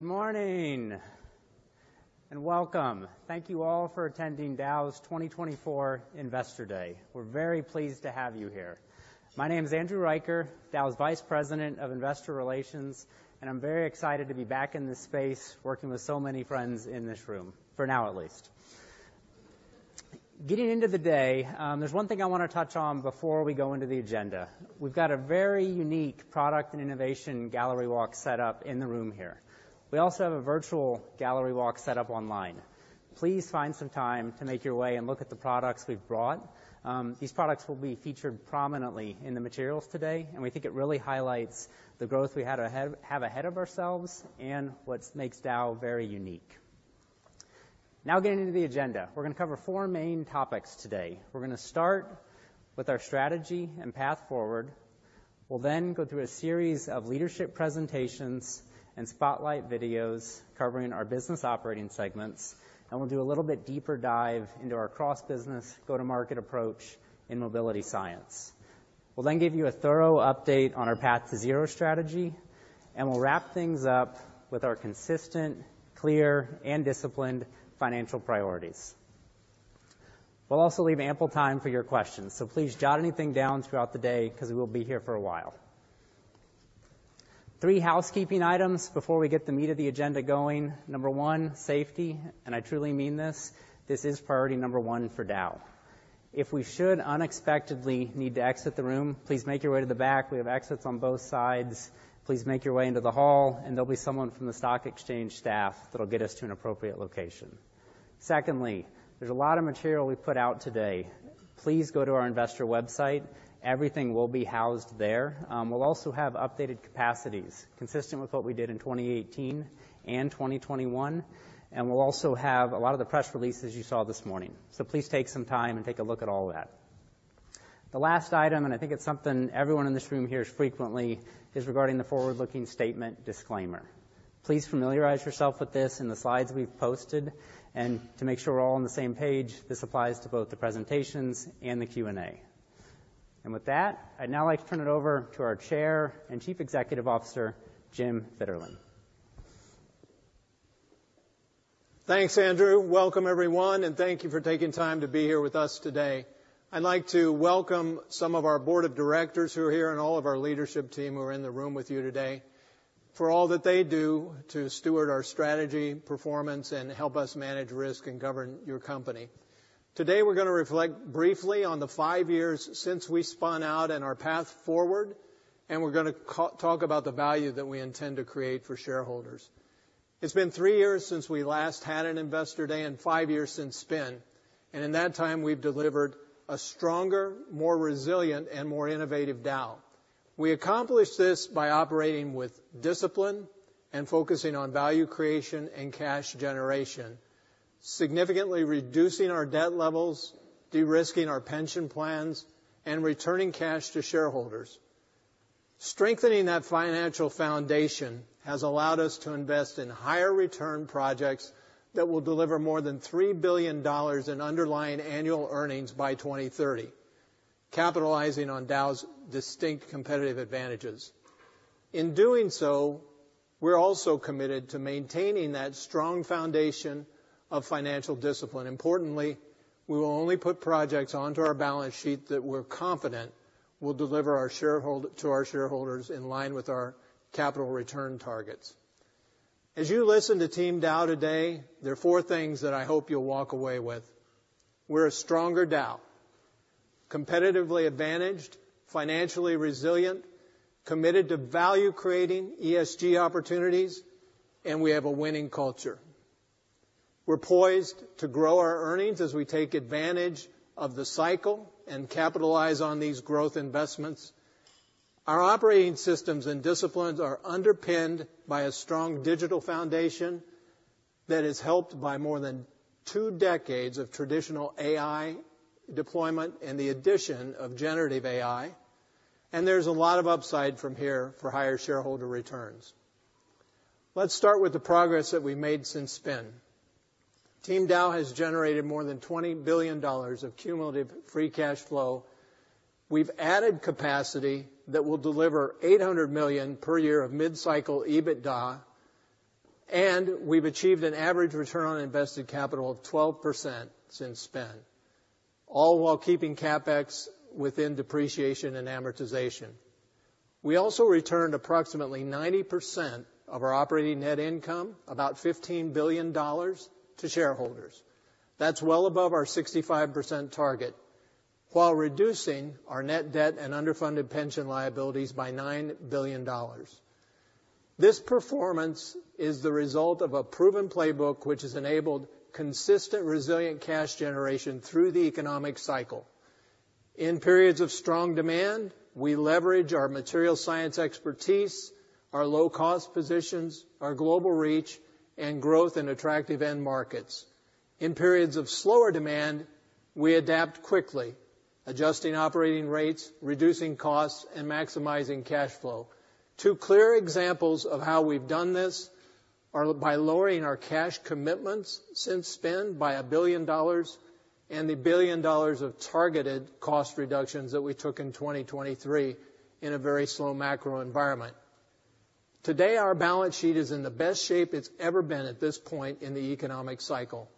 Good morning, and welcome. Thank you all for attending Dow's 2024 Investor Day. We're very pleased to have you here. My name is Andrew Riker, Dow's Vice President of Investor Relations, and I'm very excited to be back in this space, working with so many friends in this room, for now at least. Getting into the day, there's one thing I wanna touch on before we go into the agenda. We've got a very unique product and innovation gallery walk set up in the room here. We also have a virtual gallery walk set up online. Please find some time to make your way and look at the products we've brought. These products will be featured prominently in the materials today, and we think it really highlights the growth we have ahead of ourselves and what makes Dow very unique. Now, getting into the agenda. We're gonna cover four main topics today. We're gonna start with our strategy and path forward. We'll then go through a series of leadership presentations and spotlight videos covering our business operating segments, and we'll do a little bit deeper dive into our cross-business go-to-market approach in MobilityScience. We'll then give you a thorough update on our Path to Zero strategy, and we'll wrap things up with our consistent, clear, and disciplined financial priorities. We'll also leave ample time for your questions, so please jot anything down throughout the day, 'cause we will be here for a while. Three housekeeping items before we get the meat of the agenda going. Number one, safety, and I truly mean this. This is priority number one for Dow. If we should unexpectedly need to exit the room, please make your way to the back. We have exits on both sides. Please make your way into the hall, and there'll be someone from the stock exchange staff that'll get us to an appropriate location. Secondly, there's a lot of material we've put out today. Please go to our investor website. Everything will be housed there. We'll also have updated capacities, consistent with what we did in 2018 and 2021, and we'll also have a lot of the press releases you saw this morning. So please take some time and take a look at all that. The last item, and I think it's something everyone in this room hears frequently, is regarding the forward-looking statement disclaimer. Please familiarize yourself with this in the slides we've posted. And to make sure we're all on the same page, this applies to both the presentations and the Q&A. With that, I'd now like to turn it over to our Chair and Chief Executive Officer, Jim Fitterling. Thanks, Andrew. Welcome, everyone, and thank you for taking time to be here with us today. I'd like to welcome some of our board of directors who are here, and all of our leadership team who are in the room with you today, for all that they do to steward our strategy, performance, and help us manage risk and govern your company. Today, we're gonna reflect briefly on the five years since we spun out and our path forward, and we're gonna talk about the value that we intend to create for shareholders. It's been three years since we last had an Investor Day and five years since spin, and in that time, we've delivered a stronger, more resilient, and more innovative Dow. We accomplished this by operating with discipline and focusing on value creation and cash generation, significantly reducing our debt levels, de-risking our pension plans, and returning cash to shareholders. Strengthening that financial foundation has allowed us to invest in higher return projects that will deliver more than $3 billion in underlying annual earnings by 2030, capitalizing on Dow's distinct competitive advantages. In doing so, we're also committed to maintaining that strong foundation of financial discipline. Importantly, we will only put projects onto our balance sheet that we're confident will deliver to our shareholders in line with our capital return targets. As you listen to Team Dow today, there are four things that I hope you'll walk away with. We're a stronger Dow, competitively advantaged, financially resilient, committed to value creating ESG opportunities, and we have a winning culture. We're poised to grow our earnings as we take advantage of the cycle and capitalize on these growth investments. Our operating systems and disciplines are underpinned by a strong digital foundation that is helped by more than two decades of traditional AI deployment and the addition of generative AI, and there's a lot of upside from here for higher shareholder returns. Let's start with the progress that we made since spin. Team Dow has generated more than $20 billion of cumulative free cash flow. We've added capacity that will deliver $800 million per year of mid-cycle EBITDA, and we've achieved an average return on invested capital of 12% since spin, all while keeping CapEx within depreciation and amortization. We also returned approximately 90% of our operating net income, about $15 billion, to shareholders. That's well above our 65% target, while reducing our net debt and underfunded pension liabilities by $9 billion. This performance is the result of a proven playbook, which has enabled consistent, resilient cash generation through the economic cycle. In periods of strong demand, we leverage our material science expertise, our low-cost positions, our global reach, and growth in attractive end markets. In periods of slower demand, we adapt quickly, adjusting operating rates, reducing costs, and maximizing cash flow. Two clear examples of how we've done this are by lowering our cash commitments since spin by $1 billion... and the $1 billion of targeted cost reductions that we took in 2023 in a very slow macro environment. Today, our balance sheet is in the best shape it's ever been at this point in the economic cycle.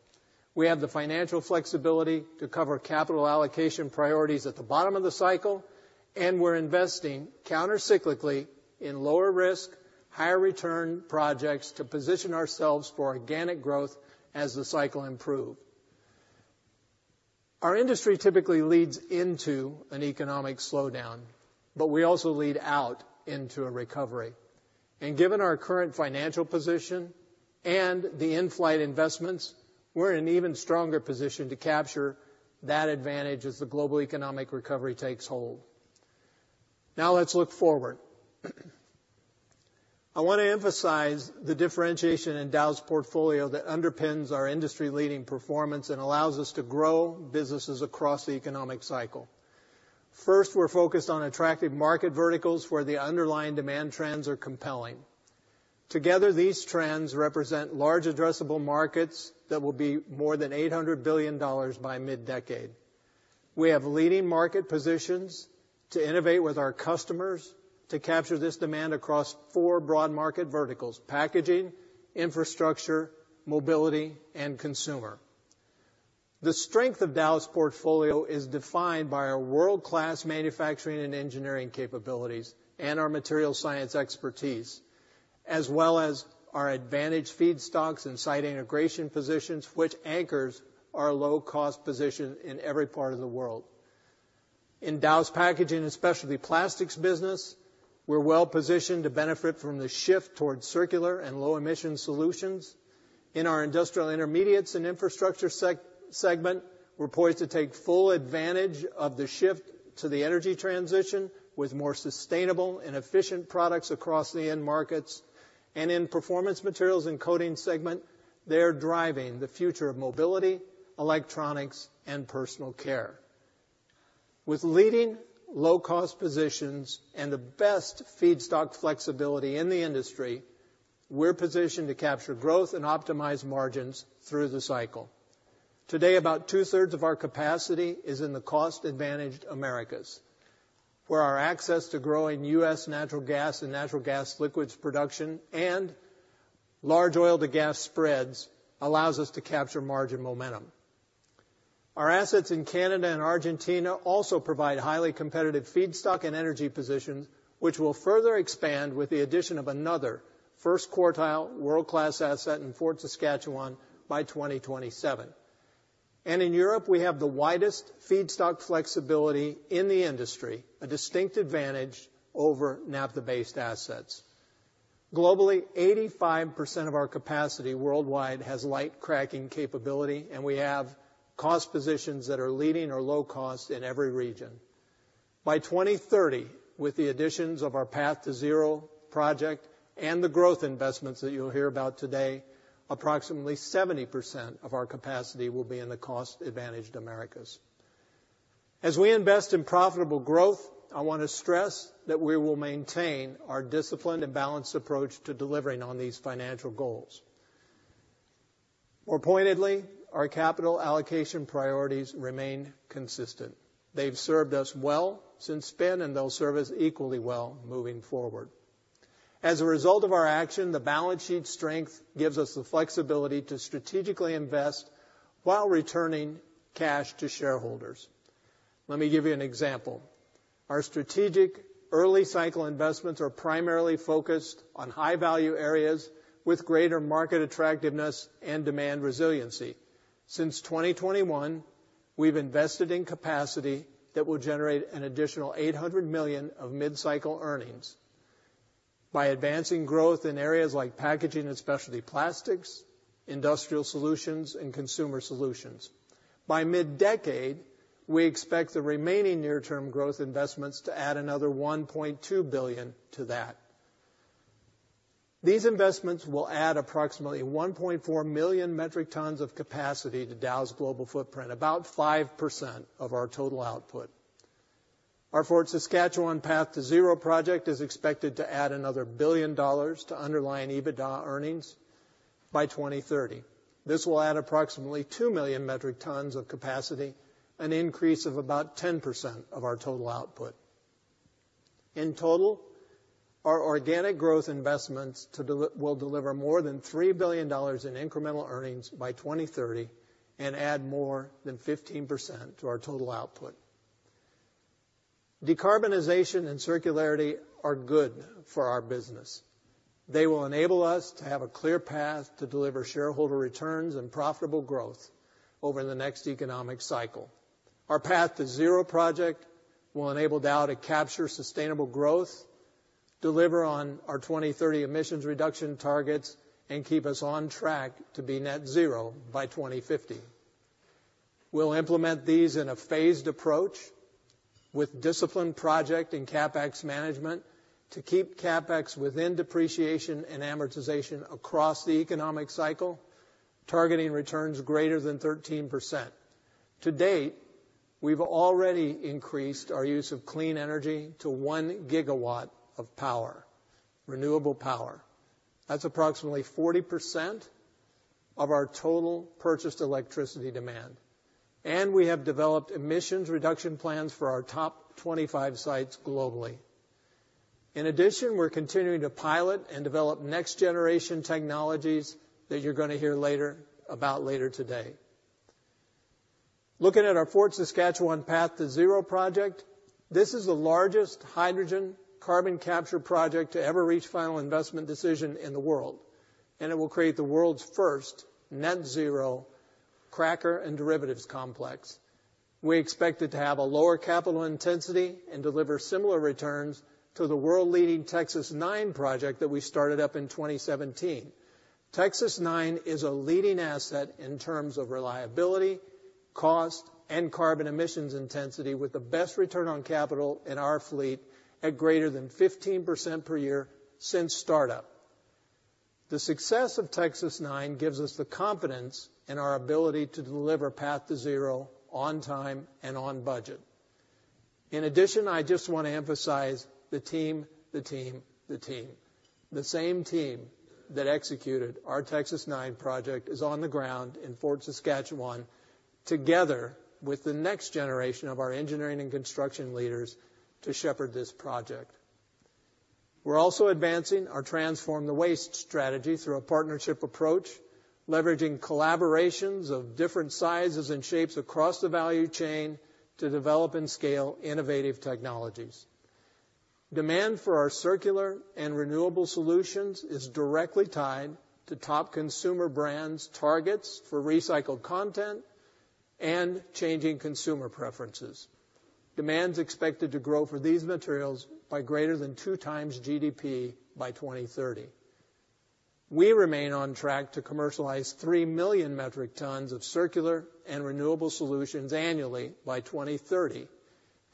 We have the financial flexibility to cover capital allocation priorities at the bottom of the cycle, and we're investing countercyclically in lower risk, higher return projects to position ourselves for organic growth as the cycle improve. Our industry typically leads into an economic slowdown, but we also lead out into a recovery, and given our current financial position and the in-flight investments, we're in an even stronger position to capture that advantage as the global economic recovery takes hold. Now let's look forward. I want to emphasize the differentiation in Dow's portfolio that underpins our industry-leading performance and allows us to grow businesses across the economic cycle. First, we're focused on attractive market verticals, where the underlying demand trends are compelling. Together, these trends represent large addressable markets that will be more than $800 billion by mid-decade. We have leading market positions to innovate with our customers to capture this demand across four broad market verticals, packaging, infrastructure, mobility, and consumer. The strength of Dow's portfolio is defined by our world-class manufacturing and engineering capabilities and our material science expertise, as well as our advantaged feedstocks and site integration positions, which anchors our low-cost position in every part of the world. In Dow's Packaging and Specialty Plastics business, we're well-positioned to benefit from the shift towards circular and low-emission solutions. In our Industrial Intermediates and Infrastructure segment, we're poised to take full advantage of the shift to the energy transition with more sustainable and efficient products across the end markets. And in Performance Materials and Coatings segment, they're driving the future of mobility, electronics, and personal care. With leading low-cost positions and the best feedstock flexibility in the industry, we're positioned to capture growth and optimize margins through the cycle. Today, about two-thirds of our capacity is in the cost-advantaged Americas, where our access to growing U.S. natural gas and natural gas liquids production and large oil to gas spreads allows us to capture margin momentum. Our assets in Canada and Argentina also provide highly competitive feedstock and energy positions, which will further expand with the addition of another first-quartile world-class asset in Fort Saskatchewan by 2027. In Europe, we have the widest feedstock flexibility in the industry, a distinct advantage over naphtha-based assets. Globally, 85% of our capacity worldwide has light cracking capability, and we have cost positions that are leading or low cost in every region. By 2030, with the additions of our Path to Zero project and the growth investments that you'll hear about today, approximately 70% of our capacity will be in the cost-advantaged Americas. As we invest in profitable growth, I want to stress that we will maintain our disciplined and balanced approach to delivering on these financial goals. More pointedly, our capital allocation priorities remain consistent. They've served us well since then, and they'll serve us equally well moving forward. As a result of our action, the balance sheet strength gives us the flexibility to strategically invest while returning cash to shareholders. Let me give you an example. Our strategic early cycle investments are primarily focused on high-value areas with greater market attractiveness and demand resiliency. Since 2021, we've invested in capacity that will generate an additional $800 million of mid-cycle earnings by advancing growth in areas like Packaging and Specialty Plastics, industrial solutions, and consumer solutions. By mid-decade, we expect the remaining near-term growth investments to add another $1.2 billion to that. These investments will add approximately 1.4 million metric tons of capacity to Dow's global footprint, about 5% of our total output. Our Fort Saskatchewan Path to Zero project is expected to add another $1 billion to underlying EBITDA earnings by 2030. This will add approximately 2 million metric tons of capacity, an increase of about 10% of our total output. In total, our organic growth investments will deliver more than $3 billion in incremental earnings by 2030 and add more than 15% to our total output. Decarbonization and circularity are good for our business. They will enable us to have a clear path to deliver shareholder returns and profitable growth over the next economic cycle. Our Path to Zero project will enable Dow to capture sustainable growth, deliver on our 2030 emissions reduction targets, and keep us on track to be net zero by 2050. We'll implement these in a phased approach with disciplined project and CapEx management to keep CapEx within depreciation and amortization across the economic cycle, targeting returns greater than 13%. To date, we've already increased our use of clean energy to 1 gigawatt of power, renewable power. That's approximately 40% of our total purchased electricity demand, and we have developed emissions reduction plans for our top 25 sites globally. In addition, we're continuing to pilot and develop next-generation technologies that you're gonna hear later, about later today. Looking at our Fort Saskatchewan Path to Zero project, this is the largest hydrogen carbon capture project to ever reach final investment decision in the world, and it will create the world's first net zero cracker and derivatives complex. We expect it to have a lower capital intensity and deliver similar returns to the world-leading Texas-9 project that we started up in 2017. Texas-9 is a leading asset in terms of reliability, cost, and carbon emissions intensity, with the best return on capital in our fleet at greater than 15% per year since startup. The success of Texas-9 gives us the confidence in our ability to deliver Path to Zero on time and on budget. In addition, I just want to emphasize the team, the team, the team. The same team that executed our Texas-9 project is on the ground in Fort Saskatchewan, together with the next generation of our engineering and construction leaders to shepherd this project. We're also advancing our Transform the Waste strategy through a partnership approach, leveraging collaborations of different sizes and shapes across the value chain to develop and scale innovative technologies. Demand for our circular and renewable solutions is directly tied to top consumer brands' targets for recycled content and changing consumer preferences. Demand is expected to grow for these materials by greater than 2 times GDP by 2030. We remain on track to commercialize 3 million metric tons of circular and renewable solutions annually by 2030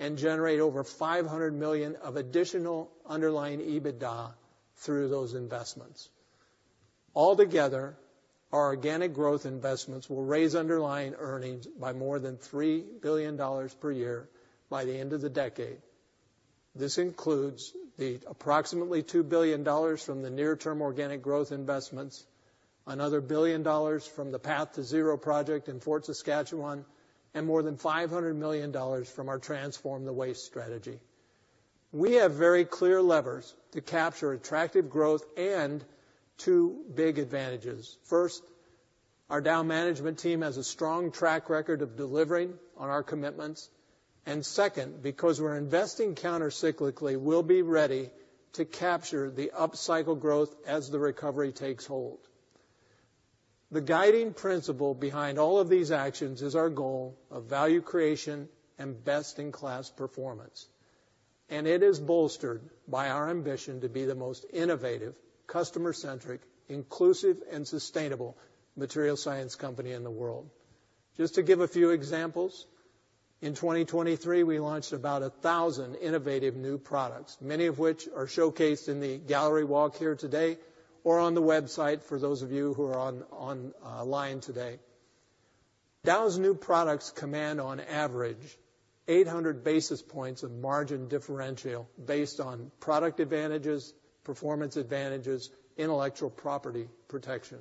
and generate over $500 million of additional underlying EBITDA through those investments. Altogether, our organic growth investments will raise underlying earnings by more than $3 billion per year by the end of the decade. This includes the approximately $2 billion from the near-term organic growth investments, another $1 billion from the Path to Zero project in Fort Saskatchewan, and more than $500 million from our Transform the Waste strategy. We have very clear levers to capture attractive growth and two big advantages. First, our Dow management team has a strong track record of delivering on our commitments. And second, because we're investing countercyclically, we'll be ready to capture the upcycle growth as the recovery takes hold. The guiding principle behind all of these actions is our goal of value creation and best-in-class performance, and it is bolstered by our ambition to be the most innovative, customer-centric, inclusive, and sustainable material science company in the world. Just to give a few examples, in 2023, we launched about 1,000 innovative new products, many of which are showcased in the gallery walk here today or on the website for those of you who are online today. Dow's new products command on average 800 basis points of margin differential based on product advantages, performance advantages, intellectual property protection.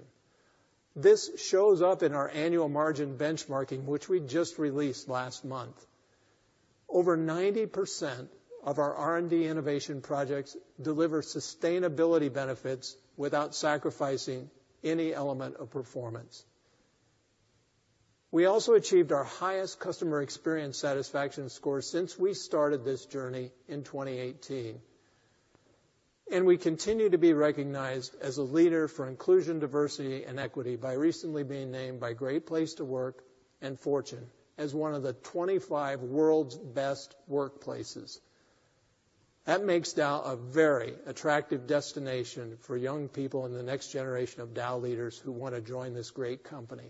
This shows up in our annual margin benchmarking, which we just released last month. Over 90% of our R&D innovation projects deliver sustainability benefits without sacrificing any element of performance. We also achieved our highest customer experience satisfaction score since we started this journey in 2018, and we continue to be recognized as a leader for inclusion, diversity, and equity by recently being named by Great Place to Work and Fortune as one of the 25 world's best workplaces. That makes Dow a very attractive destination for young people and the next generation of Dow leaders who want to join this great company.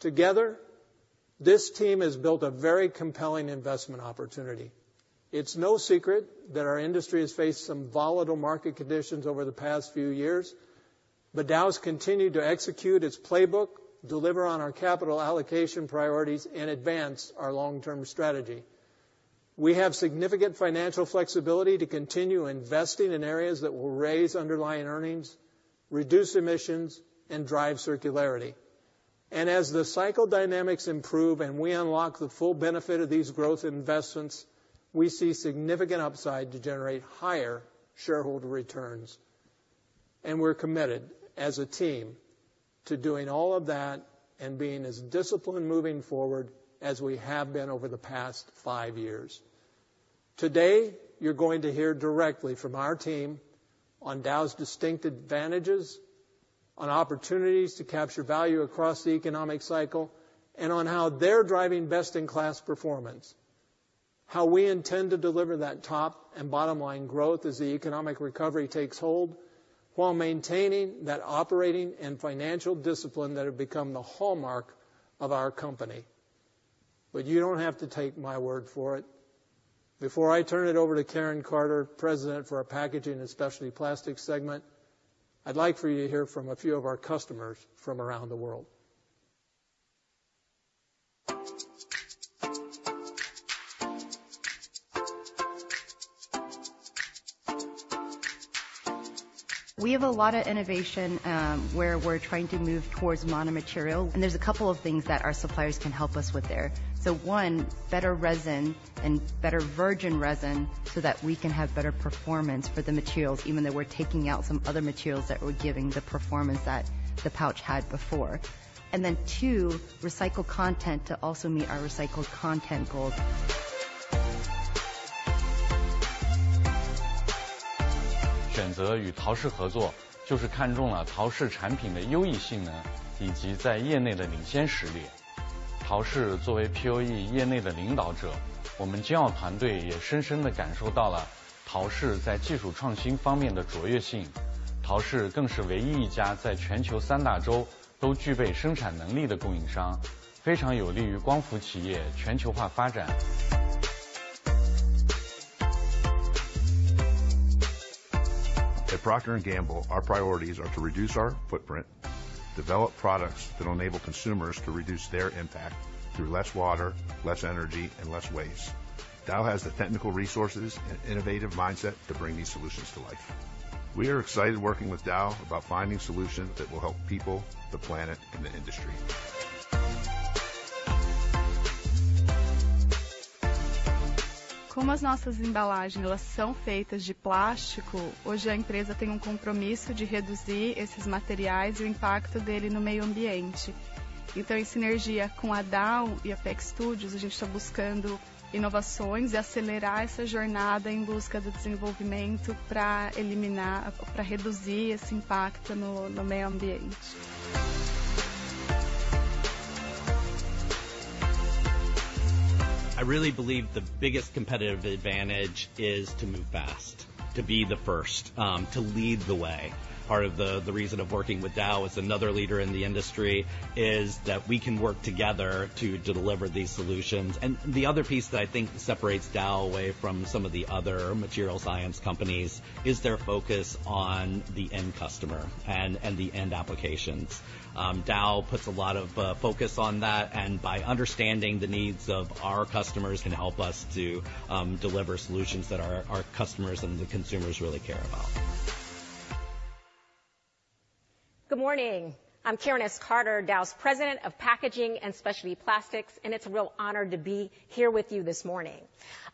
Together, this team has built a very compelling investment opportunity. It's no secret that our industry has faced some volatile market conditions over the past few years, but Dow has continued to execute its playbook, deliver on our capital allocation priorities, and advance our long-term strategy. We have significant financial flexibility to continue investing in areas that will raise underlying earnings, reduce emissions, and drive circularity. As the cycle dynamics improve and we unlock the full benefit of these growth investments, we see significant upside to generate higher shareholder returns. We're committed as a team to doing all of that and being as disciplined moving forward as we have been over the past five years. Today, you're going to hear directly from our team on Dow's distinct advantages, on opportunities to capture value across the economic cycle, and on how they're driving best-in-class performance, how we intend to deliver that top and bottom line growth as the economic recovery takes hold, while maintaining that operating and financial discipline that have become the hallmark of our company. But you don't have to take my word for it. Before I turn it over to Karen Carter, President for our Packaging and Specialty Plastics segment, I'd like for you to hear from a few of our customers from around the world. We have a lot of innovation where we're trying to move towards mono material, and there's a couple of things that our suppliers can help us with there. So one, better resin and better virgin resin, so that we can have better performance for the materials, even though we're taking out some other materials that were giving the performance that the pouch had before. And then, two, recycled content to also meet our recycled content goals. At Procter & Gamble, our priorities are to reduce our footprint, develop products that will enable consumers to reduce their impact through less water, less energy, and less waste. Dow has the technical resources and innovative mindset to bring these solutions to life. We are excited working with Dow about finding solutions that will help people, the planet, and the industry. Como as nossas embalagens, elas são feitas de plástico. Hoje, a empresa tem um compromisso de reduzir esses materiais e o impacto dele no meio ambiente. Então, em sinergia com a Dow e a Pack Studios, a gente está buscando inovações e acelerar essa jornada em busca do desenvolvimento, pra eliminar, pra reduzir esse impacto no meio ambiente. I really believe the biggest competitive advantage is to move fast, to be the first, to lead the way. Part of the, the reason of working with Dow as another leader in the industry, is that we can work together to deliver these solutions. The other piece that I think separates Dow away from some of the other materials science companies, is their focus on the end customer and the end applications. Dow puts a lot of focus on that, and by understanding the needs of our customers, can help us to deliver solutions that our customers and the consumers really care about. Good morning. I'm Karen S. Carter, Dow's President of Packaging and Specialty Plastics, and it's a real honor to be here with you this morning.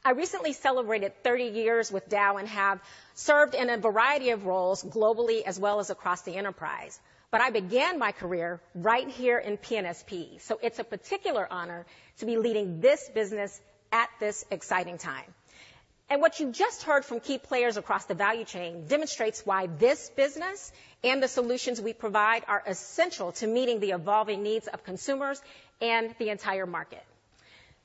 I recently celebrated 30 years with Dow, and have served in a variety of roles globally, as well as across the enterprise. But I began my career right here in P&SP, so it's a particular honor to be leading this business at this exciting time. And what you just heard from key players across the value chain demonstrates why this business and the solutions we provide are essential to meeting the evolving needs of consumers and the entire market.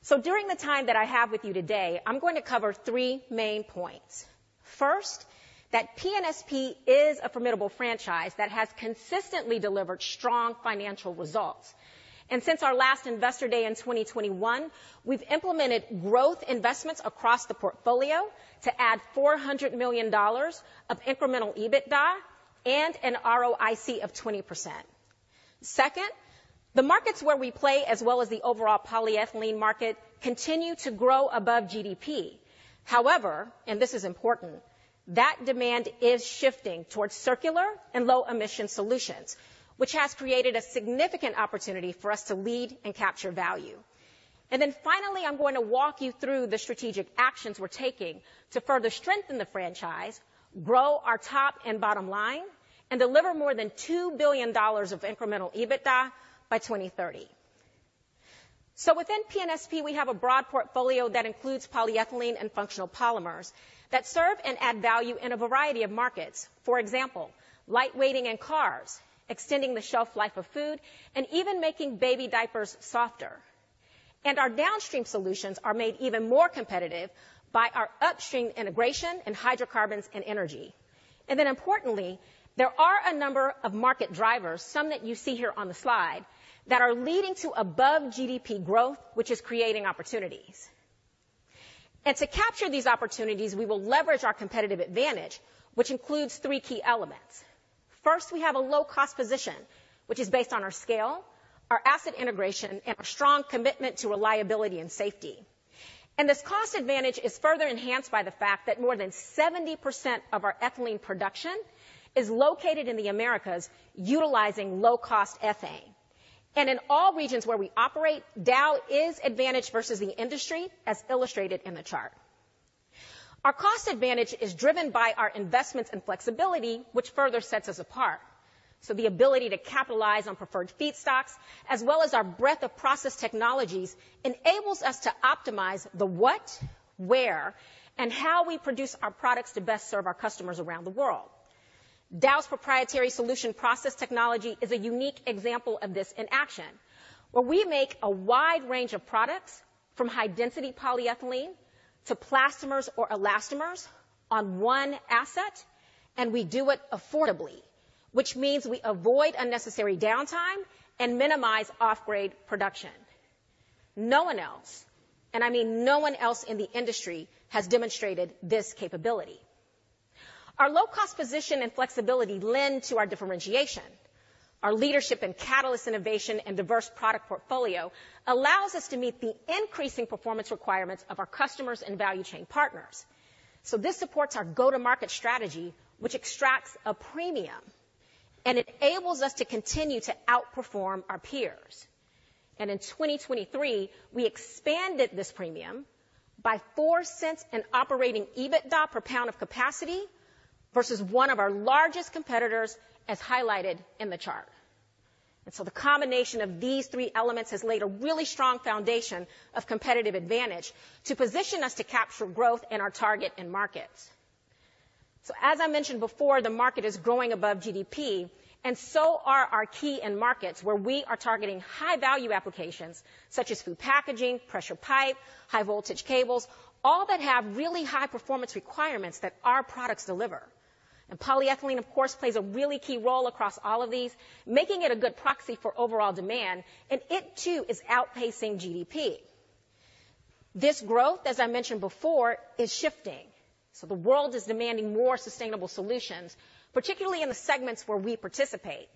So during the time that I have with you today, I'm going to cover 3 main points. First, that P&SP is a formidable franchise that has consistently delivered strong financial results. Since our last Investor Day in 2021, we've implemented growth investments across the portfolio to add $400 million of incremental EBITDA and an ROIC of 20%. Second, the markets where we play, as well as the overall polyethylene market, continue to grow above GDP. However, and this is important, that demand is shifting towards circular and low-emission solutions, which has created a significant opportunity for us to lead and capture value. Then finally, I'm going to walk you through the strategic actions we're taking to further strengthen the franchise, grow our top and bottom line, and deliver more than $2 billion of incremental EBITDA by 2030. Within P&SP, we have a broad portfolio that includes polyethylene and functional polymers that serve and add value in a variety of markets. For example, light-weighting in cars, extending the shelf life of food, and even making baby diapers softer. Our downstream solutions are made even more competitive by our upstream integration in hydrocarbons and energy. Then importantly, there are a number of market drivers, some that you see here on the slide, that are leading to above GDP growth, which is creating opportunities. To capture these opportunities, we will leverage our competitive advantage, which includes three key elements. First, we have a low-cost position, which is based on our scale, our asset integration, and our strong commitment to reliability and safety. This cost advantage is further enhanced by the fact that more than 70% of our ethylene production is located in the Americas, utilizing low-cost ethane. In all regions where we operate, Dow is advantaged versus the industry, as illustrated in the chart. Our cost advantage is driven by our investments and flexibility, which further sets us apart. So the ability to capitalize on preferred feedstocks, as well as our breadth of process technologies, enables us to optimize the what, where, and how we produce our products to best serve our customers around the world. Dow's proprietary Solution Process Technology is a unique example of this in action, where we make a wide range of products, from high-density polyethylene to plastomers or elastomers, on one asset, and we do it affordably, which means we avoid unnecessary downtime and minimize off-grade production. No one else, and I mean no one else in the industry, has demonstrated this capability. Our low-cost position and flexibility lend to our differentiation. Our leadership in catalyst innovation and diverse product portfolio allows us to meet the increasing performance requirements of our customers and value chain partners. This supports our go-to-market strategy, which extracts a premium and enables us to continue to outperform our peers. In 2023, we expanded this premium by $0.04 in operating EBITDA per pound of capacity, versus one of our largest competitors, as highlighted in the chart. The combination of these three elements has laid a really strong foundation of competitive advantage to position us to capture growth in our target end markets. As I mentioned before, the market is growing above GDP, and so are our key end markets, where we are targeting high-value applications such as food packaging, pressure pipe, high-voltage cables, all that have really high performance requirements that our products deliver. Polyethylene, of course, plays a really key role across all of these, making it a good proxy for overall demand, and it, too, is outpacing GDP. This growth, as I mentioned before, is shifting, so the world is demanding more sustainable solutions, particularly in the segments where we participate.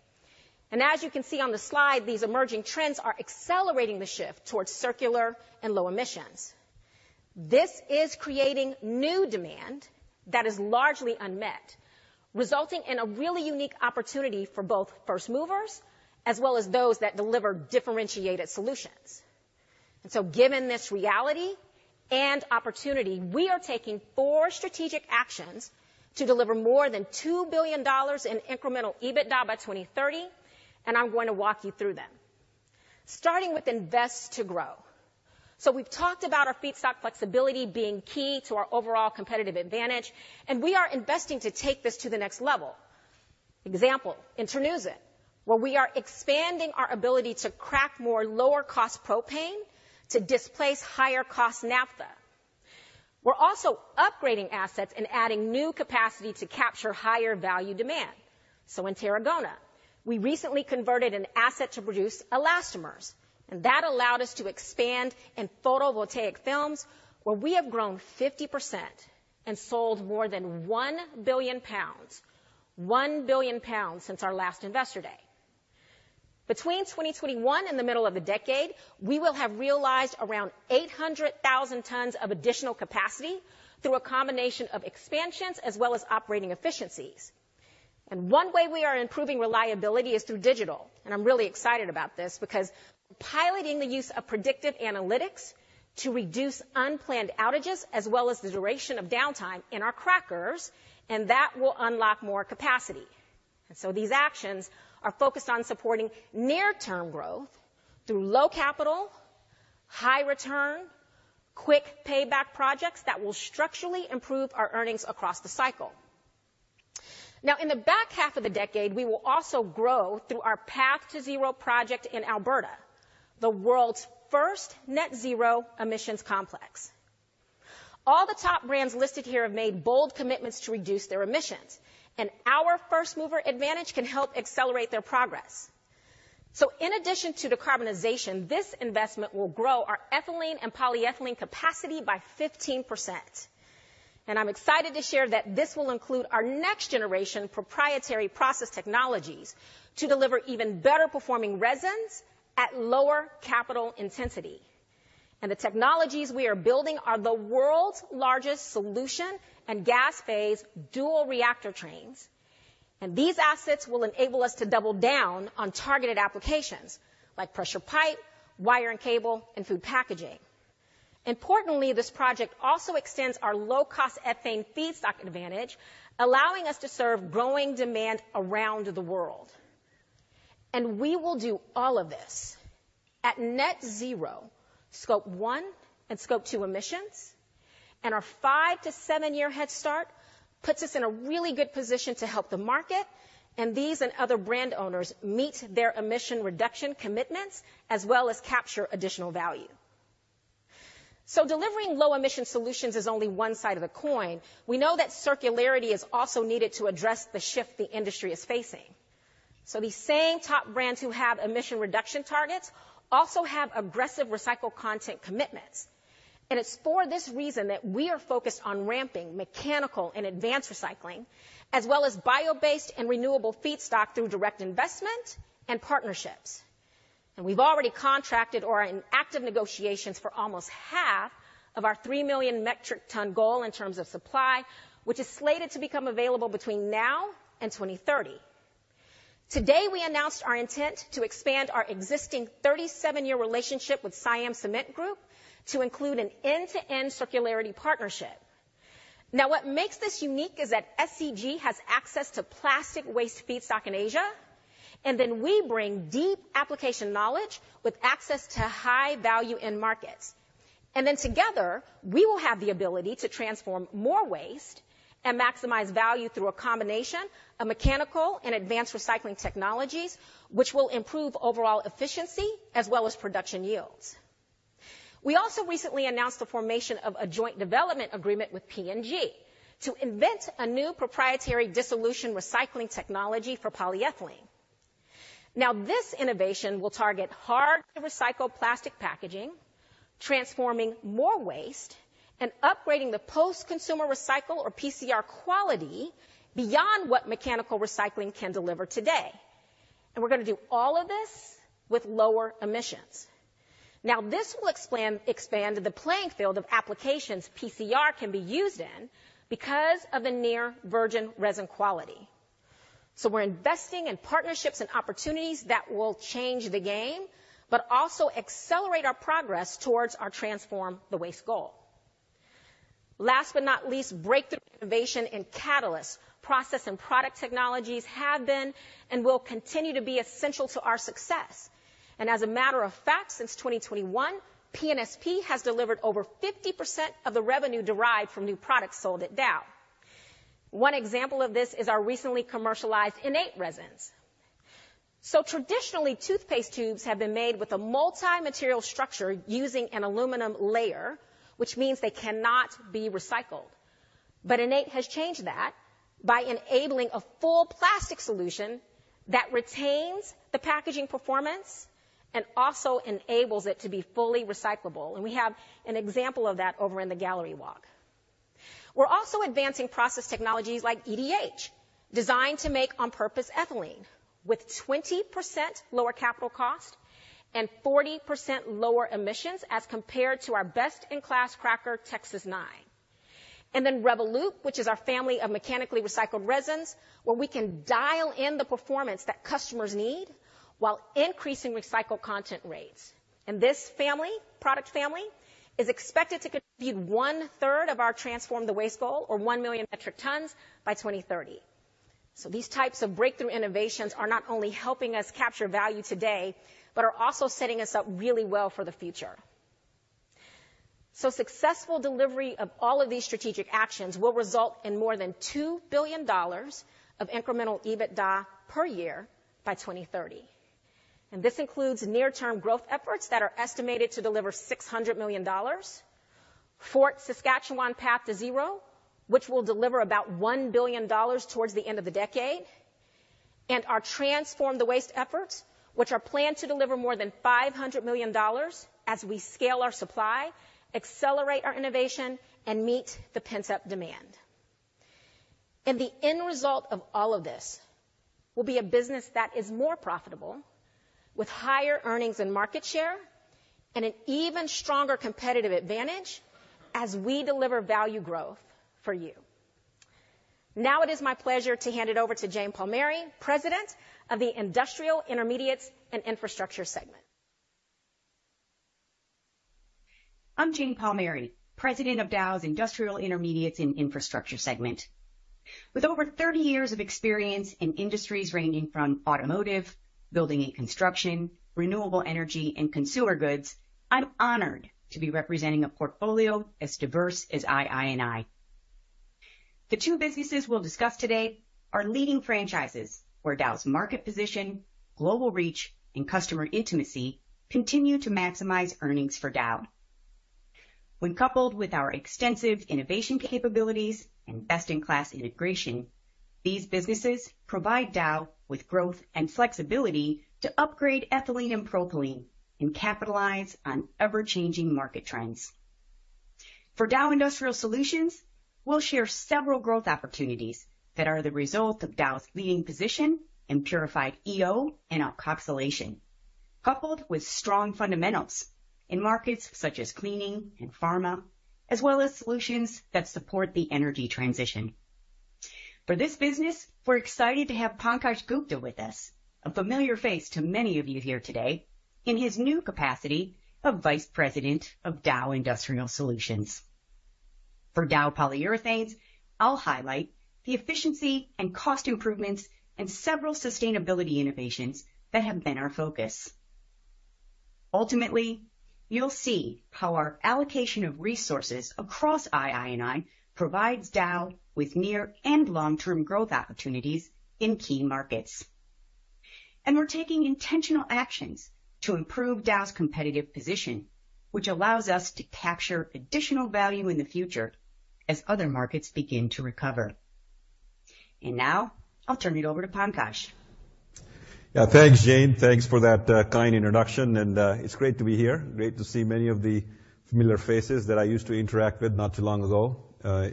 As you can see on the slide, these emerging trends are accelerating the shift towards circular and low emissions. This is creating new demand that is largely unmet, resulting in a really unique opportunity for both first movers as well as those that deliver differentiated solutions. So given this reality and opportunity, we are taking four strategic actions to deliver more than $2 billion in incremental EBITDA by 2030, and I'm going to walk you through them. Starting with invest to grow. So we've talked about our feedstock flexibility being key to our overall competitive advantage, and we are investing to take this to the next level. example, in Terneuzen, where we are expanding our ability to crack more lower-cost propane to displace higher-cost naphtha. We're also upgrading assets and adding new capacity to capture higher value demand. So in Tarragona, we recently converted an asset to produce elastomers, and that allowed us to expand in photovoltaic films, where we have grown 50% and sold more than 1 billion pounds, 1 billion pounds since our last Investor Day. Between 2021 and the middle of the decade, we will have realized around 800,000 tons of additional capacity through a combination of expansions as well as operating efficiencies. And one way we are improving reliability is through digital, and I'm really excited about this because piloting the use of predictive analytics to reduce unplanned outages, as well as the duration of downtime in our crackers, and that will unlock more capacity. These actions are focused on supporting near-term growth through low capital, high return, quick payback projects that will structurally improve our earnings across the cycle. Now, in the back half of the decade, we will also grow through our Path to Zero project in Alberta, the world's first net zero emissions complex. All the top brands listed here have made bold commitments to reduce their emissions, and our first-mover advantage can help accelerate their progress. In addition to decarbonization, this investment will grow our ethylene and polyethylene capacity by 15%, and I'm excited to share that this will include our next-generation proprietary process technologies to deliver even better performing resins at lower capital intensity. The technologies we are building are the world's largest solution and gas phase dual reactor trains, and these assets will enable us to double down on targeted applications like pressure pipe, wire and cable, and food packaging. Importantly, this project also extends our low-cost ethane feedstock advantage, allowing us to serve growing demand around the world. We will do all of this at net zero, Scope 1 and Scope 2 emissions, and our 5- to 7-year head start puts us in a really good position to help the market, and these and other brand owners meet their emission reduction commitments as well as capture additional value. Delivering low-emission solutions is only one side of the coin. We know that circularity is also needed to address the shift the industry is facing. So these same top brands who have emission reduction targets also have aggressive recycled content commitments, and it's for this reason that we are focused on ramping mechanical and advanced recycling, as well as bio-based and renewable feedstock through direct investment and partnerships. We've already contracted or are in active negotiations for almost half of our 3 million metric ton goal in terms of supply, which is slated to become available between now and 2030. Today, we announced our intent to expand our existing 37-year relationship with Siam Cement Group to include an end-to-end circularity partnership. Now, what makes this unique is that SCG has access to plastic waste feedstock in Asia, and then we bring deep application knowledge with access to high-value end markets. And then together, we will have the ability to transform more waste and maximize value through a combination of mechanical and advanced recycling technologies, which will improve overall efficiency as well as production yields. We also recently announced the formation of a joint development agreement with P&G to invent a new proprietary dissolution recycling technology for polyethylene. Now, this innovation will target hard-to-recycle plastic packaging, transforming more waste, and upgrading the post-consumer recycle, or PCR, quality beyond what mechanical recycling can deliver today. And we're gonna do all of this with lower emissions. Now, this will expand the playing field of applications PCR can be used in because of the near-virgin resin quality. So we're investing in partnerships and opportunities that will change the game, but also accelerate our progress towards our Transform the Waste goal. Last but not least, breakthrough innovation in catalysts, process and product technologies have been and will continue to be essential to our success. As a matter of fact, since 2021, PNSP has delivered over 50% of the revenue derived from new products sold at Dow. One example of this is our recently commercialized INNATE resins. Traditionally, toothpaste tubes have been made with a multi-material structure using an aluminum layer, which means they cannot be recycled. But INNATE has changed that by enabling a full plastic solution that retains the packaging performance and also enables it to be fully recyclable, and we have an example of that over in the gallery walk. We're also advancing process technologies like EDH, designed to make on-purpose ethylene, with 20% lower capital cost and 40% lower emissions as compared to our best-in-class cracker, Texas-9. And then REVOLOOP, which is our family of mechanically recycled resins, where we can dial in the performance that customers need while increasing recycled content rates. And this family, product family, is expected to contribute one-third of our Transform the Waste goal, or 1 million metric tons, by 2030. So these types of breakthrough innovations are not only helping us capture value today, but are also setting us up really well for the future. So successful delivery of all of these strategic actions will result in more than $2 billion of incremental EBITDA per year by 2030, and this includes near-term growth efforts that are estimated to deliver $600 million, Fort Saskatchewan Path to Zero, which will deliver about $1 billion towards the end of the decade, and our Transform the Waste efforts, which are planned to deliver more than $500 million as we scale our supply, accelerate our innovation, and meet the pent-up demand. The end result of all of this will be a business that is more profitable, with higher earnings and market share, and an even stronger competitive advantage as we deliver value growth for you. Now it is my pleasure to hand it over to Jane Palmieri, President of the Industrial Intermediates and Infrastructure segment. I'm Jane Palmieri, President of Dow's Industrial Intermediates and Infrastructure segment. With over 30 years of experience in industries ranging from automotive, building and construction, renewable energy, and consumer goods, I'm honored to be representing a portfolio as diverse as IINI. The two businesses we'll discuss today are leading franchises, where Dow's market position, global reach, and customer intimacy continue to maximize earnings for Dow. When coupled with our extensive innovation capabilities and best-in-class integration, these businesses provide Dow with growth and flexibility to upgrade ethylene and propylene and capitalize on ever-changing market trends. For Dow Industrial Solutions, we'll share several growth opportunities that are the result of Dow's leading position in purified EO and alkoxylation, coupled with strong fundamentals in markets such as cleaning and pharma, as well as solutions that support the energy transition. For this business, we're excited to have Pankaj Gupta with us, a familiar face to many of you here today, in his new capacity of Vice President of Dow Industrial Solutions. For Dow Polyurethanes, I'll highlight the efficiency and cost improvements and several sustainability innovations that have been our focus. Ultimately, you'll see how our allocation of resources across IINI provides Dow with near- and long-term growth opportunities in key markets. And we're taking intentional actions to improve Dow's competitive position, which allows us to capture additional value in the future as other markets begin to recover. And now I'll turn it over to Pankaj. Yeah, thanks, Jane. Thanks for that, kind introduction, and, it's great to be here. Great to see many of the familiar faces that I used to interact with not too long ago,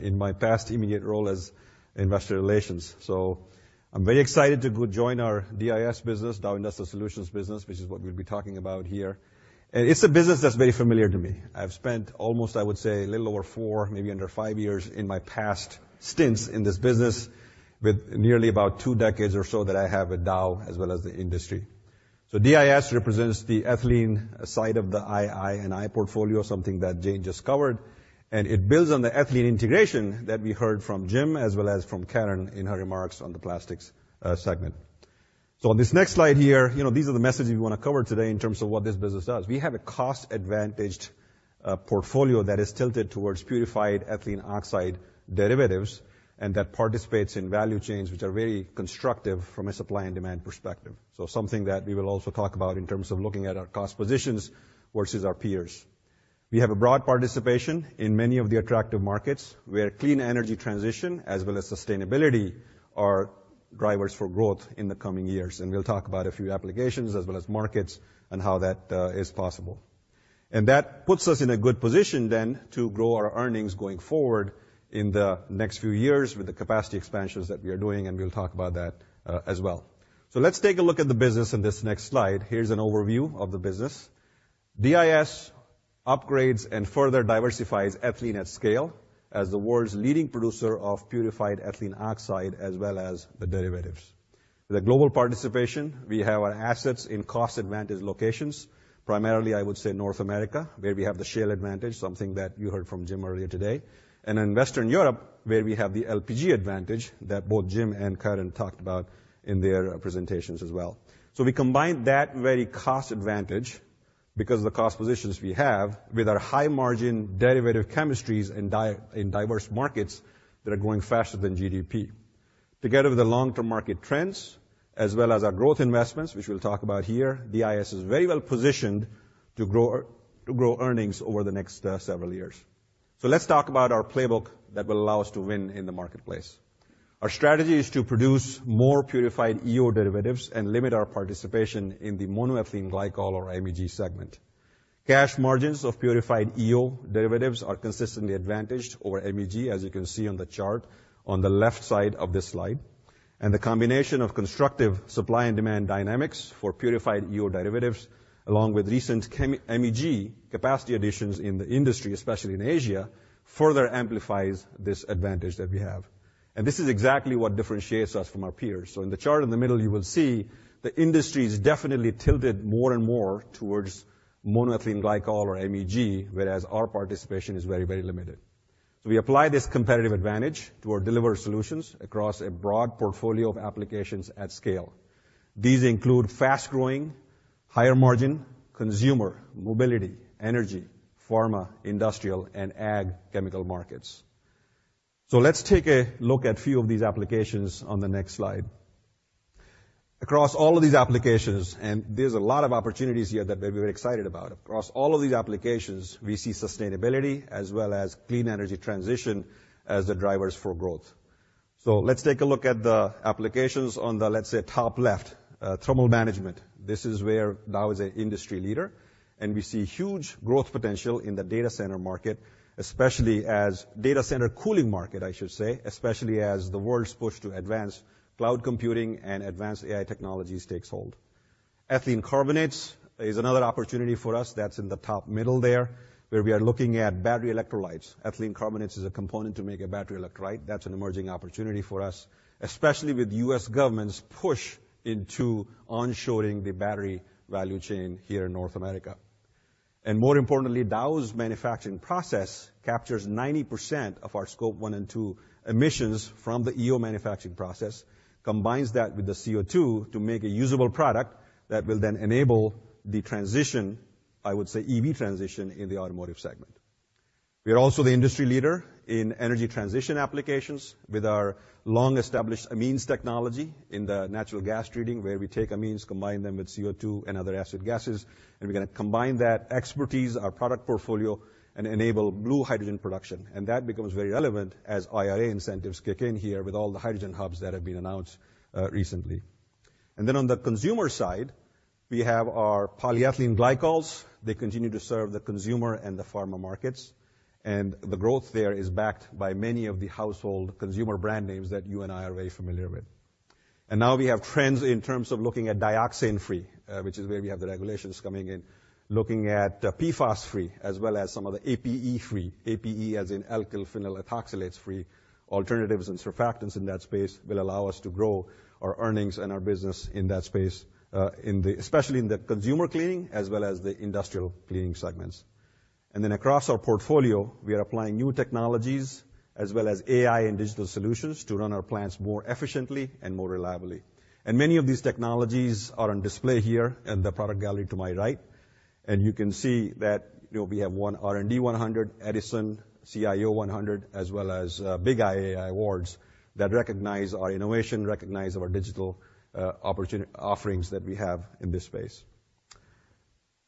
in my past immediate role as investor relations. So I'm very excited to go join our DIS business, Dow Industrial Solutions business, which is what we'll be talking about here. It's a business that's very familiar to me. I've spent almost, I would say, a little over 4, maybe under 5 years in my past stints in this business, with nearly about 2 decades or so that I have with Dow, as well as the industry. So DIS represents the ethylene side of the IINI portfolio, something that Jane just covered, and it builds on the ethylene integration that we heard from Jim, as well as from Karen in her remarks on the plastics segment. So on this next slide here, you know, these are the messages we want to cover today in terms of what this business does. We have a cost-advantaged portfolio that is tilted towards purified ethylene oxide derivatives and that participates in value chains which are very constructive from a supply and demand perspective. So something that we will also talk about in terms of looking at our cost positions versus our peers.... We have a broad participation in many of the attractive markets, where clean energy transition as well as sustainability are drivers for growth in the coming years, and we'll talk about a few applications as well as markets and how that is possible. That puts us in a good position then to grow our earnings going forward in the next few years with the capacity expansions that we are doing, and we'll talk about that as well. Let's take a look at the business in this next slide. Here's an overview of the business. DIS upgrades and further diversifies ethylene at scale as the world's leading producer of purified ethylene oxide, as well as the derivatives. The global participation, we have our assets in cost-advantage locations, primarily I would say North America, where we have the shale advantage, something that you heard from Jim earlier today. In Western Europe, where we have the LPG advantage that both Jim and Karen talked about in their presentations as well. We combine that very cost advantage because the cost positions we have with our high-margin derivative chemistries in diverse markets that are growing faster than GDP. Together with the long-term market trends, as well as our growth investments, which we'll talk about here, DIS is very well positioned to grow earnings over the next several years. Let's talk about our playbook that will allow us to win in the marketplace. Our strategy is to produce more purified EO derivatives and limit our participation in the monoethylene glycol or MEG segment. Cash margins of purified EO derivatives are consistently advantaged over MEG, as you can see on the chart on the left side of this slide. The combination of constructive supply and demand dynamics for purified EO derivatives, along with recent MEG capacity additions in the industry, especially in Asia, further amplifies this advantage that we have. This is exactly what differentiates us from our peers. In the chart in the middle, you will see the industry's definitely tilted more and more towards monoethylene glycol or MEG, whereas our participation is very, very limited. We apply this competitive advantage to our delivery solutions across a broad portfolio of applications at scale. These include fast-growing, higher margin, consumer, mobility, energy, pharma, industrial, and ag chemical markets. Let's take a look at a few of these applications on the next slide. Across all of these applications, and there's a lot of opportunities here that we're very excited about. Across all of these applications, we see sustainability as well as clean energy transition as the drivers for growth. Let's take a look at the applications on the, let's say, top left. Thermal management. This is where Dow is an industry leader, and we see huge growth potential in the data center market, especially as the data center cooling market, I should say, especially as the world's push to advance cloud computing and advanced AI technologies takes hold. Ethylene carbonates is another opportunity for us. That's in the top middle there, where we are looking at battery electrolytes. Ethylene carbonates is a component to make a battery electrolyte. That's an emerging opportunity for us, especially with U.S. government's push into onshoring the battery value chain here in North America. More importantly, Dow's manufacturing process captures 90% of our Scope 1 and 2 emissions from the EO manufacturing process, combines that with the CO2 to make a usable product that will then enable the transition, I would say, EV transition in the automotive segment. We are also the industry leader in energy transition applications with our long-established amines technology in the natural gas treating, where we take amines, combine them with CO2 and other acid gases, and we're gonna combine that expertise, our product portfolio, and enable blue hydrogen production. That becomes very relevant as IRA incentives kick in here with all the hydrogen hubs that have been announced recently. Then on the consumer side, we have our polyethylene glycols. They continue to serve the consumer and the pharma markets, and the growth there is backed by many of the household consumer brand names that you and I are very familiar with. And now we have trends in terms of looking at dioxane-free, which is where we have the regulations coming in. Looking at PFAS-free, as well as some of the APE-free, APE as in alkylphenol ethoxylates free. Alternatives and surfactants in that space will allow us to grow our earnings and our business in that space, especially in the consumer cleaning as well as the industrial cleaning segments. And then across our portfolio, we are applying new technologies as well as AI and digital solutions to run our plants more efficiently and more reliably. Many of these technologies are on display here in the product gallery to my right, and you can see that, you know, we have won R&D 100, Edison, CIO 100, as well as BIG AI awards that recognize our innovation, recognize our digital opportunities, offerings that we have in this space.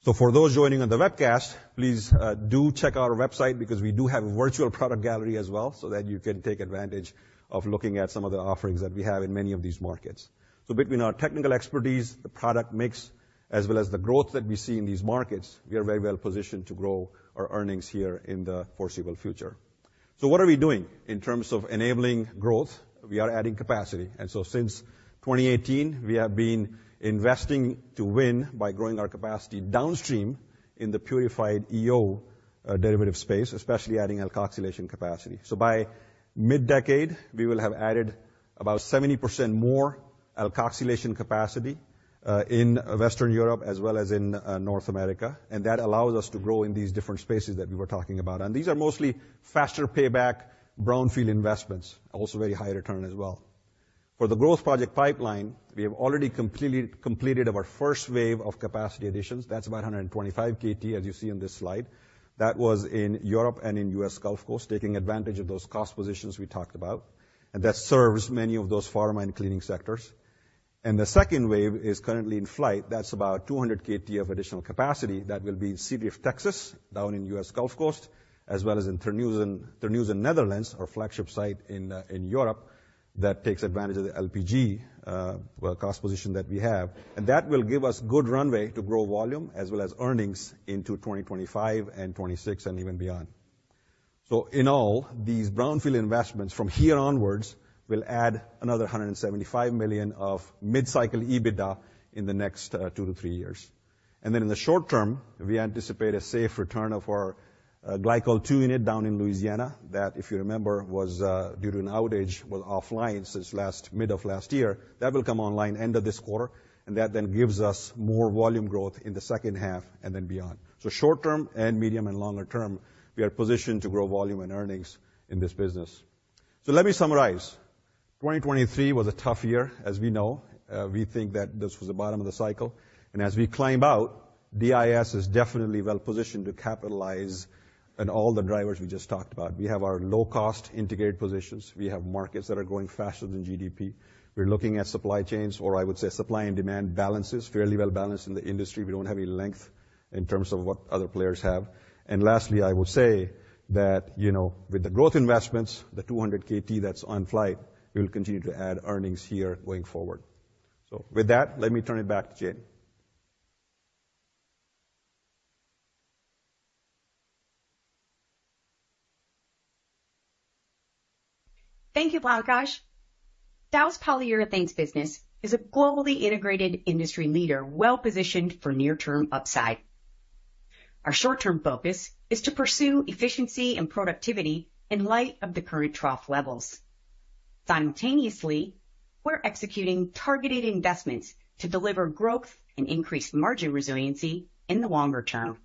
So for those joining on the webcast, please do check our website, because we do have a virtual product gallery as well, so that you can take advantage of looking at some of the offerings that we have in many of these markets. So between our technical expertise, the product mix, as well as the growth that we see in these markets, we are very well positioned to grow our earnings here in the foreseeable future. So what are we doing in terms of enabling growth? We are adding capacity, and so since 2018, we have been investing to win by growing our capacity downstream in the purified EO, derivative space, especially adding alkoxylation capacity. So by mid-decade, we will have added about 70% more alkoxylation capacity, in Western Europe as well as in, North America, and that allows us to grow in these different spaces that we were talking about. And these are mostly faster payback, brownfield investments, also very high return as well. For the growth project pipeline, we have already completed our first wave of capacity additions. That's about 125 KT, as you see in this slide. That was in Europe and in U.S. Gulf Coast, taking advantage of those cost positions we talked about, and that serves many of those pharma and cleaning sectors. And the second wave is currently in flight. That's about 200 KT of additional capacity that will be in Seadrift, Texas, down in U.S. Gulf Coast, as well as in Terneuzen, Netherlands, our flagship site in Europe, that takes advantage of the LPG cost position that we have. That will give us good runway to grow volume as well as earnings into 2025 and 2026, and even beyond. So in all, these brownfield investments from here onwards will add another $175 million of mid-cycle EBITDA in the next 2-3 years. Then in the short term, we anticipate a safe return of our Glycol 2 unit down in Louisiana, that, if you remember, was due to an outage, was offline since mid of last year. That will come online end of this quarter, and that then gives us more volume growth in the second half, and then beyond. So short term and medium and longer term, we are positioned to grow volume and earnings in this business. So let me summarize. 2023 was a tough year, as we know. We think that this was the bottom of the cycle, and as we climb out, DIS is definitely well positioned to capitalize on all the drivers we just talked about. We have our low-cost integrated positions. We have markets that are growing faster than GDP. We're looking at supply chains, or I would say supply and demand balances, fairly well balanced in the industry. We don't have any length in terms of what other players have. Lastly, I will say that, you know, with the growth investments, the 200 KT that's on flight, we will continue to add earnings here going forward. So with that, let me turn it back to Jane. Thank you, Pankaj. Dow's Polyurethanes business is a globally integrated industry leader, well positioned for near-term upside. Our short-term focus is to pursue efficiency and productivity in light of the current trough levels. Simultaneously, we're executing targeted investments to deliver growth and increase margin resiliency in the longer term.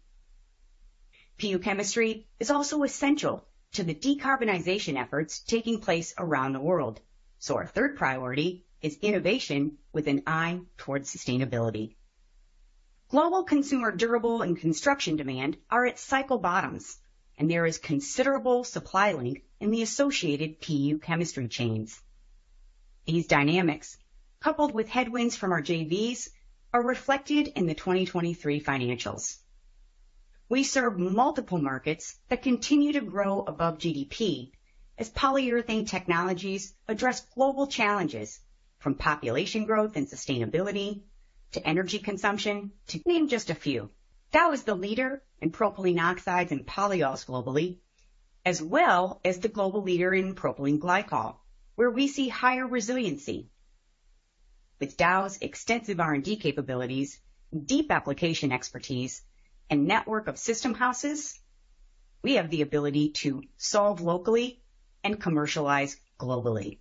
PU chemistry is also essential to the decarbonization efforts taking place around the world, so our third priority is innovation with an eye towards sustainability. Global consumer durable and construction demand are at cycle bottoms, and there is considerable supply length in the associated PU chemistry chains. These dynamics, coupled with headwinds from our JVs, are reflected in the 2023 financials. We serve multiple markets that continue to grow above GDP as polyurethane technologies address global challenges, from population growth and sustainability to energy consumption, to name just a few. Dow is the leader in propylene oxides and polyols globally, as well as the global leader in propylene glycol, where we see higher resiliency. With Dow's extensive R&D capabilities, deep application expertise, and network of system houses, we have the ability to solve locally and commercialize globally.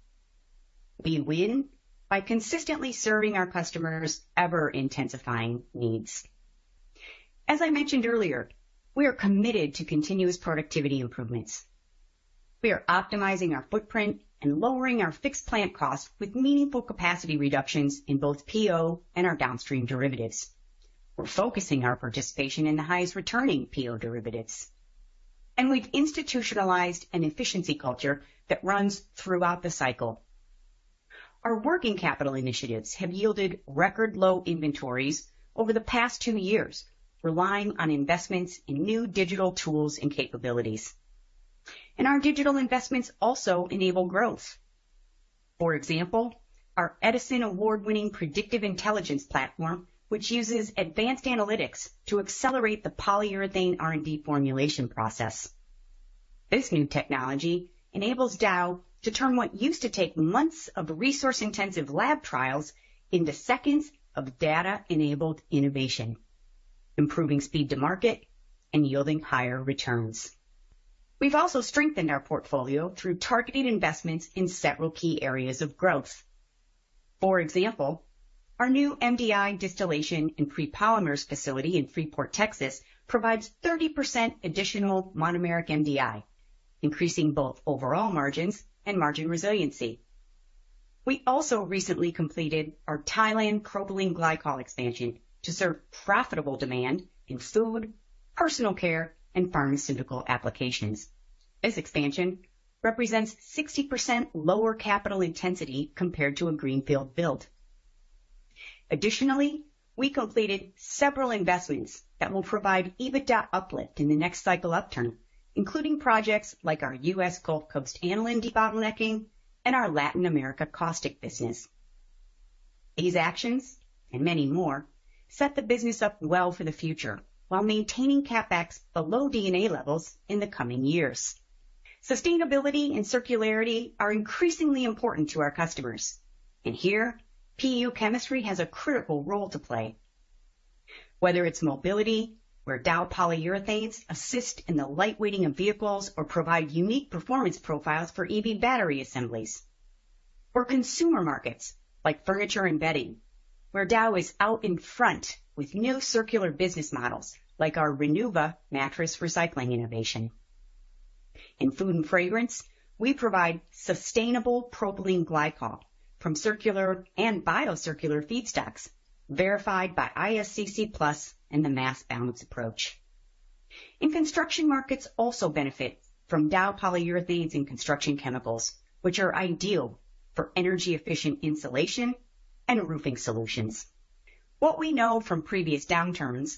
We win by consistently serving our customers' ever-intensifying needs. As I mentioned earlier, we are committed to continuous productivity improvements. We are optimizing our footprint and lowering our fixed plant costs with meaningful capacity reductions in both PO and our downstream derivatives. We're focusing our participation in the highest-returning PO derivatives, and we've institutionalized an efficiency culture that runs throughout the cycle. Our working capital initiatives have yielded record-low inventories over the past two years, relying on investments in new digital tools and capabilities. Our digital investments also enable growth. For example, our Edison Award-winning predictive intelligence platform, which uses advanced analytics to accelerate the polyurethane R&D formulation process. This new technology enables Dow to turn what used to take months of resource-intensive lab trials into seconds of data-enabled innovation, improving speed to market and yielding higher returns. We've also strengthened our portfolio through targeted investments in several key areas of growth. For example, our new MDI distillation and prepolymers facility in Freeport, Texas, provides 30% additional monomeric MDI, increasing both overall margins and margin resiliency. We also recently completed our Thailand propylene glycol expansion to serve profitable demand in food, personal care, and pharmaceutical applications. This expansion represents 60% lower capital intensity compared to a greenfield build. Additionally, we completed several investments that will provide EBITDA uplift in the next cycle upturn, including projects like our U.S. Gulf Coast aniline debottlenecking and our Latin America caustic business. These actions, and many more, set the business up well for the future while maintaining CapEx below DNA levels in the coming years. Sustainability and circularity are increasingly important to our customers, and here, PU chemistry has a critical role to play. Whether it's mobility, where Dow polyurethanes assist in the lightweighting of vehicles or provide unique performance profiles for EV battery assemblies, or consumer markets like furniture and bedding, where Dow is out in front with new circular business models, like our Renuva mattress recycling innovation. In food and fragrance, we provide sustainable propylene glycol from circular and biocircular feedstocks, verified by ISCC Plus and the mass balance approach. Construction markets also benefit from Dow polyurethanes and construction chemicals, which are ideal for energy efficient insulation and roofing solutions. What we know from previous downturns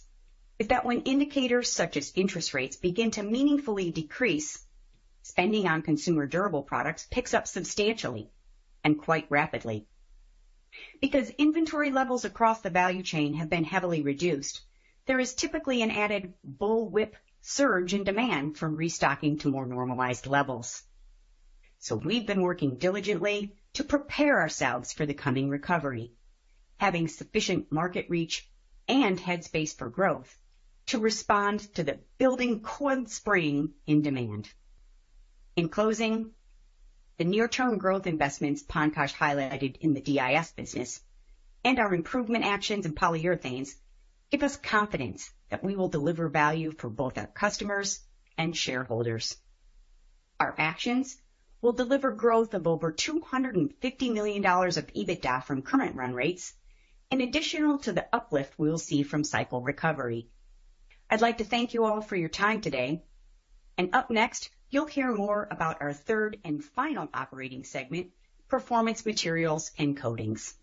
is that when indicators such as interest rates begin to meaningfully decrease, spending on consumer durable products picks up substantially and quite rapidly. Because inventory levels across the value chain have been heavily reduced, there is typically an added bull whip surge in demand from restocking to more normalized levels. So we've been working diligently to prepare ourselves for the coming recovery, having sufficient market reach and head space for growth to respond to the building coiled spring in demand. In closing, the near term growth investments Pankaj highlighted in the DIS business, and our improvement actions in polyurethanes, give us confidence that we will deliver value for both our customers and shareholders. Our actions will deliver growth of over $250 million of EBITDA from current run rates, in addition to the uplift we will see from cycle recovery. I'd like to thank you all for your time today, and up next, you'll hear more about our third and final operating segment, Performance Materials and Coatings.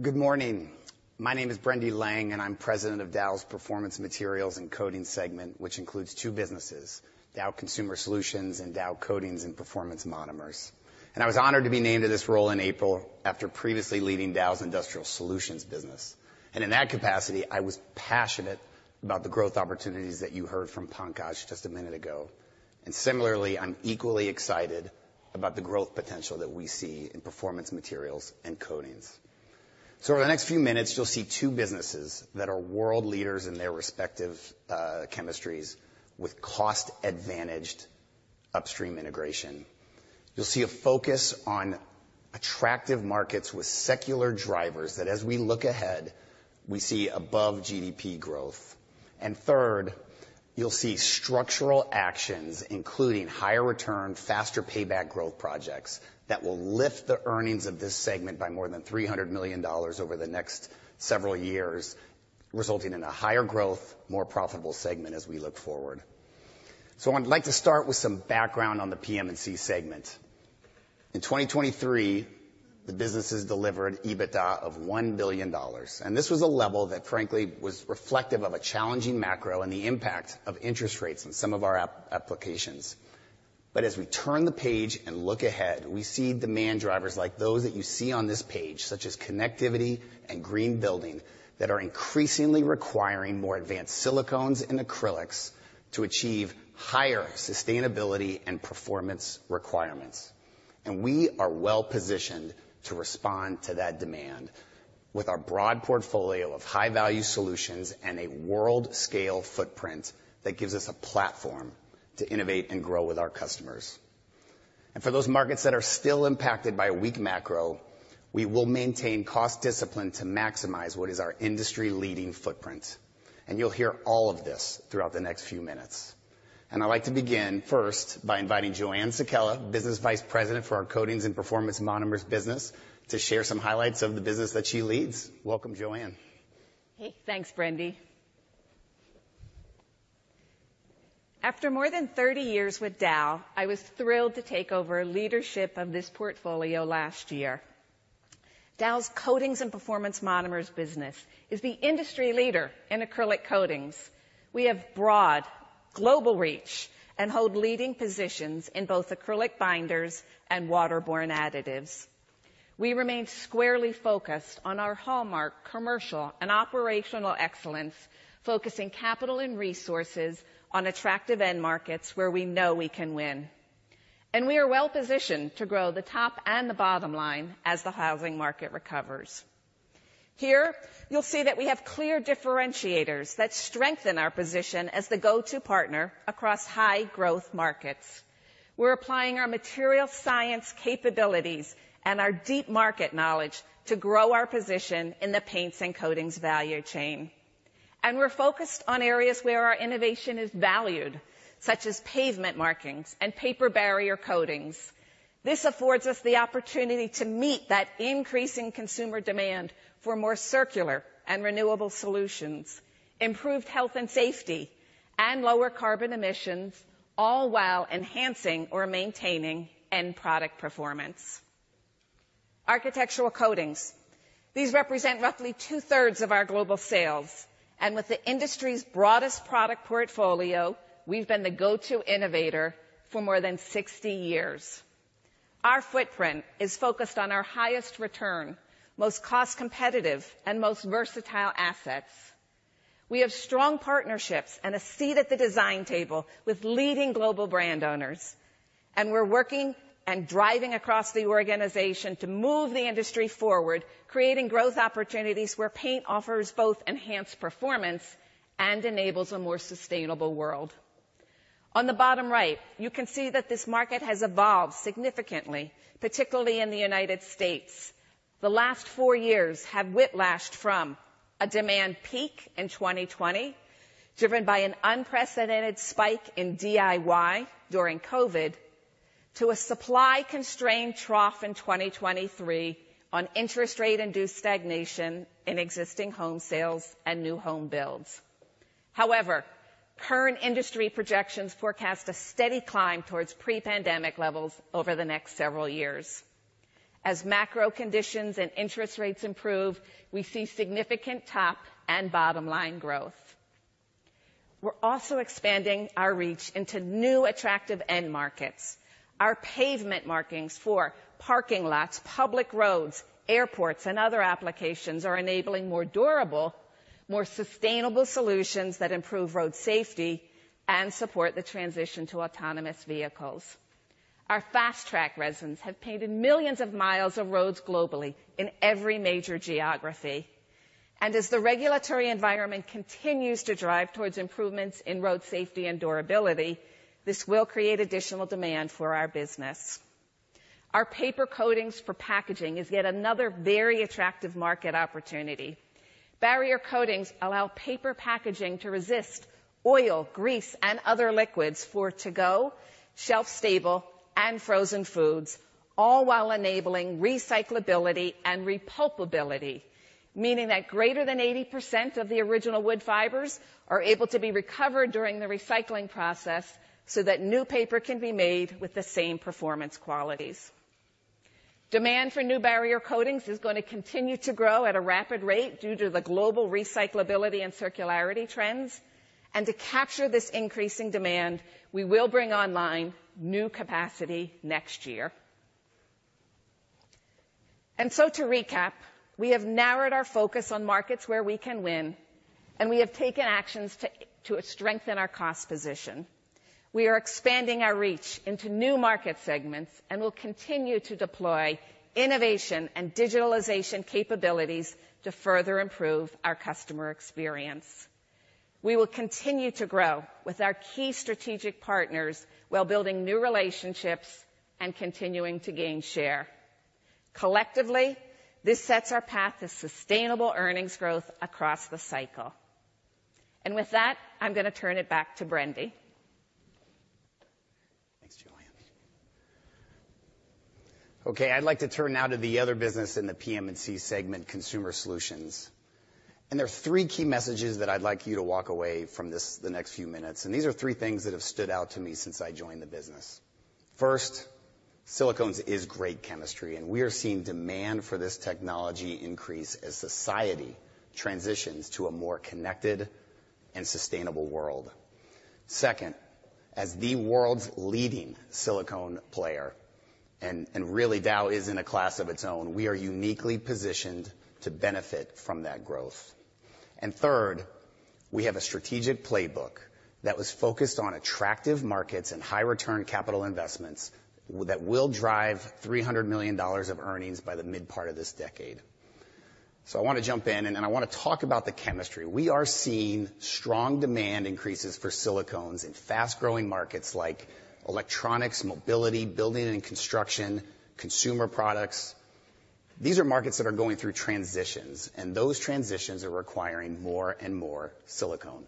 Good morning. My name is Brendy Lange, and I'm President of Dow's Performance Materials and Coatings segment, which includes two businesses, Dow Consumer Solutions and Dow Coatings and Performance Monomers. I was honored to be named to this role in April after previously leading Dow's Industrial Solutions business. In that capacity, I was passionate about the growth opportunities that you heard from Pankaj just a minute ago. Similarly, I'm equally excited about the growth potential that we see in Performance Materials and Coatings. Over the next few minutes, you'll see two businesses that are world leaders in their respective chemistries, with cost-advantaged upstream integration. You'll see a focus on attractive markets with secular drivers that, as we look ahead, we see above GDP growth. And third, you'll see structural actions, including higher return, faster payback growth projects, that will lift the earnings of this segment by more than $300 million over the next several years, resulting in a higher growth, more profitable segment as we look forward. So I'd like to start with some background on the PM & C segment. In 2023, the businesses delivered EBITDA of $1 billion, and this was a level that, frankly, was reflective of a challenging macro and the impact of interest rates on some of our applications. But as we turn the page and look ahead, we see demand drivers like those that you see on this page, such as connectivity and green building, that are increasingly requiring more advanced silicones and acrylics to achieve higher sustainability and performance requirements. We are well positioned to respond to that demand with our broad portfolio of high-value solutions and a world-scale footprint that gives us a platform to innovate and grow with our customers. For those markets that are still impacted by a weak macro, we will maintain cost discipline to maximize what is our industry-leading footprint. You'll hear all of this throughout the next few minutes. I'd like to begin first by inviting Joanne Sekella, Business Vice President for our Coatings and Performance Monomers business, to share some highlights of the business that she leads. Welcome, Joanne. Hey, thanks, Brendy. After more than 30 years with Dow, I was thrilled to take over leadership of this portfolio last year. Dow's Coatings and Performance Monomers business is the industry leader in acrylic coatings. We have broad global reach and hold leading positions in both acrylic binders and waterborne additives. We remain squarely focused on our hallmark commercial and operational excellence, focusing capital and resources on attractive end markets where we know we can win, and we are well positioned to grow the top and the bottom line as the housing market recovers. Here, you'll see that we have clear differentiators that strengthen our position as the go-to partner across high growth markets. We're applying our material science capabilities and our deep market knowledge to grow our position in the paints and coatings value chain. We're focused on areas where our innovation is valued, such as pavement markings and paper barrier coatings. This affords us the opportunity to meet that increasing consumer demand for more circular and renewable solutions, improved health and safety, and lower carbon emissions, all while enhancing or maintaining end product performance. Architectural coatings. These represent roughly two-thirds of our global sales, and with the industry's broadest product portfolio, we've been the go-to innovator for more than 60 years. Our footprint is focused on our highest return, most cost competitive, and most versatile assets. We have strong partnerships and a seat at the design table with leading global brand owners, and we're working and driving across the organization to move the industry forward, creating growth opportunities where paint offers both enhanced performance and enables a more sustainable world. On the bottom right, you can see that this market has evolved significantly, particularly in the United States. The last four years have whiplashed from a demand peak in 2020, driven by an unprecedented spike in DIY during COVID,... to a supply-constrained trough in 2023 on interest rate-induced stagnation in existing home sales and new home builds. However, current industry projections forecast a steady climb towards pre-pandemic levels over the next several years. As macro conditions and interest rates improve, we see significant top and bottom line growth. We're also expanding our reach into new, attractive end markets. Our pavement markings for parking lots, public roads, airports, and other applications are enabling more durable, more sustainable solutions that improve road safety and support the transition to autonomous vehicles. Our FASTRACK resins have painted millions of miles of roads globally in every major geography, and as the regulatory environment continues to drive towards improvements in road safety and durability, this will create additional demand for our business. Our paper coatings for packaging is yet another very attractive market opportunity. Barrier coatings allow paper packaging to resist oil, grease, and other liquids for to-go, shelf-stable, and frozen foods, all while enabling recyclability and repulpability, meaning that greater than 80% of the original wood fibers are able to be recovered during the recycling process, so that new paper can be made with the same performance qualities. Demand for new barrier coatings is going to continue to grow at a rapid rate due to the global recyclability and circularity trends, and to capture this increasing demand, we will bring online new capacity next year. To recap, we have narrowed our focus on markets where we can win, and we have taken actions to strengthen our cost position. We are expanding our reach into new market segments and will continue to deploy innovation and digitalization capabilities to further improve our customer experience. We will continue to grow with our key strategic partners, while building new relationships and continuing to gain share. Collectively, this sets our path to sustainable earnings growth across the cycle. With that, I'm gonna turn it back to Brendy. Thanks, Joanne. Okay, I'd like to turn now to the other business in the PM & C segment, Consumer Solutions, and there are three key messages that I'd like you to walk away from this, the next few minutes, and these are three things that have stood out to me since I joined the business. First, silicones is great chemistry, and we are seeing demand for this technology increase as society transitions to a more connected and sustainable world. Second, as the world's leading silicone player, and, and really, Dow is in a class of its own, we are uniquely positioned to benefit from that growth. And third, we have a strategic playbook that was focused on attractive markets and high-return capital investments that will drive $300 million of earnings by the mid-part of this decade. So I wanna jump in, and then I wanna talk about the chemistry. We are seeing strong demand increases for silicones in fast-growing markets like electronics, mobility, building and construction, consumer products. These are markets that are going through transitions, and those transitions are requiring more and more silicone.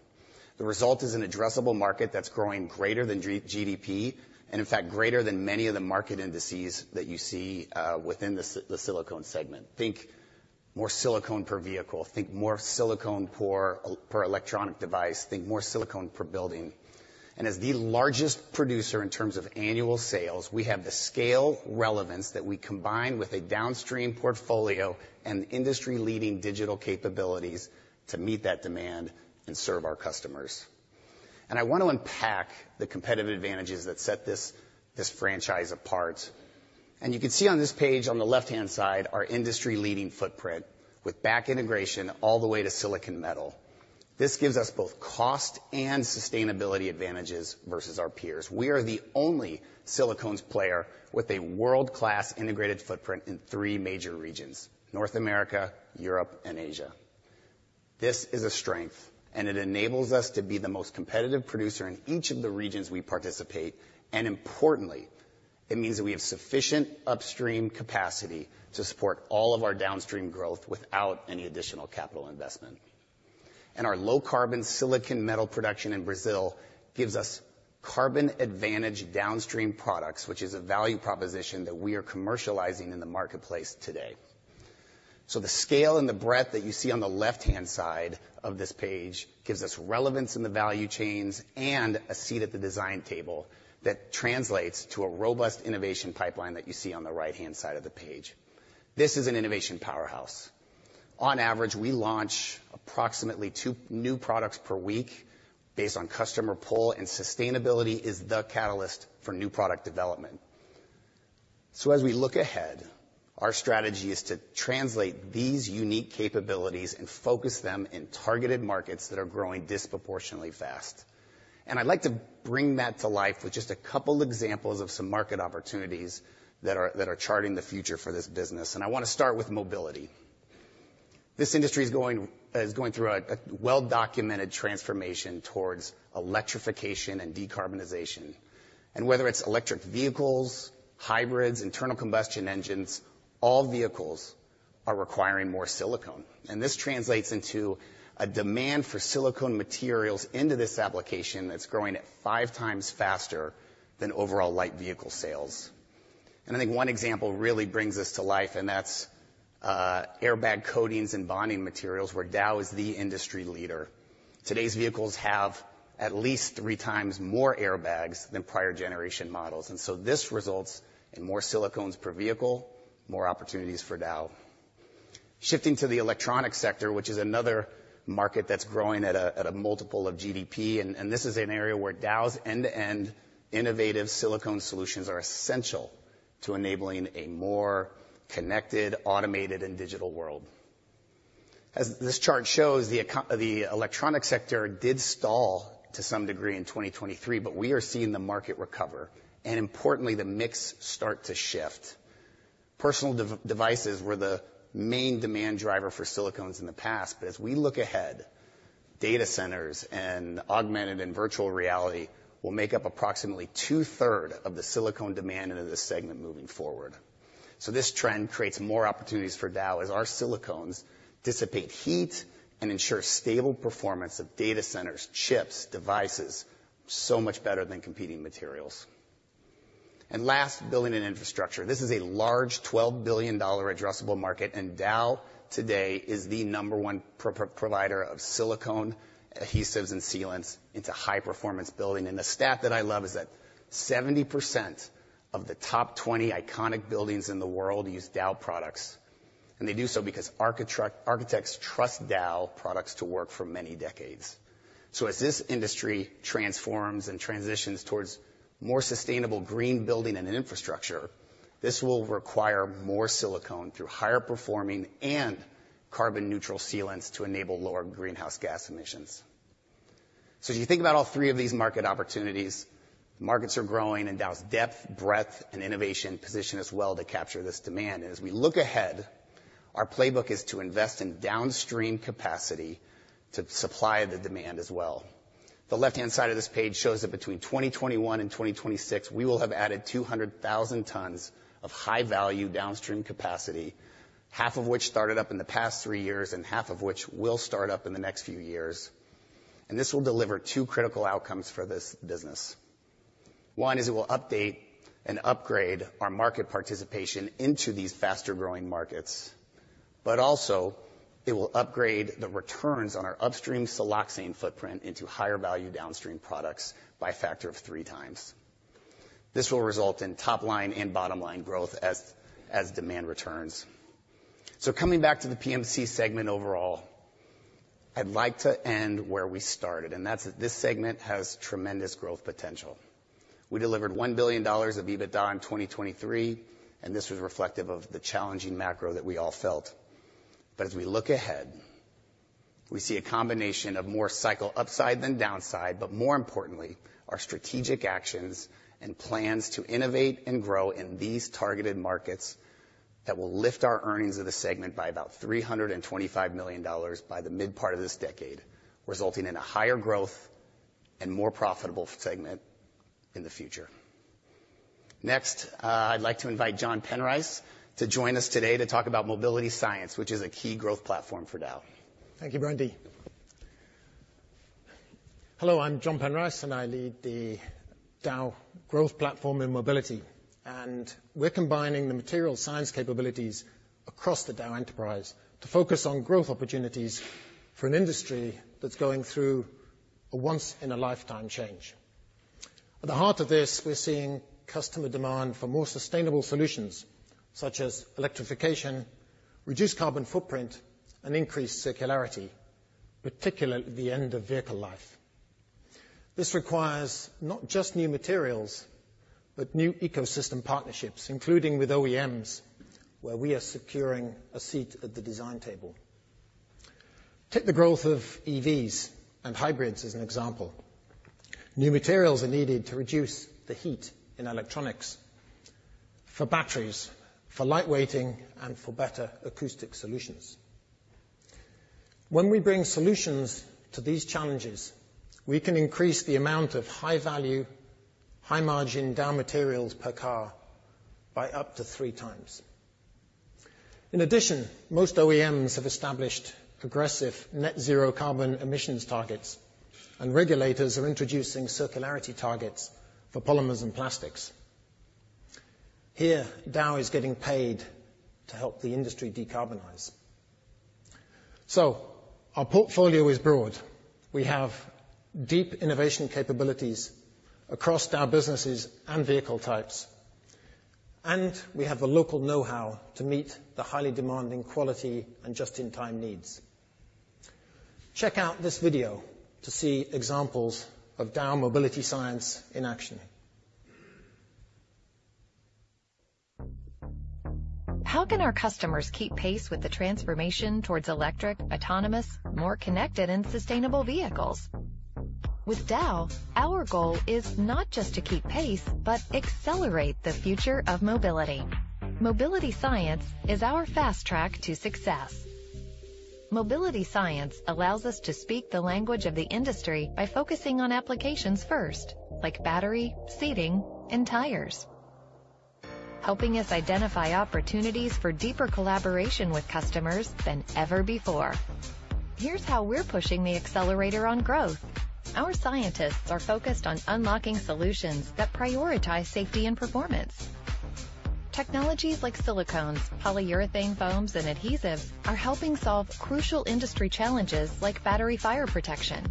The result is an addressable market that's growing greater than GDP, and in fact, greater than many of the market indices that you see within the silicone segment. Think more silicone per vehicle, think more silicone per electronic device, think more silicone per building. And as the largest producer in terms of annual sales, we have the scale relevance that we combine with a downstream portfolio and industry-leading digital capabilities to meet that demand and serve our customers. And I want to unpack the competitive advantages that set this franchise apart. You can see on this page, on the left-hand side, our industry-leading footprint, with back integration all the way to silicon metal. This gives us both cost and sustainability advantages versus our peers. We are the only silicones player with a world-class integrated footprint in three major regions: North America, Europe, and Asia. This is a strength, and it enables us to be the most competitive producer in each of the regions we participate, and importantly, it means that we have sufficient upstream capacity to support all of our downstream growth without any additional capital investment. Our low-carbon silicon metal production in Brazil gives us carbon-advantaged downstream products, which is a value proposition that we are commercializing in the marketplace today. So the scale and the breadth that you see on the left-hand side of this page gives us relevance in the value chains and a seat at the design table that translates to a robust innovation pipeline that you see on the right-hand side of the page. This is an innovation powerhouse. On average, we launch approximately two new products per week based on customer pull, and sustainability is the catalyst for new product development. So as we look ahead, our strategy is to translate these unique capabilities and focus them in targeted markets that are growing disproportionately fast. And I'd like to bring that to life with just a couple examples of some market opportunities that are charting the future for this business, and I wanna start with mobility. This industry is going through a well-documented transformation towards electrification and decarbonization. And whether it's electric vehicles, hybrids, internal combustion engines, all vehicles are requiring more silicone, and this translates into a demand for silicone materials into this application that's growing at five times faster than overall light vehicle sales. And I think one example really brings this to life, and that's airbag coatings and bonding materials, where Dow is the industry leader. Today's vehicles have at least three times more airbags than prior generation models, and so this results in more silicones per vehicle, more opportunities for Dow. Shifting to the electronic sector, which is another market that's growing at a multiple of GDP, and this is an area where Dow's end-to-end innovative silicone solutions are essential to enabling a more connected, automated, and digital world. As this chart shows, the electronic sector did stall to some degree in 2023, but we are seeing the market recover and importantly, the mix start to shift. Personal devices were the main demand driver for silicones in the past, but as we look ahead, data centers and augmented and virtual reality will make up approximately two-thirds of the silicone demand into this segment moving forward. So this trend creates more opportunities for Dow, as our silicones dissipate heat and ensure stable performance of data centers, chips, devices, so much better than competing materials. And last, building and infrastructure. This is a large $12 billion addressable market, and Dow, today, is the number one provider of silicone adhesives and sealants into high performance building. The stat that I love is that 70% of the top 20 iconic buildings in the world use Dow products, and they do so because architects trust Dow products to work for many decades. So as this industry transforms and transitions towards more sustainable green building and infrastructure, this will require more silicone through higher performing and carbon-neutral sealants to enable lower greenhouse gas emissions. So as you think about all three of these market opportunities, markets are growing, and Dow's depth, breadth, and innovation position us well to capture this demand. As we look ahead, our playbook is to invest in downstream capacity to supply the demand as well. The left-hand side of this page shows that between 2021 and 2026, we will have added 200,000 tons of high-value downstream capacity, half of which started up in the past 3 years and half of which will start up in the next few years. This will deliver 2 critical outcomes for this business. 1 is it will update and upgrade our market participation into these faster-growing markets, but also it will upgrade the returns on our upstream siloxane footprint into higher-value downstream products by a factor of 3 times. This will result in top line and bottom line growth as demand returns. Coming back to the PMC segment overall, I'd like to end where we started, and that's that this segment has tremendous growth potential. We delivered $1 billion of EBITDA in 2023, and this was reflective of the challenging macro that we all felt. But as we look ahead, we see a combination of more cycle upside than downside, but more importantly, our strategic actions and plans to innovate and grow in these targeted markets that will lift our earnings of the segment by about $325 million by the mid part of this decade, resulting in a higher growth and more profitable segment in the future. Next, I'd like to invite Jon Penrice to join us today to talk about Mobility Science, which is a key growth platform for Dow. Thank you, Brendy. Hello, I'm Jon Penrice, and I lead the Dow growth platform in mobility. We're combining the material science capabilities across the Dow enterprise to focus on growth opportunities for an industry that's going through a once-in-a-lifetime change. At the heart of this, we're seeing customer demand for more sustainable solutions, such as electrification, reduced carbon footprint, and increased circularity, particularly at the end of vehicle life. This requires not just new materials, but new ecosystem partnerships, including with OEMs, where we are securing a seat at the design table. Take the growth of EVs and hybrids as an example. New materials are needed to reduce the heat in electronics, for batteries, for light weighting, and for better acoustic solutions. When we bring solutions to these challenges, we can increase the amount of high-value, high-margin Dow materials per car by up to three times. In addition, most OEMs have established aggressive net zero carbon emissions targets, and regulators are introducing circularity targets for polymers and plastics. Here, Dow is getting paid to help the industry decarbonize. So our portfolio is broad. We have deep innovation capabilities across our businesses and vehicle types, and we have the local know-how to meet the highly demanding quality and just-in-time needs. Check out this video to see examples of Dow Mobility Science in action. How can our customers keep pace with the transformation towards electric, autonomous, more connected and sustainable vehicles? With Dow, our goal is not just to keep pace, but accelerate the future of mobility. Mobility science is our fast track to success. ... Mobility science allows us to speak the language of the industry by focusing on applications first, like battery, seating, and tires. Helping us identify opportunities for deeper collaboration with customers than ever before. Here's how we're pushing the accelerator on growth. Our scientists are focused on unlocking solutions that prioritize safety and performance. Technologies like silicones, polyurethane foams, and adhesives are helping solve crucial industry challenges, like battery fire protection.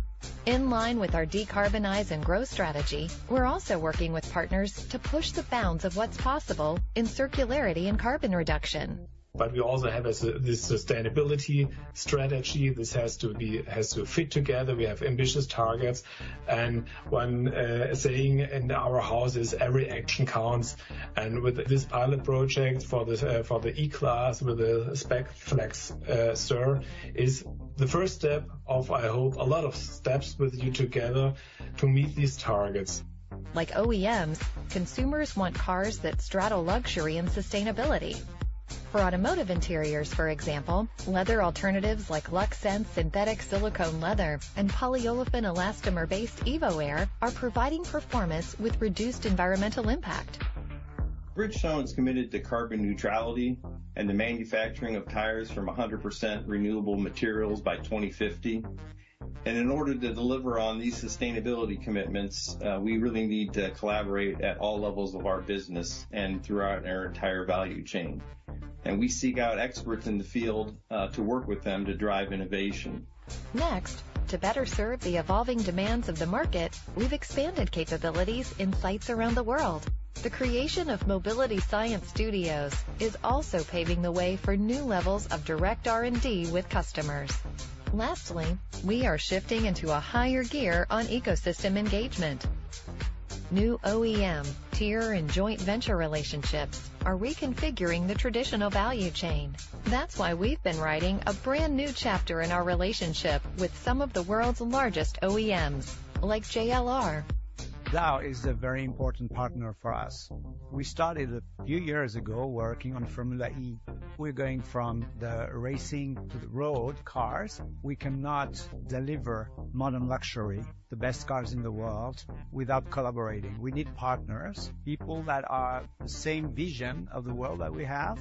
In line with our decarbonize and growth strategy, we're also working with partners to push the bounds of what's possible in circularity and carbon reduction. But we also have a sustainability strategy. This has to fit together. We have ambitious targets, and one saying in our house is, "Every action counts." With this pilot project for the E-Class, with the SPECFLEX C, is the first step of, I hope, a lot of steps with you together to meet these targets. Like OEMs, consumers want cars that straddle luxury and sustainability. For automotive interiors, for example, leather alternatives like LuxSense synthetic silicone leather, and polyolefin elastomer-based Evoare are providing performance with reduced environmental impact. Bridgestone is committed to carbon neutrality and the manufacturing of tires from 100% renewable materials by 2050. In order to deliver on these sustainability commitments, we really need to collaborate at all levels of our business and throughout our entire value chain. We seek out experts in the field, to work with them to drive innovation. Next, to better serve the evolving demands of the market, we've expanded capabilities in sites around the world. The creation of mobility science studios is also paving the way for new levels of direct R&D with customers. Lastly, we are shifting into a higher gear on ecosystem engagement. New OEM, tier, and joint venture relationships are reconfiguring the traditional value chain. That's why we've been writing a brand-new chapter in our relationship with some of the world's largest OEMs, like JLR. Dow is a very important partner for us. We started a few years ago working on Formula E. We're going from the racing to the road cars. We cannot deliver modern luxury, the best cars in the world, without collaborating. We need partners, people that are the same vision of the world that we have.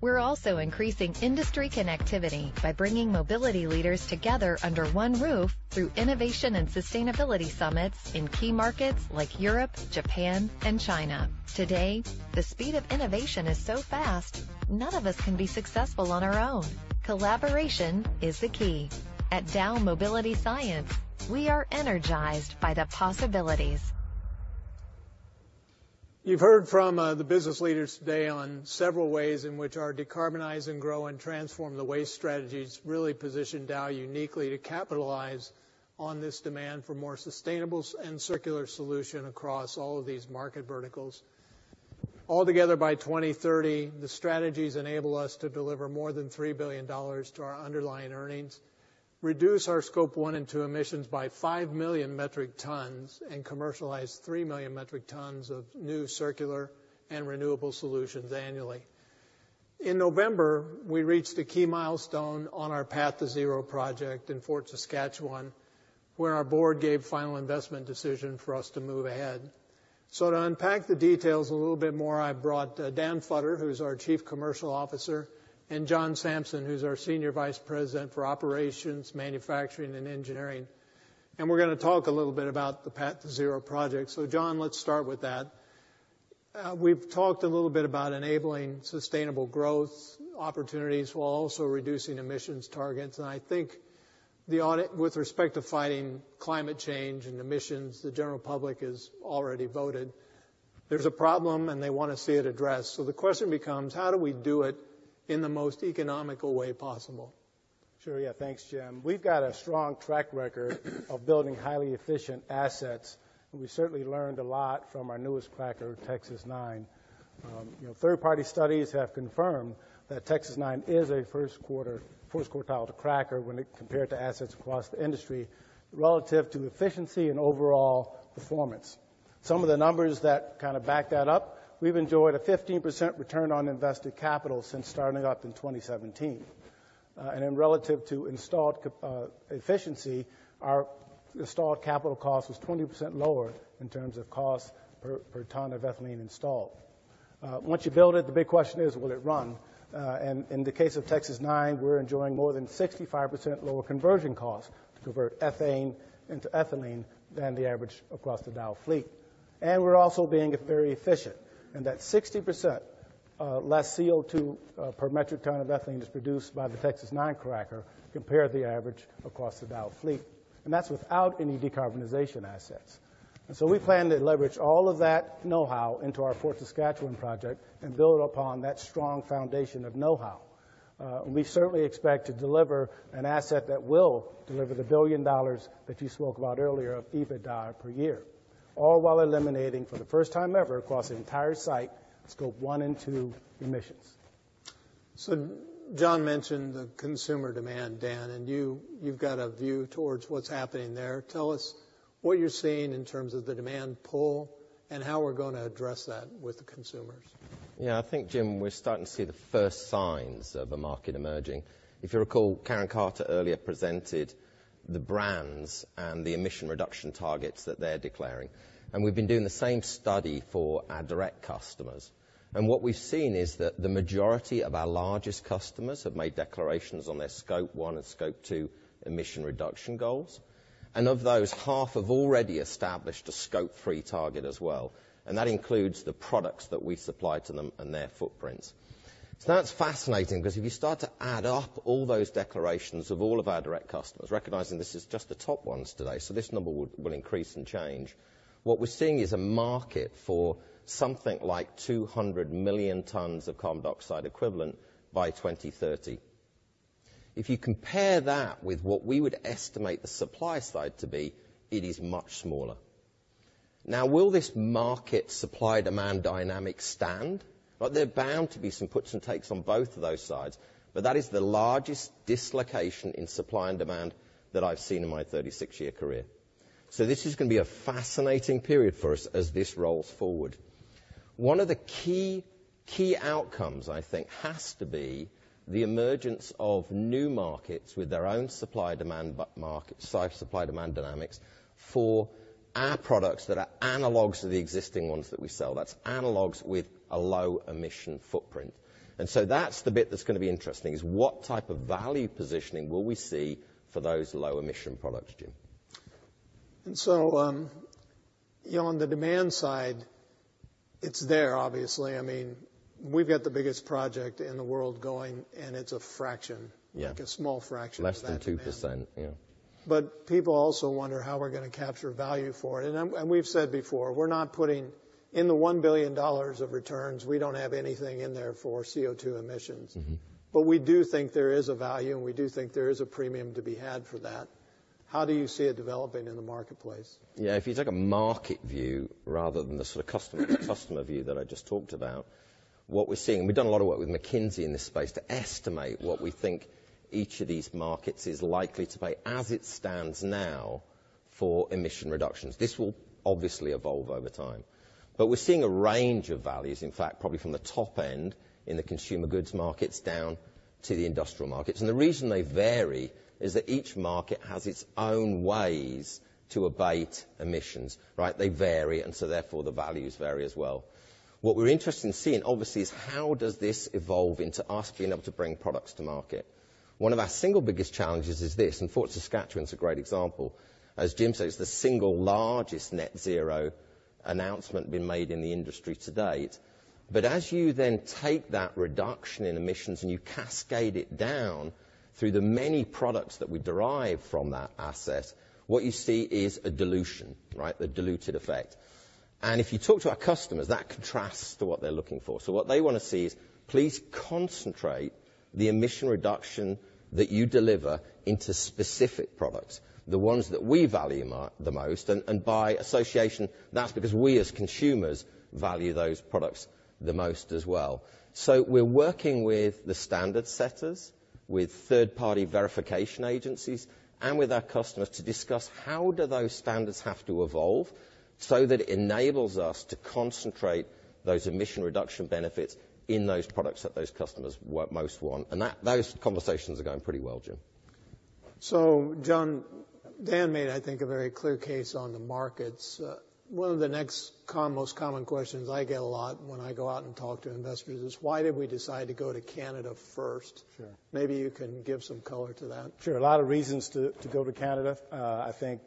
We're also increasing industry connectivity by bringing mobility leaders together under one roof through innovation and sustainability summits in key markets like Europe, Japan, and China. Today, the speed of innovation is so fast, none of us can be successful on our own. Collaboration is the key. At Dow MobilityScience, we are energized by the possibilities. You've heard from the business leaders today on several ways in which our Decarbonize and Grow and Transform the Waste strategies really position Dow uniquely to capitalize on this demand for more sustainable and circular solutions across all of these market verticals. Altogether, by 2030, the strategies enable us to deliver more than $3 billion to our underlying earnings, reduce our Scope 1 and 2 emissions by 5 million metric tons, and commercialize 3 million metric tons of new circular and renewable solutions annually. In November, we reached a key milestone on our Path to Zero project in Fort Saskatchewan, where our board gave final investment decision for us to move ahead. So to unpack the details a little bit more, I brought Dan Futter, who's our Chief Commercial Officer, and John Sampson, who's our Senior Vice President for Operations, Manufacturing, and Engineering. We're gonna talk a little bit about the Path to Zero project. So, John, let's start with that. We've talked a little bit about enabling sustainable growth opportunities while also reducing emissions targets, and I think the audit... With respect to fighting climate change and emissions, the general public has already voted. There's a problem, and they want to see it addressed. So the question becomes: how do we do it in the most economical way possible? Sure. Yeah. Thanks, Jim. We've got a strong track record of building highly efficient assets, and we certainly learned a lot from our newest cracker, Texas-9. You know, third-party studies have confirmed that Texas-9 is a first quarter, first quartile to cracker when compared to assets across the industry, relative to efficiency and overall performance. Some of the numbers that kind of back that up, we've enjoyed a 15% return on invested capital since starting up in 2017. And then relative to installed cap efficiency, our installed capital cost is 20% lower in terms of cost per ton of ethylene installed. Once you build it, the big question is: will it run? And in the case of Texas-9, we're enjoying more than 65% lower conversion costs to convert ethane into ethylene than the average across the Dow fleet. We're also being very efficient, and that's 60%, less CO2 per metric ton of ethylene is produced by the Texas-9 cracker compared the average across the Dow fleet. And that's without any decarbonization assets. And so we plan to leverage all of that know-how into our Fort Saskatchewan project and build upon that strong foundation of know-how. We certainly expect to deliver an asset that will deliver the $1 billion that you spoke about earlier of EBITDA per year, all while eliminating, for the first time ever, across the entire site, Scope 1 and 2 emissions.... So John mentioned the consumer demand, Dan, and you, you've got a view towards what's happening there. Tell us what you're seeing in terms of the demand pull and how we're going to address that with the consumers. Yeah, I think, Jim, we're starting to see the first signs of a market emerging. If you recall, Karen Carter earlier presented the brands and the emission reduction targets that they're declaring, and we've been doing the same study for our direct customers. What we've seen is that the majority of our largest customers have made declarations on their Scope One and Scope Two emission reduction goals. Of those, half have already established a Scope Three target as well, and that includes the products that we supply to them and their footprints. That's fascinating, because if you start to add up all those declarations of all of our direct customers, recognizing this is just the top ones today, so this number will increase and change. What we're seeing is a market for something like 200 million tons of carbon dioxide equivalent by 2030. If you compare that with what we would estimate the supply side to be, it is much smaller. Now, will this market supply-demand dynamic stand? Well, there are bound to be some puts and takes on both of those sides, but that is the largest dislocation in supply and demand that I've seen in my 36-year career. So this is going to be a fascinating period for us as this rolls forward. One of the key, key outcomes, I think, has to be the emergence of new markets with their own supply, demand dynamics for our products that are analogs to the existing ones that we sell. That's analogs with a low emission footprint. And so that's the bit that's going to be interesting, is what type of value positioning will we see for those low emission products, Jim? And so, you know, on the demand side, it's there, obviously. I mean, we've got the biggest project in the world going, and it's a fraction- Yeah... like, a small fraction. Less than 2%, yeah. People also wonder how we're going to capture value for it. We've said before, we're not putting in the $1 billion of returns, we don't have anything in there for CO2 emissions. Mm-hmm. But we do think there is a value, and we do think there is a premium to be had for that. How do you see it developing in the marketplace? Yeah, if you take a market view rather than the sort of customer, customer view that I just talked about, what we're seeing. We've done a lot of work with McKinsey in this space to estimate what we think each of these markets is likely to play as it stands now for emission reductions. This will obviously evolve over time. But we're seeing a range of values, in fact, probably from the top end in the consumer goods markets down to the industrial markets. And the reason they vary is that each market has its own ways to abate emissions, right? They vary, and so therefore, the values vary as well. What we're interested in seeing, obviously, is how does this evolve into us being able to bring products to market? One of our single biggest challenges is this, and Fort Saskatchewan is a great example. As Jim says, the single largest net zero announcement being made in the industry to date. But as you then take that reduction in emissions, and you cascade it down through the many products that we derive from that asset, what you see is a dilution, right? A diluted effect. And if you talk to our customers, that contrasts to what they're looking for. So what they want to see is, please concentrate the emission reduction that you deliver into specific products, the ones that we value the most, and by association, that's because we, as consumers, value those products the most as well. So we're working with the standard setters, with third-party verification agencies, and with our customers to discuss how do those standards have to evolve so that it enables us to concentrate those emission reduction benefits in those products that those customers most want. And that, those conversations are going pretty well, Jim. So, John, Dan made, I think, a very clear case on the markets. One of the next most common questions I get a lot when I go out and talk to investors is, why did we decide to go to Canada first? Sure. Maybe you can give some color to that. Sure. A lot of reasons to go to Canada. I think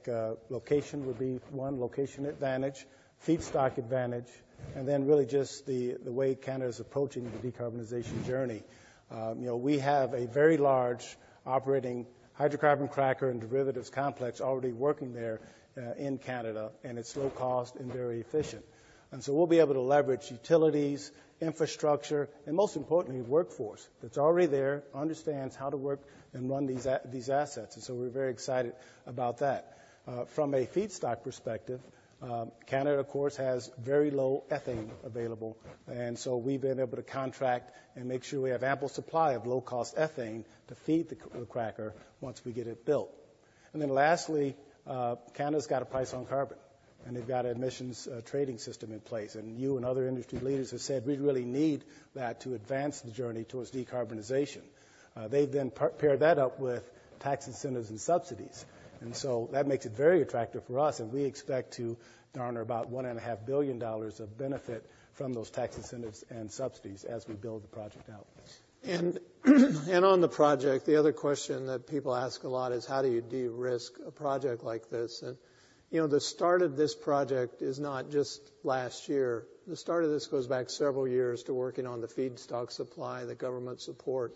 location would be one, location advantage, feedstock advantage, and then really just the way Canada is approaching the decarbonization journey. You know, we have a very large operating hydrocarbon cracker and derivatives complex already working there in Canada, and it's low cost and very efficient. And so we'll be able to leverage utilities, infrastructure, and most importantly, workforce that's already there, understands how to work and run these assets, and so we're very excited about that. From a feedstock perspective, Canada, of course, has very low ethane available, and so we've been able to contract and make sure we have ample supply of low-cost ethane to feed the cracker once we get it built. And then lastly, Canada's got a price on carbon, and they've got an emissions trading system in place. And you and other industry leaders have said we really need that to advance the journey towards decarbonization. They then paired that up with tax incentives and subsidies, and so that makes it very attractive for us, and we expect to garner about $1.5 billion of benefit from those tax incentives and subsidies as we build the project out. And on the project, the other question that people ask a lot is, how do you de-risk a project like this? And, you know, the start of this project is not just last year. The start of this goes back several years to working on the feedstock supply, the government support.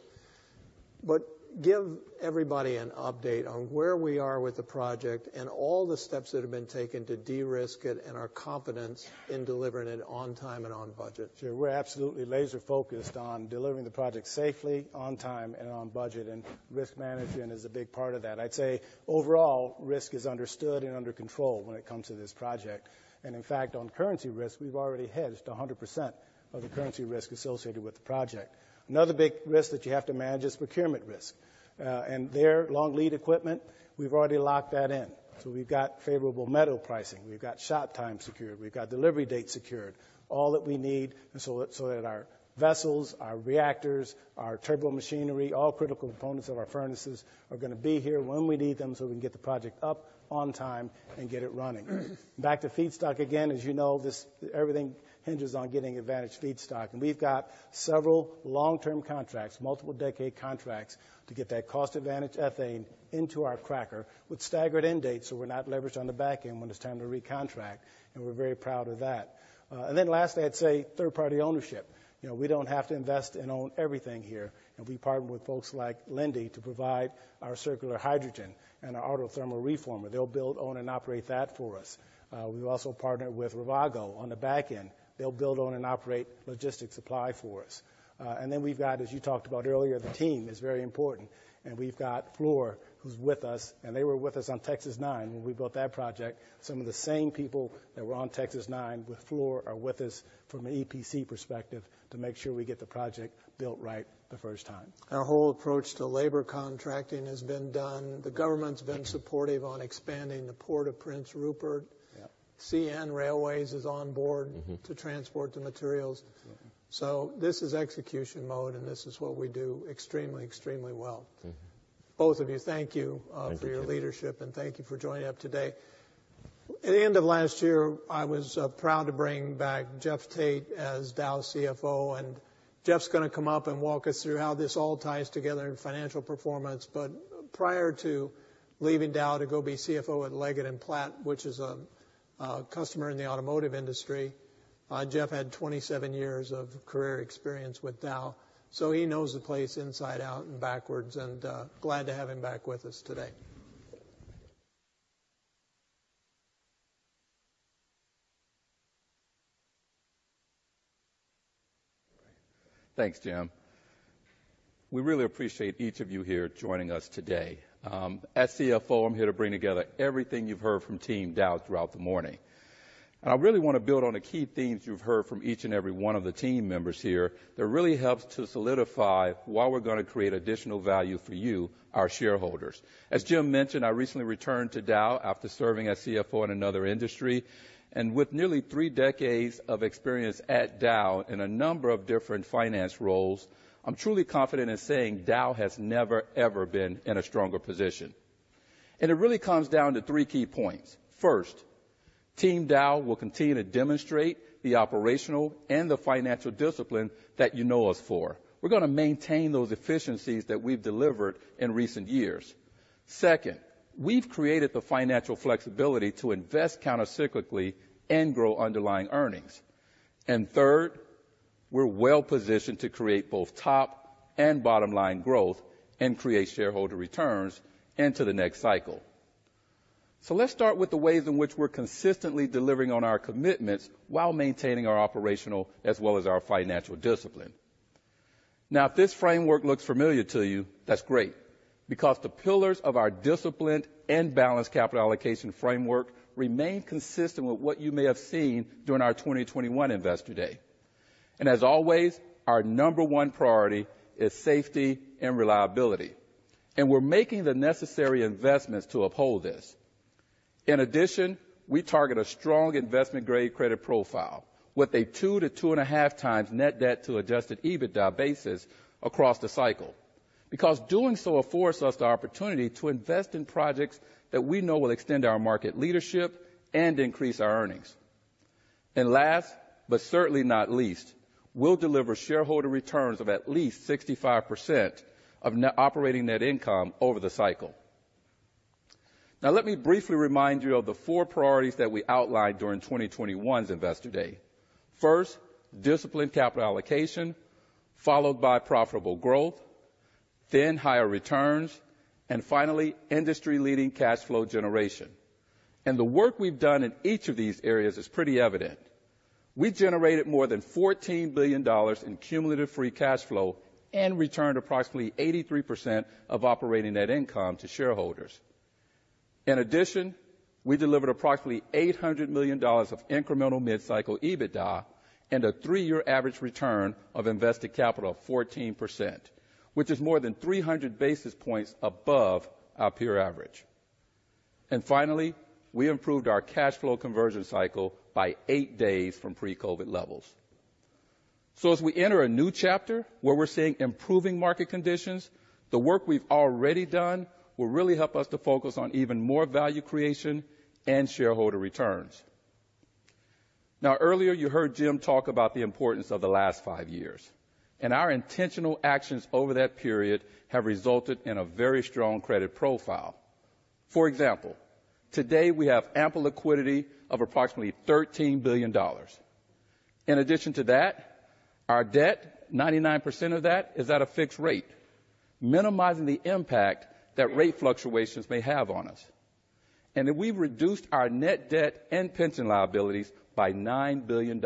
But give everybody an update on where we are with the project and all the steps that have been taken to de-risk it, and our confidence in delivering it on time and on budget. Sure. We're absolutely laser focused on delivering the project safely, on time, and on budget, and risk management is a big part of that. I'd say, overall, risk is understood and under control when it comes to this project. And in fact, on currency risk, we've already hedged 100% of the currency risk associated with the project. Another big risk that you have to manage is procurement risk. And there, long lead equipment, we've already locked that in. So we've got favorable metal pricing. We've got shop time secured. We've got delivery date secured. All that we need, so that our vessels, our reactors, our turbo machinery, all critical components of our furnaces, are gonna be here when we need them, so we can get the project up on time and get it running. Back to feedstock again, as you know, this—everything hinges on getting advantage feedstock. And we've got several long-term contracts, multiple decade contracts, to get that cost advantage ethane into our cracker with staggered end dates, so we're not leveraged on the back end when it's time to recontract, and we're very proud of that. And then lastly, I'd say third-party ownership. You know, we don't have to invest and own everything here, and we partner with folks like Linde to provide our circular hydrogen and our autothermal reformer. They'll build, own, and operate that for us. We've also partnered with Ravago on the back end. They'll build, own, and operate logistics supply for us. And then we've got, as you talked about earlier, the team is very important. We've got Fluor, who's with us, and they were with us on Texas-9 when we built that project. Some of the same people that were on Texas-9 with Fluor are with us from an EPC perspective, to make sure we get the project built right the first time. Our whole approach to labor contracting has been done. The government's been supportive on expanding the Port of Prince Rupert. Yep. CN Railway is on board- Mm-hmm. to transport the materials. Yep. This is execution mode, and this is what we do extremely, extremely well. Mm-hmm. Both of you, thank you for your leadership- Thank you. And thank you for joining up today. At the end of last year, I was proud to bring back Jeff Tate as Dow's CFO, and Jeff's gonna come up and walk us through how this all ties together in financial performance. But prior to leaving Dow to go be CFO at Leggett & Platt, which is a customer in the automotive industry, Jeff had 27 years of career experience with Dow. So he knows the place inside out and backwards, and glad to have him back with us today. Thanks, Jim. We really appreciate each of you here joining us today. As CFO, I'm here to bring together everything you've heard from team Dow throughout the morning. And I really wanna build on the key themes you've heard from each and every one of the team members here, that really helps to solidify why we're gonna create additional value for you, our shareholders. As Jim mentioned, I recently returned to Dow after serving as CFO in another industry. And with nearly three decades of experience at Dow in a number of different finance roles, I'm truly confident in saying Dow has never, ever been in a stronger position. And it really comes down to three key points. First, team Dow will continue to demonstrate the operational and the financial discipline that you know us for. We're gonna maintain those efficiencies that we've delivered in recent years. Second, we've created the financial flexibility to invest countercyclically and grow underlying earnings. Third, we're well positioned to create both top and bottom line growth and create shareholder returns into the next cycle. Let's start with the ways in which we're consistently delivering on our commitments while maintaining our operational as well as our financial discipline. Now, if this framework looks familiar to you, that's great, because the pillars of our disciplined and balanced capital allocation framework remain consistent with what you may have seen during our 2021 Investor Day. As always, our number one priority is safety and reliability, and we're making the necessary investments to uphold this. In addition, we target a strong investment-grade credit profile with a 2-2.5 times net debt to adjusted EBITDA basis across the cycle. Because doing so affords us the opportunity to invest in projects that we know will extend our market leadership and increase our earnings. And last, but certainly not least, we'll deliver shareholder returns of at least 65% of operating net income over the cycle. Now, let me briefly remind you of the four priorities that we outlined during 2021's Investor Day. First, disciplined capital allocation, followed by profitable growth, then higher returns, and finally, industry-leading cash flow generation. And the work we've done in each of these areas is pretty evident. We generated more than $14 billion in cumulative free cash flow and returned approximately 83% of operating net income to shareholders. In addition, we delivered approximately $800 million of incremental mid-cycle EBITDA and a 3-year average return of invested capital of 14%, which is more than 300 basis points above our peer average. Finally, we improved our cash flow conversion cycle by 8 days from pre-COVID levels. So as we enter a new chapter where we're seeing improving market conditions, the work we've already done will really help us to focus on even more value creation and shareholder returns. Now, earlier, you heard Jim talk about the importance of the last 5 years, and our intentional actions over that period have resulted in a very strong credit profile. For example, today, we have ample liquidity of approximately $13 billion. In addition to that, our debt, 99% of that is at a fixed rate, minimizing the impact that rate fluctuations may have on us. And then we've reduced our net debt and pension liabilities by $9 billion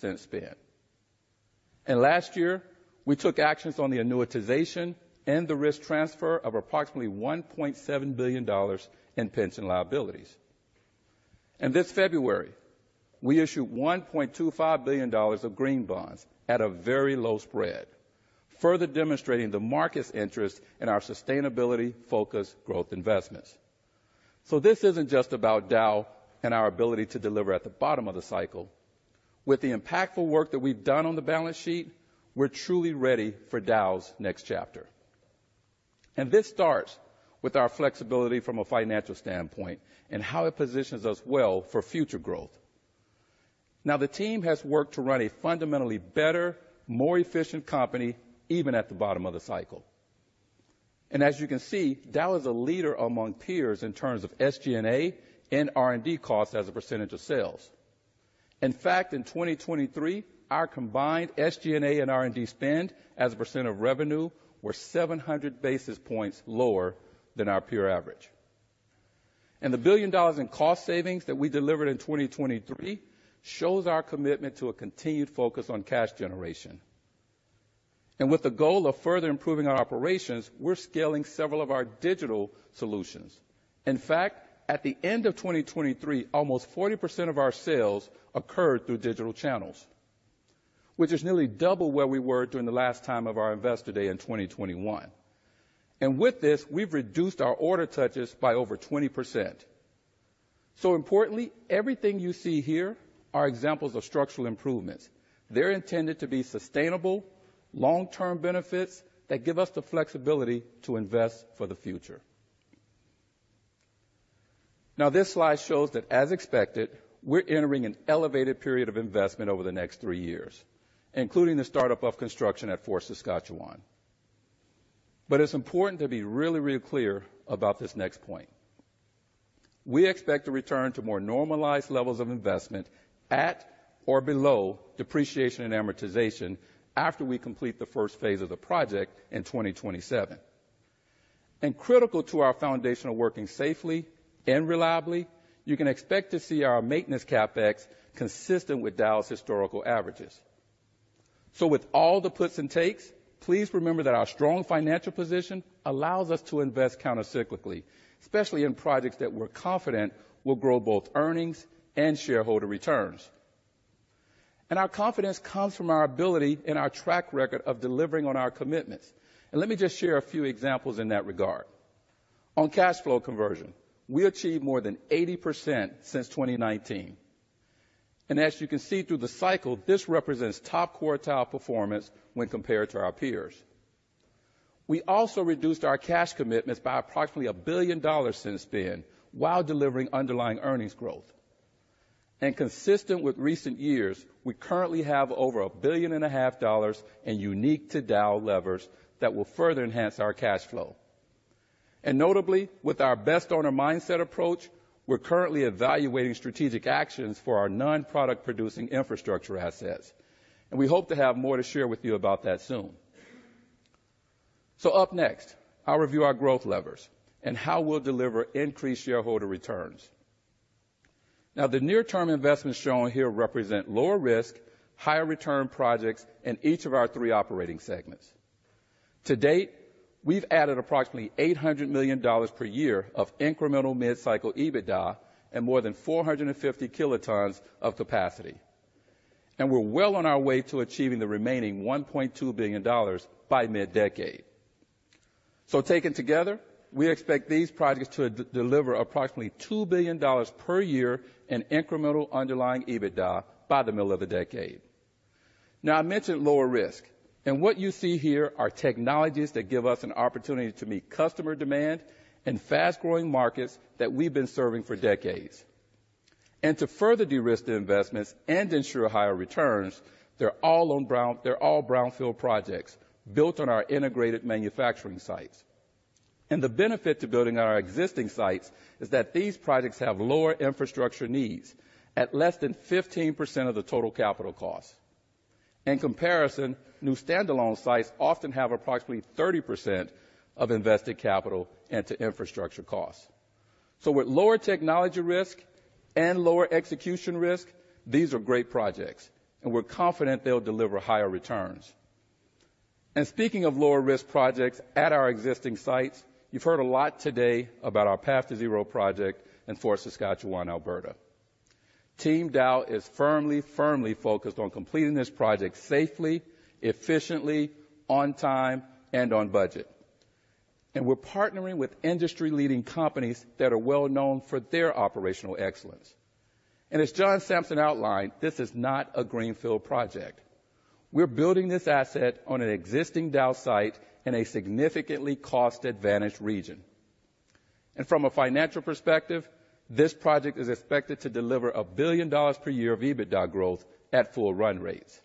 since then. Last year, we took actions on the annuitization and the risk transfer of approximately $1.7 billion in pension liabilities. This February, we issued $1.25 billion of green bonds at a very low spread, further demonstrating the market's interest in our sustainability-focused growth investments. So this isn't just about Dow and our ability to deliver at the bottom of the cycle. With the impactful work that we've done on the balance sheet, we're truly ready for Dow's next chapter. This starts with our flexibility from a financial standpoint and how it positions us well for future growth. Now, the team has worked to run a fundamentally better, more efficient company, even at the bottom of the cycle. As you can see, Dow is a leader among peers in terms of SG&A and R&D costs as a percentage of sales. In fact, in 2023, our combined SG&A and R&D spend as a percent of revenue were 700 basis points lower than our peer average. The $1 billion in cost savings that we delivered in 2023 shows our commitment to a continued focus on cash generation. With the goal of further improving our operations, we're scaling several of our digital solutions. In fact, at the end of 2023, almost 40% of our sales occurred through digital channels, which is nearly double where we were during the last time of our Investor Day in 2021. With this, we've reduced our order touches by over 20%. Importantly, everything you see here are examples of structural improvements. They're intended to be sustainable, long-term benefits that give us the flexibility to invest for the future. Now, this slide shows that, as expected, we're entering an elevated period of investment over the next three years, including the startup of construction at Fort Saskatchewan. But it's important to be really, really clear about this next point. We expect to return to more normalized levels of investment at or below depreciation and amortization after we complete the first phase of the project in 2027. And critical to our foundation of working safely and reliably, you can expect to see our maintenance CapEx consistent with Dow's historical averages. So with all the puts and takes, please remember that our strong financial position allows us to invest countercyclically, especially in projects that we're confident will grow both earnings and shareholder returns. Our confidence comes from our ability and our track record of delivering on our commitments. Let me just share a few examples in that regard. On cash flow conversion, we achieved more than 80% since 2019, and as you can see through the cycle, this represents top quartile performance when compared to our peers. We also reduced our cash commitments by approximately $1 billion since then, while delivering underlying earnings growth. Consistent with recent years, we currently have over $1.5 billion in unique to Dow levers that will further enhance our cash flow. Notably, with our best owner mindset approach, we're currently evaluating strategic actions for our non-product producing infrastructure assets, and we hope to have more to share with you about that soon. So up next, I'll review our growth levers and how we'll deliver increased shareholder returns. Now, the near-term investments shown here represent lower risk, higher return projects in each of our three operating segments. To date, we've added approximately $800 million per year of incremental mid-cycle EBITDA and more than 450 kilotons of capacity, and we're well on our way to achieving the remaining $1.2 billion by mid-decade. So taken together, we expect these projects to deliver approximately $2 billion per year in incremental underlying EBITDA by the middle of the decade. Now, I mentioned lower risk, and what you see here are technologies that give us an opportunity to meet customer demand in fast-growing markets that we've been serving for decades. And to further de-risk the investments and ensure higher returns, they're all brownfield projects built on our integrated manufacturing sites. The benefit to building on our existing sites is that these projects have lower infrastructure needs at less than 15% of the total capital costs. In comparison, new standalone sites often have approximately 30% of invested capital into infrastructure costs. So with lower technology risk and lower execution risk, these are great projects, and we're confident they'll deliver higher returns. Speaking of lower risk projects at our existing sites, you've heard a lot today about our Path to Zero project in Fort Saskatchewan, Alberta. Team Dow is firmly, firmly focused on completing this project safely, efficiently, on time, and on budget. We're partnering with industry-leading companies that are well-known for their operational excellence. As John Sampson outlined, this is not a greenfield project. We're building this asset on an existing Dow site in a significantly cost-advantaged region. From a financial perspective, this project is expected to deliver $1 billion per year of EBITDA growth at full run rates,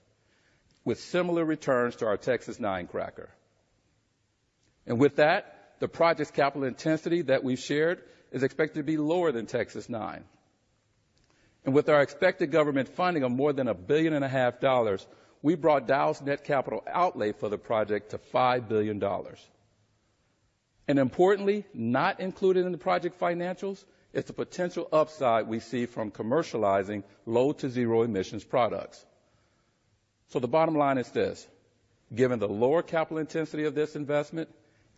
with similar returns to our Texas-9 cracker. With that, the project's capital intensity that we've shared is expected to be lower than Texas-9. With our expected government funding of more than $1.5 billion, we brought Dow's net capital outlay for the project to $5 billion. Importantly, not included in the project financials, is the potential upside we see from commercializing low to zero emissions products. The bottom line is this: given the lower capital intensity of this investment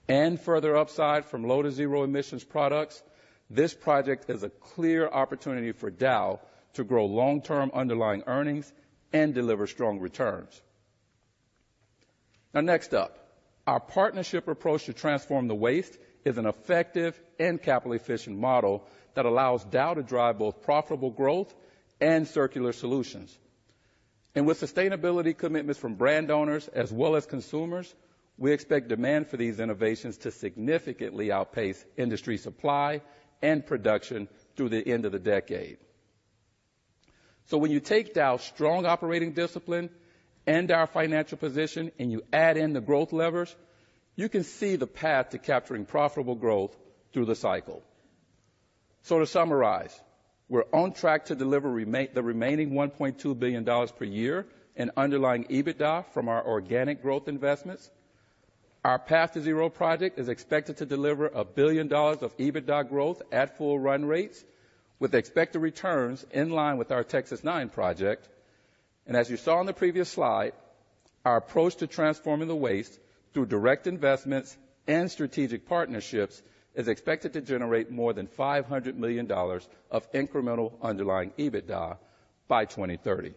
and further upside from low to zero emissions products, this project is a clear opportunity for Dow to grow long-term underlying earnings and deliver strong returns. Now next up, our partnership approach to transform the waste is an effective and capital-efficient model that allows Dow to drive both profitable growth and circular solutions. And with sustainability commitments from brand owners as well as consumers, we expect demand for these innovations to significantly outpace industry supply and production through the end of the decade. So when you take Dow's strong operating discipline and our financial position, and you add in the growth levers, you can see the path to capturing profitable growth through the cycle. So to summarize, we're on track to deliver the remaining $1.2 billion per year in underlying EBITDA from our organic growth investments. Our Path to Zero project is expected to deliver $1 billion of EBITDA growth at full run rates, with expected returns in line with our Texas-9 project. As you saw in the previous slide, our approach to transforming the waste through direct investments and strategic partnerships is expected to generate more than $500 million of incremental underlying EBITDA by 2030.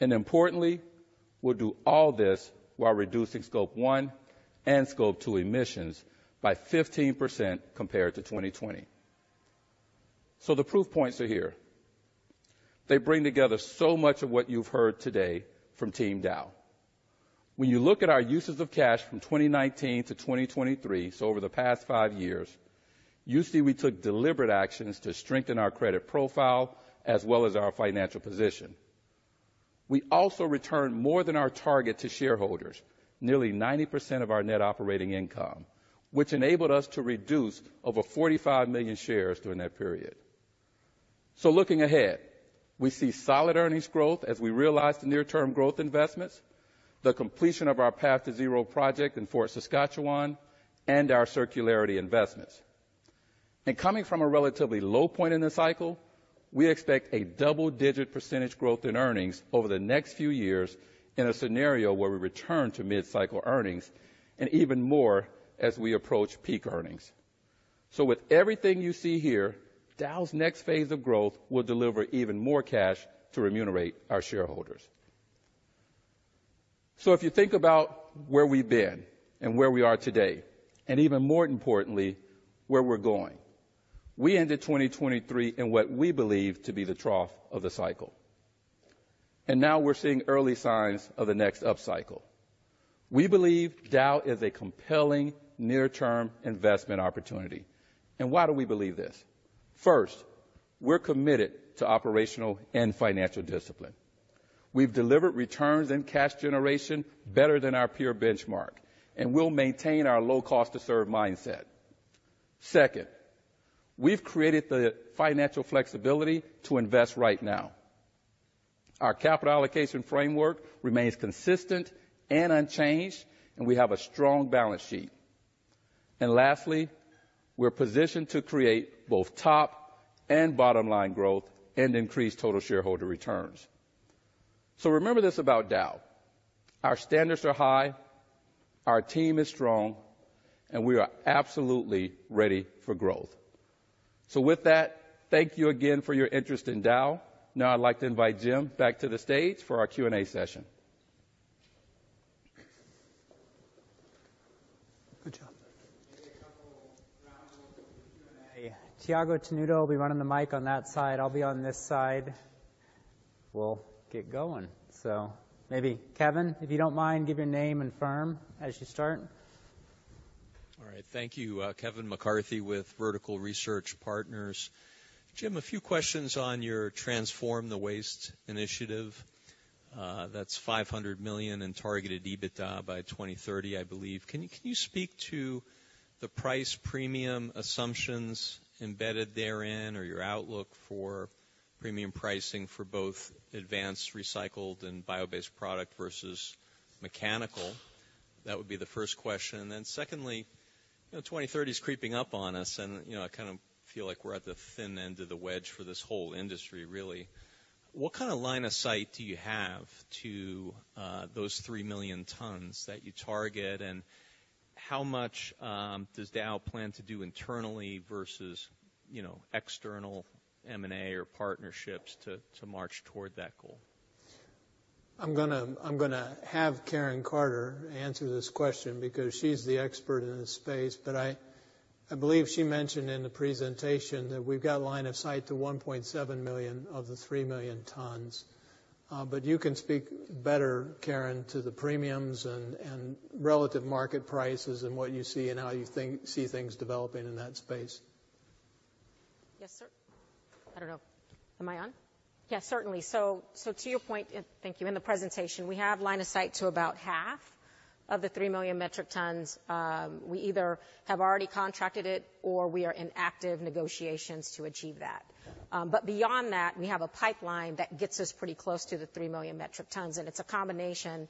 And importantly, we'll do all this while reducing Scope 1 and Scope 2 emissions by 15% compared to 2020. The proof points are here. They bring together so much of what you've heard today from Team Dow. When you look at our uses of cash from 2019 to 2023, so over the past 5 years, you see we took deliberate actions to strengthen our credit profile as well as our financial position. We also returned more than our target to shareholders, nearly 90% of our net operating income, which enabled us to reduce over 45 million shares during that period. Looking ahead, we see solid earnings growth as we realize the near-term growth investments, the completion of our Path to Zero project in Fort Saskatchewan, and our circularity investments. Coming from a relatively low point in the cycle, we expect double-digit % growth in earnings over the next few years in a scenario where we return to mid-cycle earnings, and even more as we approach peak earnings. With everything you see here, Dow's next phase of growth will deliver even more cash to remunerate our shareholders. If you think about where we've been and where we are today, and even more importantly, where we're going, we ended 2023 in what we believe to be the trough of the cycle, and now we're seeing early signs of the next upcycle. We believe Dow is a compelling near-term investment opportunity. Why do we believe this? First, we're committed to operational and financial discipline. We've delivered returns and cash generation better than our peer benchmark, and we'll maintain our low cost to serve mindset. Second, we've created the financial flexibility to invest right now. Our capital allocation framework remains consistent and unchanged, and we have a strong balance sheet. Lastly, we're positioned to create both top and bottom-line growth and increase total shareholder returns. So remember this about Dow: our standards are high, our team is strong, and we are absolutely ready for growth. So with that, thank you again for your interest in Dow. Now I'd like to invite Jim back to the stage for our Q&A session. Good job. Maybe a couple rounds of Q&A. Thiago Tenuto will be running the mic on that side. I'll be on this side. We'll get going. So maybe, Kevin, if you don't mind, give your name and firm as you start. All right. Thank you. Kevin McCarthy with Vertical Research Partners. Jim, a few questions on your Transform the Waste initiative. That's $500 million in targeted EBITDA by 2030, I believe. Can you, can you speak to the price premium assumptions embedded therein or your outlook for premium pricing for both advanced, recycled, and bio-based product versus mechanical? That would be the first question. And then secondly, you know, 2030 is creeping up on us, and, you know, I kind of feel like we're at the thin end of the wedge for this whole industry, really. What kind of line of sight do you have to those 3 million tons that you target, and how much does Dow plan to do internally versus, you know, external M&A or partnerships to march toward that goal? I'm gonna have Karen Carter answer this question because she's the expert in this space. But I believe she mentioned in the presentation that we've got line of sight to 1.7 million of the 3 million tons. But you can speak better, Karen, to the premiums and relative market prices and what you see and how you think, see things developing in that space.... Yes, sir. I don't know, am I on? Yeah, certainly. So to your point, thank you, in the presentation, we have line of sight to about half of the 3 million metric tons. We either have already contracted it or we are in active negotiations to achieve that. But beyond that, we have a pipeline that gets us pretty close to the 3 million metric tons, and it's a combination of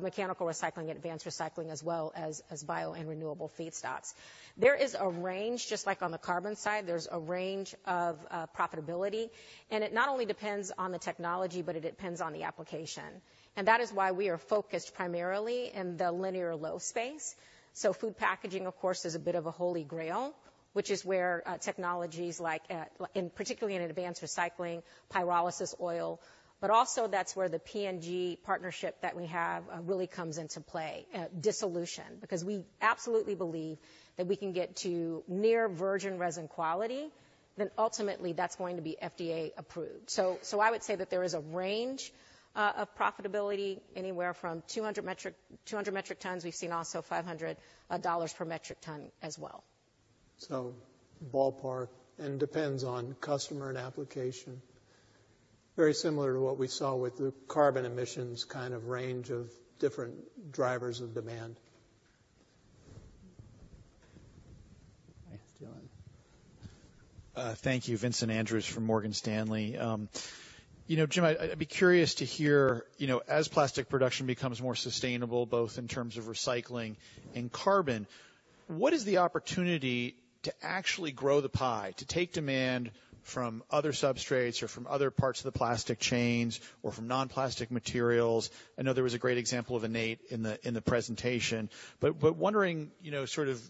mechanical recycling and advanced recycling, as well as bio and renewable feedstocks. There is a range, just like on the carbon side, there's a range of profitability, and it not only depends on the technology, but it depends on the application. And that is why we are focused primarily in the linear low space. So food packaging, of course, is a bit of a holy grail, which is where technologies like, particularly in advanced recycling, pyrolysis oil, but also that's where the P&G partnership that we have really comes into play, dissolution. Because we absolutely believe that we can get to near virgin resin quality, then ultimately that's going to be FDA approved. So I would say that there is a range of profitability, anywhere from $200-$500 per metric ton as well. So, ballpark, and depends on customer and application. Very similar to what we saw with the carbon emissions kind of range of different drivers of demand. Thanks, Dylan. Thank you. Vincent Andrews from Morgan Stanley. You know, Jim, I'd be curious to hear, you know, as plastic production becomes more sustainable, both in terms of recycling and carbon, what is the opportunity to actually grow the pie, to take demand from other substrates or from other parts of the plastic chains or from non-plastic materials? I know there was a great example of INNATE in the presentation, but wondering, you know, sort of,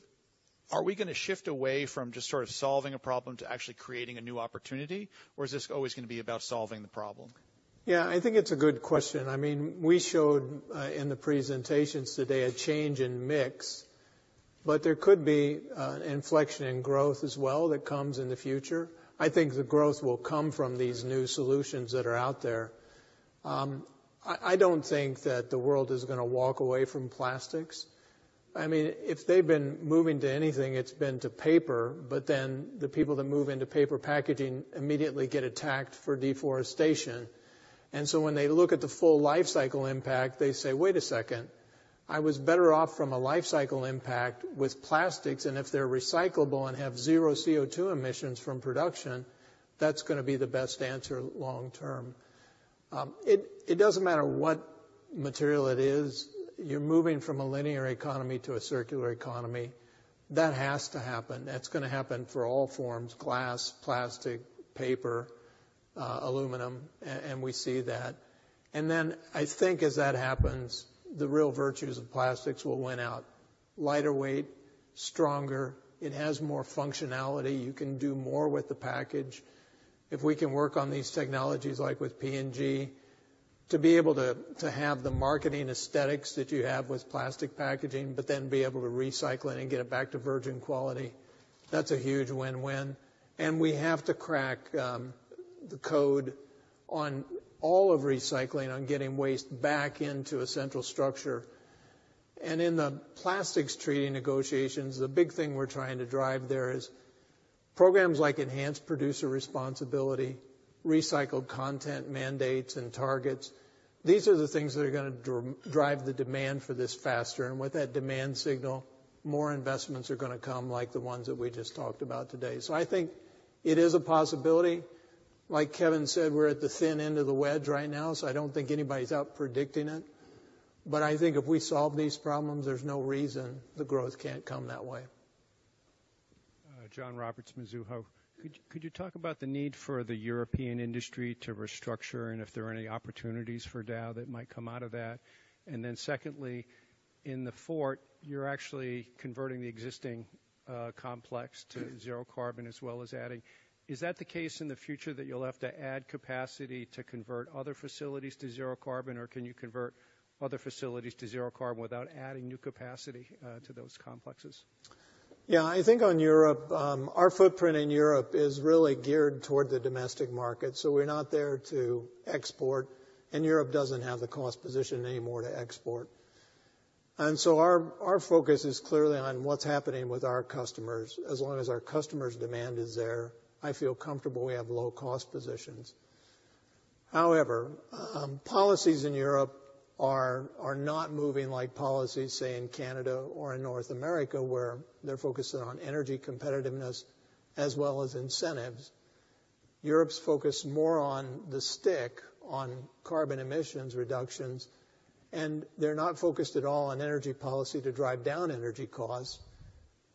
are we gonna shift away from just sort of solving a problem to actually creating a new opportunity, or is this always gonna be about solving the problem? Yeah, I think it's a good question. I mean, we showed in the presentations today a change in mix, but there could be an inflection in growth as well that comes in the future. I think the growth will come from these new solutions that are out there. I don't think that the world is gonna walk away from plastics. I mean, if they've been moving to anything, it's been to paper, but then the people that move into paper packaging immediately get attacked for deforestation. And so when they look at the full lifecycle impact, they say, "Wait a second, I was better off from a lifecycle impact with plastics, and if they're recyclable and have zero CO2 emissions from production, that's gonna be the best answer long term." It doesn't matter what material it is, you're moving from a linear economy to a circular economy. That has to happen. That's gonna happen for all forms, glass, plastic, paper, aluminum, and we see that. And then I think as that happens, the real virtues of plastics will win out. Lighter weight, stronger, it has more functionality. You can do more with the package. If we can work on these technologies, like with P&G, to be able to, to have the marketing aesthetics that you have with plastic packaging, but then be able to recycle it and get it back to virgin quality, that's a huge win-win. We have to crack the code on all of recycling, on getting waste back into a central structure. In the plastics treaty negotiations, the big thing we're trying to drive there is programs like enhanced producer responsibility, recycled content mandates and targets. These are the things that are gonna drive the demand for this faster. With that demand signal, more investments are gonna come, like the ones that we just talked about today. I think it is a possibility. Like Kevin said, we're at the thin end of the wedge right now, so I don't think anybody's out predicting it. But I think if we solve these problems, there's no reason the growth can't come that way. John Roberts, Mizuho. Could you talk about the need for the European industry to restructure and if there are any opportunities for Dow that might come out of that? And then secondly, in the Fort, you're actually converting the existing complex to zero carbon as well as adding. Is that the case in the future, that you'll have to add capacity to convert other facilities to zero carbon, or can you convert other facilities to zero carbon without adding new capacity to those complexes? Yeah, I think on Europe, our footprint in Europe is really geared toward the domestic market, so we're not there to export, and Europe doesn't have the cost position anymore to export. And so our focus is clearly on what's happening with our customers. As long as our customers' demand is there, I feel comfortable we have low cost positions. However, policies in Europe are not moving like policies, say, in Canada or in North America, where they're focusing on energy competitiveness as well as incentives. Europe's focused more on the stick on carbon emissions reductions, and they're not focused at all on energy policy to drive down energy costs.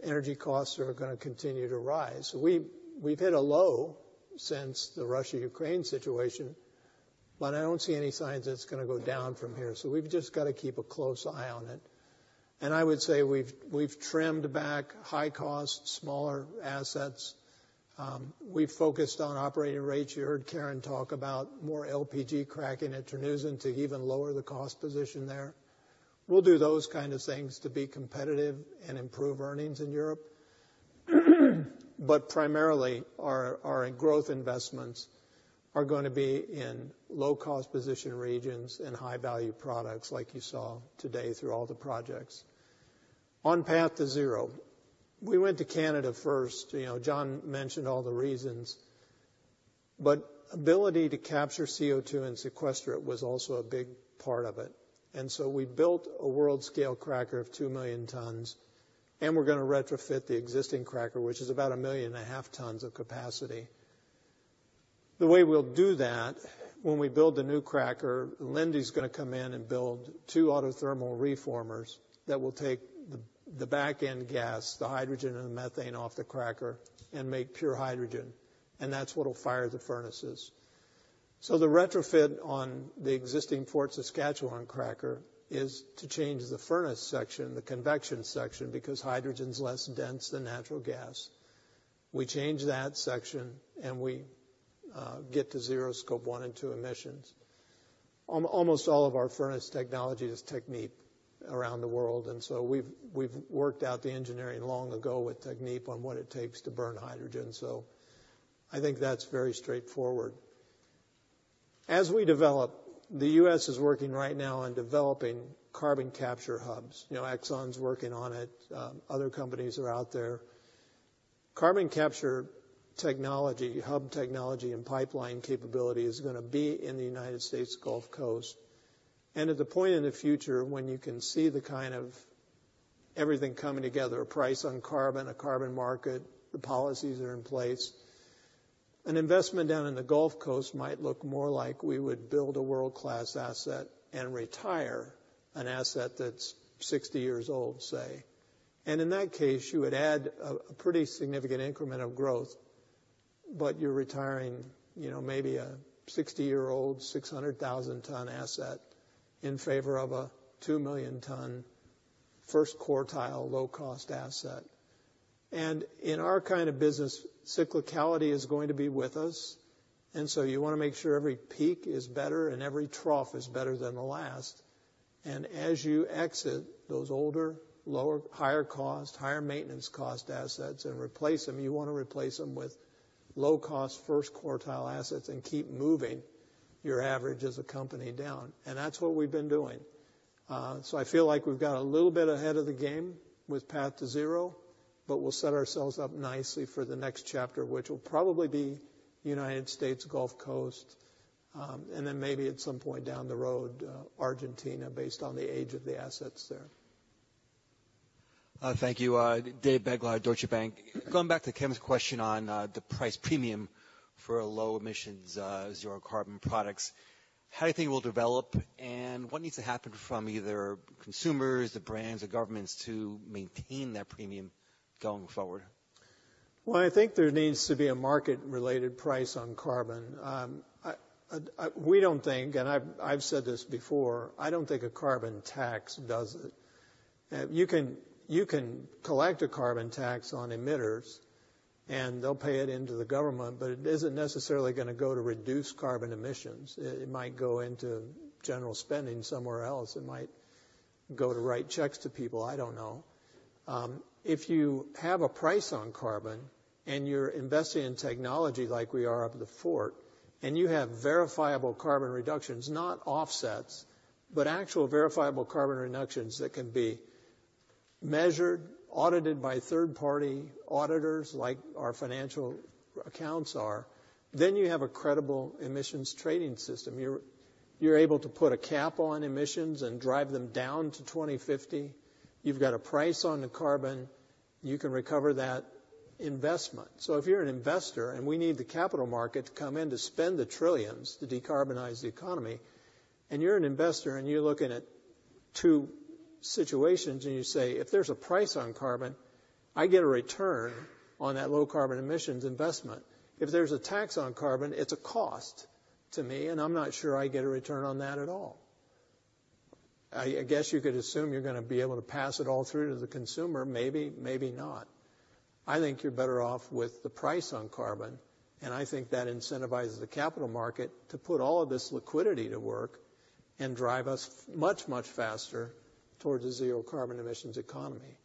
Energy costs are gonna continue to rise. We've hit a low since the Russia-Ukraine situation, but I don't see any signs it's gonna go down from here, so we've just got to keep a close eye on it. And I would say we've trimmed back high-cost, smaller assets. We've focused on operating rates. You heard Karen talk about more LPG cracking at Terneuzen to even lower the cost position there. We'll do those kind of things to be competitive and improve earnings in Europe. But primarily, our growth investments are gonna be in low-cost position regions and high-value products like you saw today through all the projects.... On Path to Zero, we went to Canada first. You know, John mentioned all the reasons, but ability to capture CO₂ and sequester it was also a big part of it. And so we built a world-scale cracker of 2 million tons, and we're gonna retrofit the existing cracker, which is about 1.5 million tons of capacity. The way we'll do that, when we build the new cracker, Linde's gonna come in and build 2 autothermal reformers that will take the back-end gas, the hydrogen and the methane, off the cracker and make pure hydrogen, and that's what'll fire the furnaces. So the retrofit on the existing Fort Saskatchewan cracker is to change the furnace section, the convection section, because hydrogen's less dense than natural gas. We change that section, and we get to zero Scope 1 and 2 emissions. Almost all of our furnace technology is Technip around the world, and so we've worked out the engineering long ago with Technip on what it takes to burn hydrogen, so I think that's very straightforward. As we develop, the U.S. is working right now on developing carbon capture hubs. You know, Exxon's working on it, other companies are out there. Carbon capture technology, hub technology, and pipeline capability is gonna be in the U.S. Gulf Coast. And at the point in the future when you can see the kind of everything coming together, a price on carbon, a carbon market, the policies are in place, an investment down in the Gulf Coast might look more like we would build a world-class asset and retire an asset that's 60 years old, say. And in that case, you would add a, a pretty significant increment of growth, but you're retiring, you know, maybe a 60-year-old, 600,000-ton asset in favor of a 2 million-ton, first quartile, low-cost asset. In our kind of business, cyclicality is going to be with us, and so you wanna make sure every peak is better and every trough is better than the last. As you exit those older, higher cost, higher maintenance cost assets and replace them, you wanna replace them with low-cost, first quartile assets and keep moving your average as a company down. That's what we've been doing. So I feel like we've got a little bit ahead of the game with Path to Zero, but we'll set ourselves up nicely for the next chapter, which will probably be United States Gulf Coast, and then maybe at some point down the road, Argentina, based on the age of the assets there. Thank you. David Begleiter, Deutsche Bank. Going back to Kim's question on the price premium for low-emissions, zero-carbon products, how do you think it will develop, and what needs to happen from either consumers, the brands, or governments to maintain that premium going forward? Well, I think there needs to be a market-related price on carbon. We don't think, and I've said this before, I don't think a carbon tax does it. You can collect a carbon tax on emitters, and they'll pay it into the government, but it isn't necessarily gonna go to reduce carbon emissions. It might go into general spending somewhere else. It might go to write checks to people, I don't know. If you have a price on carbon and you're investing in technology like we are up at the Fort, and you have verifiable carbon reductions, not offsets, but actual verifiable carbon reductions that can be measured, audited by third party auditors like our financial accounts are, then you have a credible emissions trading system. You're able to put a cap on emissions and drive them down to 2050. You've got a price on the carbon, you can recover that investment. So if you're an investor, and we need the capital market to come in to spend the trillions to decarbonize the economy, and you're an investor, and you're looking at two situations, and you say, "If there's a price on carbon, I get a return on that low carbon emissions investment. If there's a tax on carbon, it's a cost to me, and I'm not sure I get a return on that at all." I guess you could assume you're gonna be able to pass it all through to the consumer, maybe, maybe not. I think you're better off with the price on carbon, and I think that incentivizes the capital market to put all of this liquidity to work and drive us much, much faster towards a zero carbon emissions economy.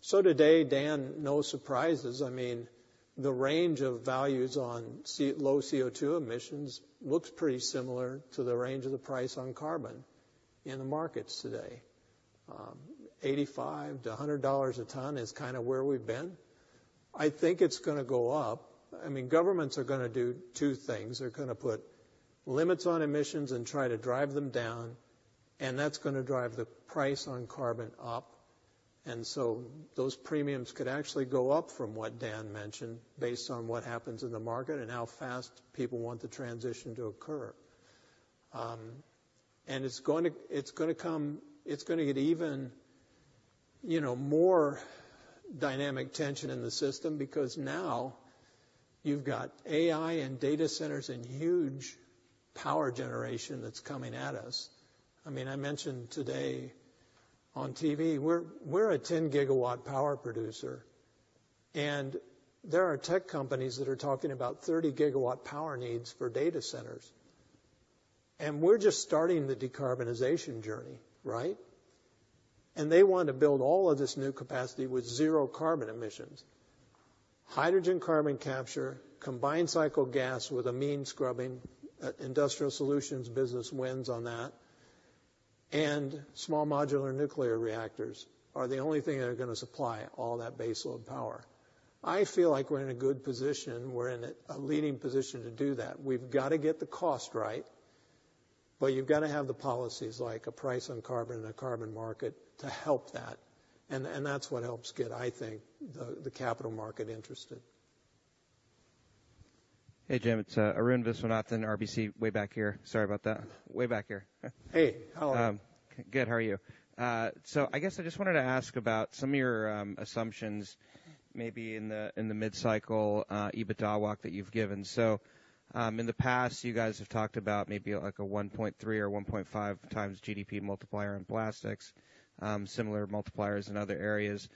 So today, Dan, no surprises. I mean, the range of values on C- low CO₂ emissions looks pretty similar to the range of the price on carbon in the markets today. Eighty-five to a hundred dollars a ton is kind of where we've been. I think it's gonna go up. I mean, governments are gonna do two things. They're gonna put limits on emissions and try to drive them down, and that's gonna drive the price on carbon up. And so those premiums could actually go up from what Dan mentioned, based on what happens in the market and how fast people want the transition to occur. And it's gonna get even, you know, more dynamic tension in the system because now you've got AI and data centers and huge power generation that's coming at us. I mean, I mentioned today on TV, we're, we're a 10-gigawatt power producer, and there are tech companies that are talking about 30-gigawatt power needs for data centers. And we're just starting the decarbonization journey, right? And they want to build all of this new capacity with zero carbon emissions... hydrogen carbon capture, combined cycle gas with amine scrubbing, industrial solutions business wins on that, and small modular nuclear reactors are the only thing that are going to supply all that baseload power. I feel like we're in a good position. We're in a, a leading position to do that. We've got to get the cost right, but you've got to have the policies like a price on carbon and a carbon market to help that. And that's what helps get, I think, the capital market interested. Hey, Jim, it's Arun Viswanathan, RBC, way back here. Sorry about that. Way back here. Hey, how are you? Good. How are you? So I guess I just wanted to ask about some of your assumptions, maybe in the mid-cycle EBITDA walk that you've given. So, in the past, you guys have talked about maybe, like, a 1.3 or 1.5 times GDP multiplier in plastics, similar multipliers in other areas.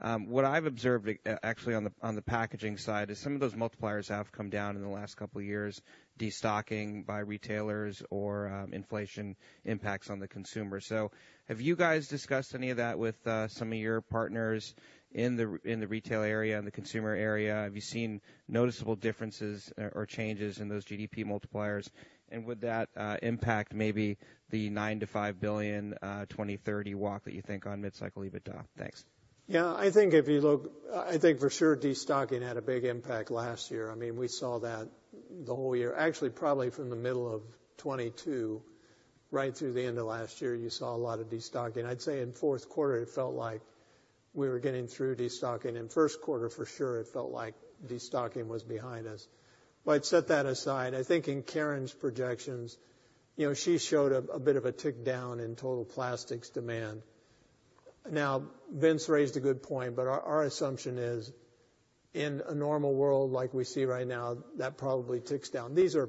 What I've observed, actually on the packaging side, is some of those multipliers have come down in the last couple of years, destocking by retailers or inflation impacts on the consumer. So have you guys discussed any of that with some of your partners in the retail area and the consumer area? Have you seen noticeable differences or changes in those GDP multipliers? Would that impact maybe the $9 billion-$5 billion 2030 walk that you think on mid-cycle EBITDA? Thanks. Yeah, I think if you look... I, I think for sure destocking had a big impact last year. I mean, we saw that the whole year. Actually, probably from the middle of 2022, right through the end of last year, you saw a lot of destocking. I'd say in fourth quarter, it felt like we were getting through destocking. In first quarter, for sure, it felt like destocking was behind us. But set that aside, I think in Karen's projections, you know, she showed a, a bit of a tick down in total plastics demand. Now, Vince raised a good point, but our, our assumption is, in a normal world like we see right now, that probably ticks down. These are,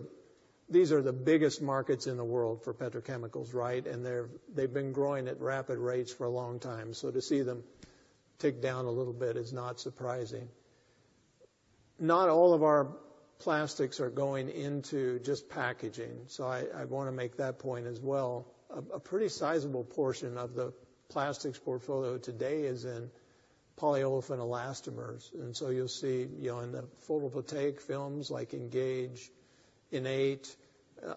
these are the biggest markets in the world for petrochemicals, right? They've been growing at rapid rates for a long time, so to see them tick down a little bit is not surprising. Not all of our plastics are going into just packaging, so I want to make that point as well. A pretty sizable portion of the plastics portfolio today is in polyolefin elastomers. And so you'll see, you know, in the photovoltaic films like Engage, Innate,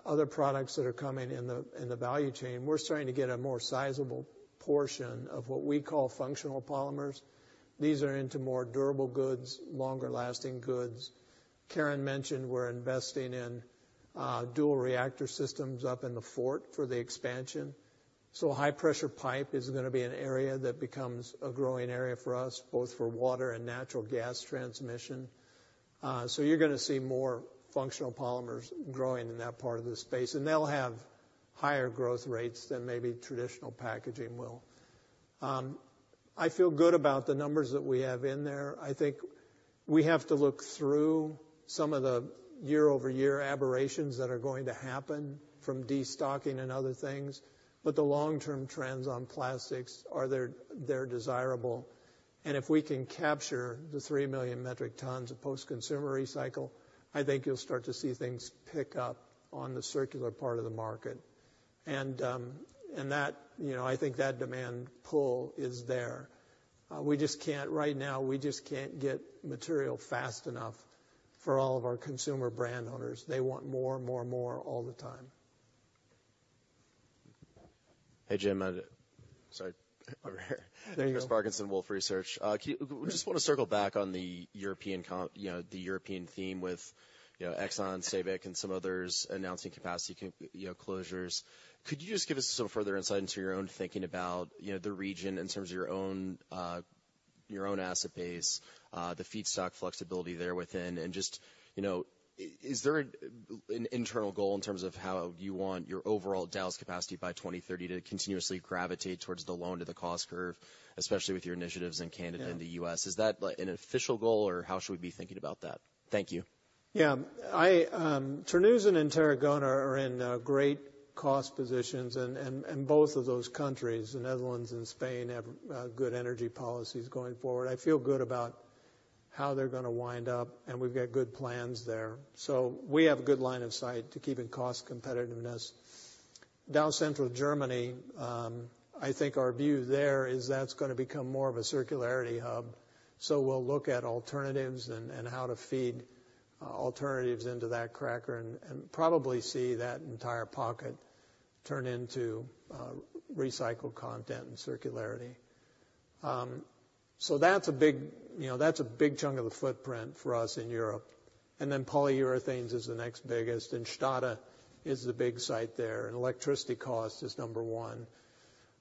other products that are coming in the value chain. We're starting to get a more sizable portion of what we call functional polymers. These are into more durable goods, longer-lasting goods. Karen mentioned we're investing in dual reactor systems up in the Fort for the expansion. So high pressure pipe is gonna be an area that becomes a growing area for us, both for water and natural gas transmission. So you're gonna see more functional polymers growing in that part of the space, and they'll have higher growth rates than maybe traditional packaging will. I feel good about the numbers that we have in there. I think we have to look through some of the year-over-year aberrations that are going to happen from destocking and other things, but the long-term trends on plastics are. They're desirable. And if we can capture the 3 million metric tons of post-consumer recycle, I think you'll start to see things pick up on the circular part of the market. And that, you know, I think that demand pull is there. We just can't, right now, we just can't get material fast enough for all of our consumer brand owners. They want more, more, more all the time. Hey, Jim. Sorry, over here. There you go. Chris Parkinson, Wolfe Research. We just want to circle back on the European, you know, the European theme with, you know, Exxon, Sabic, and some others announcing capacity, you know, closures. Could you just give us some further insight into your own thinking about, you know, the region in terms of your own, your own asset base, the feedstock flexibility there within? And just, you know, is there an, an internal goal in terms of how you want your overall Dow's capacity by 2030 to continuously gravitate towards the loan to the cost curve, especially with your initiatives in Canada- Yeah... and the U.S.? Is that, like, an official goal, or how should we be thinking about that? Thank you. Yeah, I, Terneuzen and Tarragona are in great cost positions, and both of those countries, the Netherlands and Spain, have good energy policies going forward. I feel good about how they're gonna wind up, and we've got good plans there. So we have a good line of sight to keeping cost competitiveness. Dow Central Germany, I think our view there is that's gonna become more of a circularity hub, so we'll look at alternatives and how to feed alternatives into that cracker and probably see that entire pocket turn into recycled content and circularity. So that's a big, you know, that's a big chunk of the footprint for us in Europe. And then polyurethanes is the next biggest, and Stade is the big site there, and electricity cost is number one.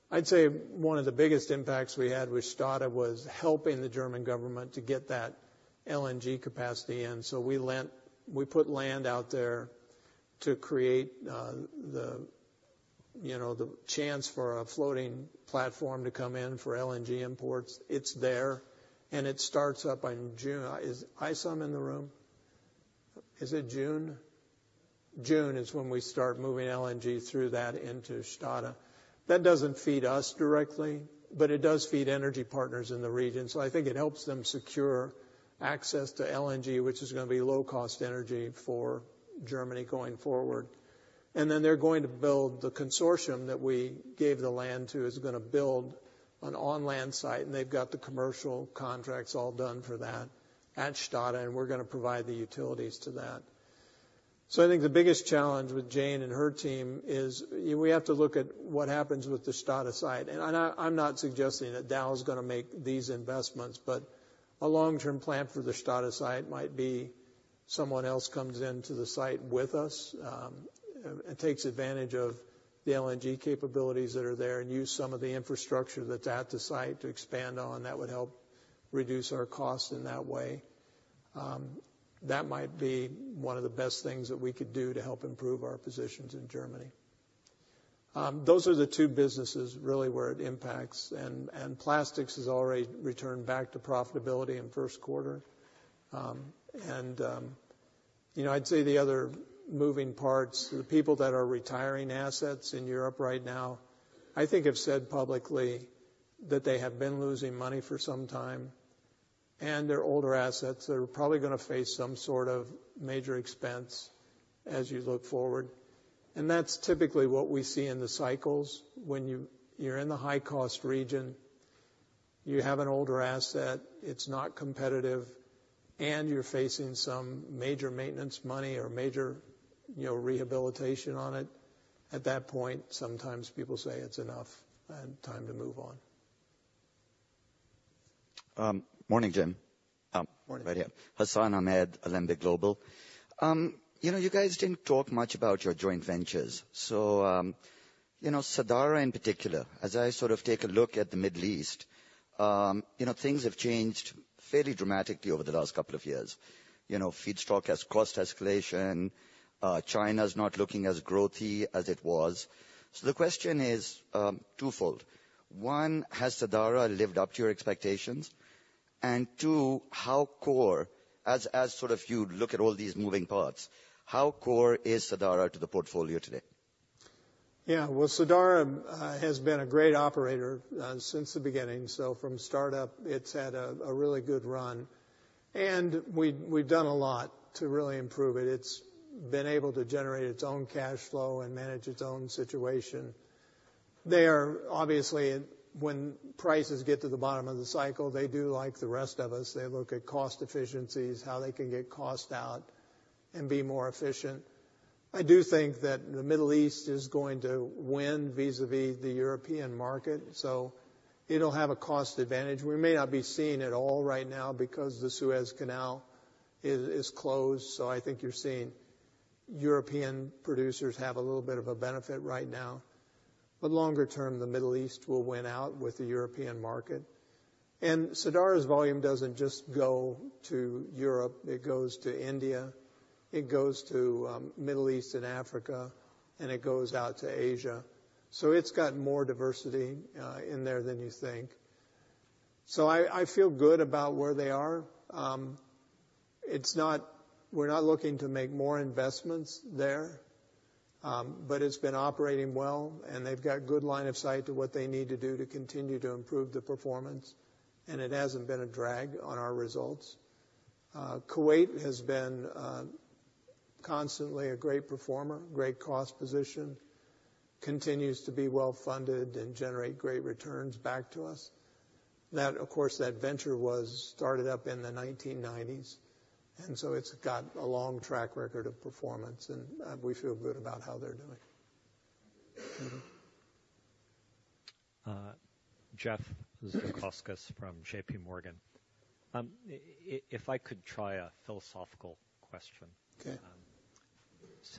I'd say one of the biggest impacts we had with Stade was helping the German government to get that LNG capacity in, so we put land out there to create, you know, the chance for a floating platform to come in for LNG imports. It's there, and it starts up in June. Is Eissam in the room? Is it June? June is when we start moving LNG through that into Stade. That doesn't feed us directly, but it does feed energy partners in the region, so I think it helps them secure access to LNG, which is gonna be low-cost energy for Germany going forward. And then the consortium that we gave the land to is gonna build an on-land site, and they've got the commercial contracts all done for that at Stade, and we're gonna provide the utilities to that. So I think the biggest challenge with Jane and her team is, we have to look at what happens with the Stade site. And I, I'm not suggesting that Dow's gonna make these investments, but a long-term plan for the Stade site might be someone else comes into the site with us, and takes advantage of the LNG capabilities that are there and use some of the infrastructure that's at the site to expand on. That would help reduce our costs in that way. That might be one of the best things that we could do to help improve our positions in Germany. Those are the two businesses really where it impacts, and plastics has already returned back to profitability in first quarter. And, you know, I'd say the other moving parts, the people that are retiring assets in Europe right now, I think have said publicly that they have been losing money for some time, and their older assets are probably gonna face some sort of major expense as you look forward. And that's typically what we see in the cycles. When you're in the high-cost region, you have an older asset, it's not competitive, and you're facing some major maintenance money or major, you know, rehabilitation on it. At that point, sometimes people say it's enough and time to move on. Morning, Jim. Morning, right here. Hassan Ahmed, Alembic Global. You know, you guys didn't talk much about your joint ventures. So, you know, Sadara in particular, as I sort of take a look at the Middle East, you know, things have changed fairly dramatically over the last couple of years. You know, feedstock has cost escalation. China's not looking as growthy as it was. So the question is, twofold. One, has Sadara lived up to your expectations? And two, how core, as, as sort of you look at all these moving parts, how core is Sadara to the portfolio today? Yeah, well, Sadara has been a great operator since the beginning. So from startup, it's had a really good run, and we, we've done a lot to really improve it. It's been able to generate its own cash flow and manage its own situation. They are obviously, when prices get to the bottom of the cycle, they do like the rest of us. They look at cost efficiencies, how they can get cost out and be more efficient. I do think that the Middle East is going to win vis-à-vis the European market, so it'll have a cost advantage. We may not be seeing it all right now because the Suez Canal is closed, so I think you're seeing European producers have a little bit of a benefit right now. But longer term, the Middle East will win out with the European market. Sadara's volume doesn't just go to Europe. It goes to India, it goes to Middle East and Africa, and it goes out to Asia. So it's got more diversity in there than you think. So I, I feel good about where they are. It's not—we're not looking to make more investments there, but it's been operating well, and they've got good line of sight to what they need to do to continue to improve the performance, and it hasn't been a drag on our results. Kuwait has been constantly a great performer, great cost position, continues to be well-funded and generate great returns back to us. That, of course, that venture was started up in the 1990s, and so it's got a long track record of performance, and we feel good about how they're doing. Jeff Zekauskas from JPMorgan. If I could try a philosophical question.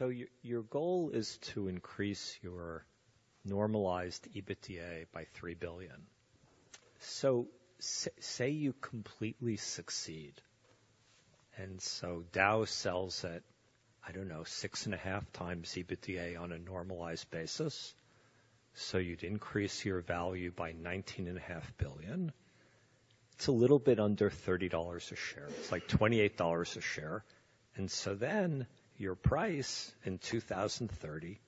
Okay. Your goal is to increase your normalized EBITDA by $3 billion. So say you completely succeed, and so Dow sells at, I don't know, 6.5x EBITDA on a normalized basis, so you'd increase your value by $19.5 billion. It's a little bit under $30 a share. It's like $28 a share. And so then your price in 2030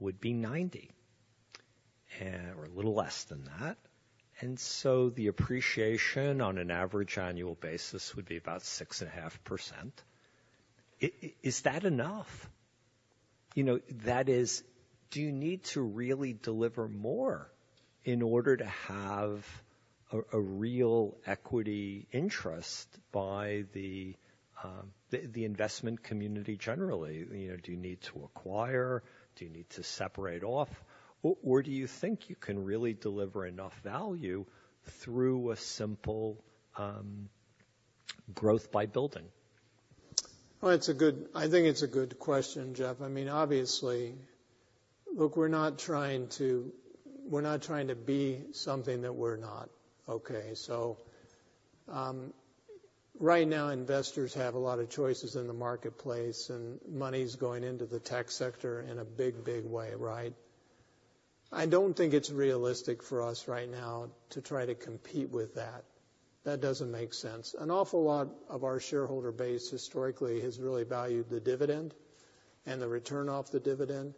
would be $90, or a little less than that. And so the appreciation on an average annual basis would be about 6.5%. Is that enough? You know, that is, do you need to really deliver more in order to have a real equity interest by the investment community generally? You know, do you need to acquire? Do you need to separate off? Or do you think you can really deliver enough value through a simple growth by building? Well, it's a good—I think it's a good question, Jeff. I mean, obviously... Look, we're not trying to, we're not trying to be something that we're not, okay? So, right now, investors have a lot of choices in the marketplace, and money is going into the tech sector in a big, big way, right? I don't think it's realistic for us right now to try to compete with that. That doesn't make sense. An awful lot of our shareholder base historically has really valued the dividend and the return off the dividend,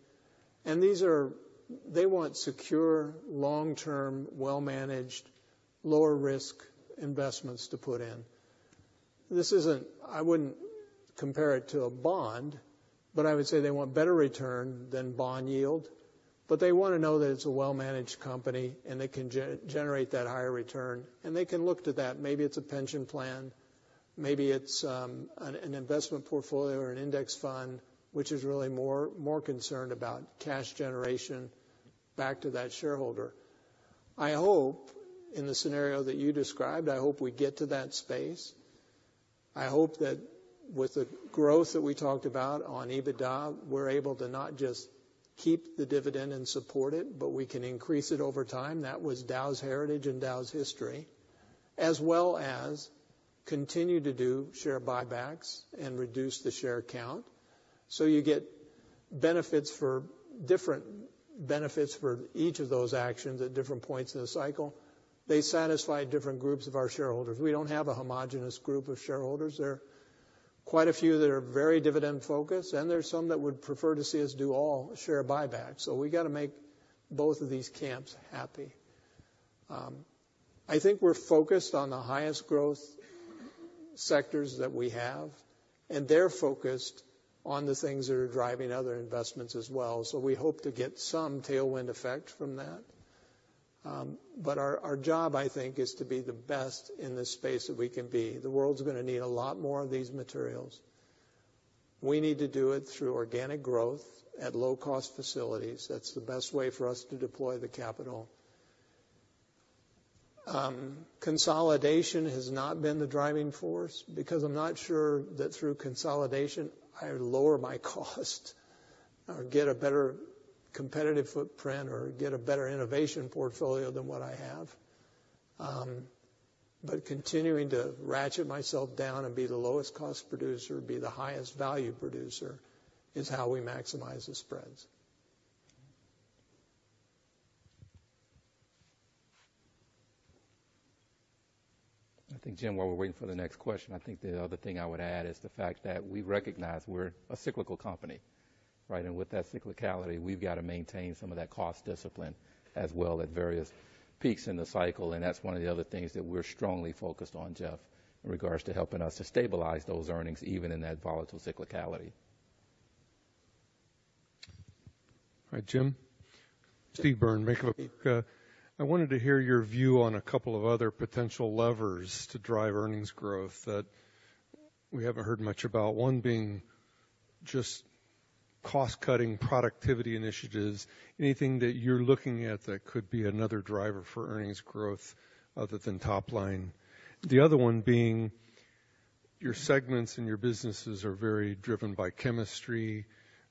and these are—they want secure, long-term, well-managed, lower-risk investments to put in.... This isn't—I wouldn't compare it to a bond, but I would say they want better return than bond yield. They wanna know that it's a well-managed company, and they can generate that higher return, and they can look to that. Maybe it's a pension plan, maybe it's an investment portfolio or an index fund, which is really more concerned about cash generation back to that shareholder. I hope, in the scenario that you described, I hope we get to that space. I hope that with the growth that we talked about on EBITDA, we're able to not just keep the dividend and support it, but we can increase it over time. That was Dow's heritage and Dow's history, as well as continue to do share buybacks and reduce the share count. So you get benefits for different benefits for each of those actions at different points in the cycle. They satisfy different groups of our shareholders. We don't have a homogeneous group of shareholders. There are quite a few that are very dividend-focused, and there's some that would prefer to see us do all share buybacks. So we gotta make both of these camps happy. I think we're focused on the highest growth sectors that we have, and they're focused on the things that are driving other investments as well, so we hope to get some tailwind effect from that. But our job, I think, is to be the best in the space that we can be. The world's gonna need a lot more of these materials. We need to do it through organic growth at low-cost facilities. That's the best way for us to deploy the capital. Consolidation has not been the driving force, because I'm not sure that through consolidation, I lower my cost or get a better competitive footprint or get a better innovation portfolio than what I have. But continuing to ratchet myself down and be the lowest cost producer, be the highest value producer, is how we maximize the spreads. I think, Jim, while we're waiting for the next question, I think the other thing I would add is the fact that we recognize we're a cyclical company, right? And with that cyclicality, we've got to maintain some of that cost discipline as well at various peaks in the cycle, and that's one of the other things that we're strongly focused on, Jeff, in regards to helping us to stabilize those earnings, even in that volatile cyclicality. Hi, Jim. Steve Byrne, Bank of America. I wanted to hear your view on a couple of other potential levers to drive earnings growth that we haven't heard much about. One being just cost-cutting, productivity initiatives, anything that you're looking at that could be another driver for earnings growth other than top line. The other one being, your segments and your businesses are very driven by chemistry.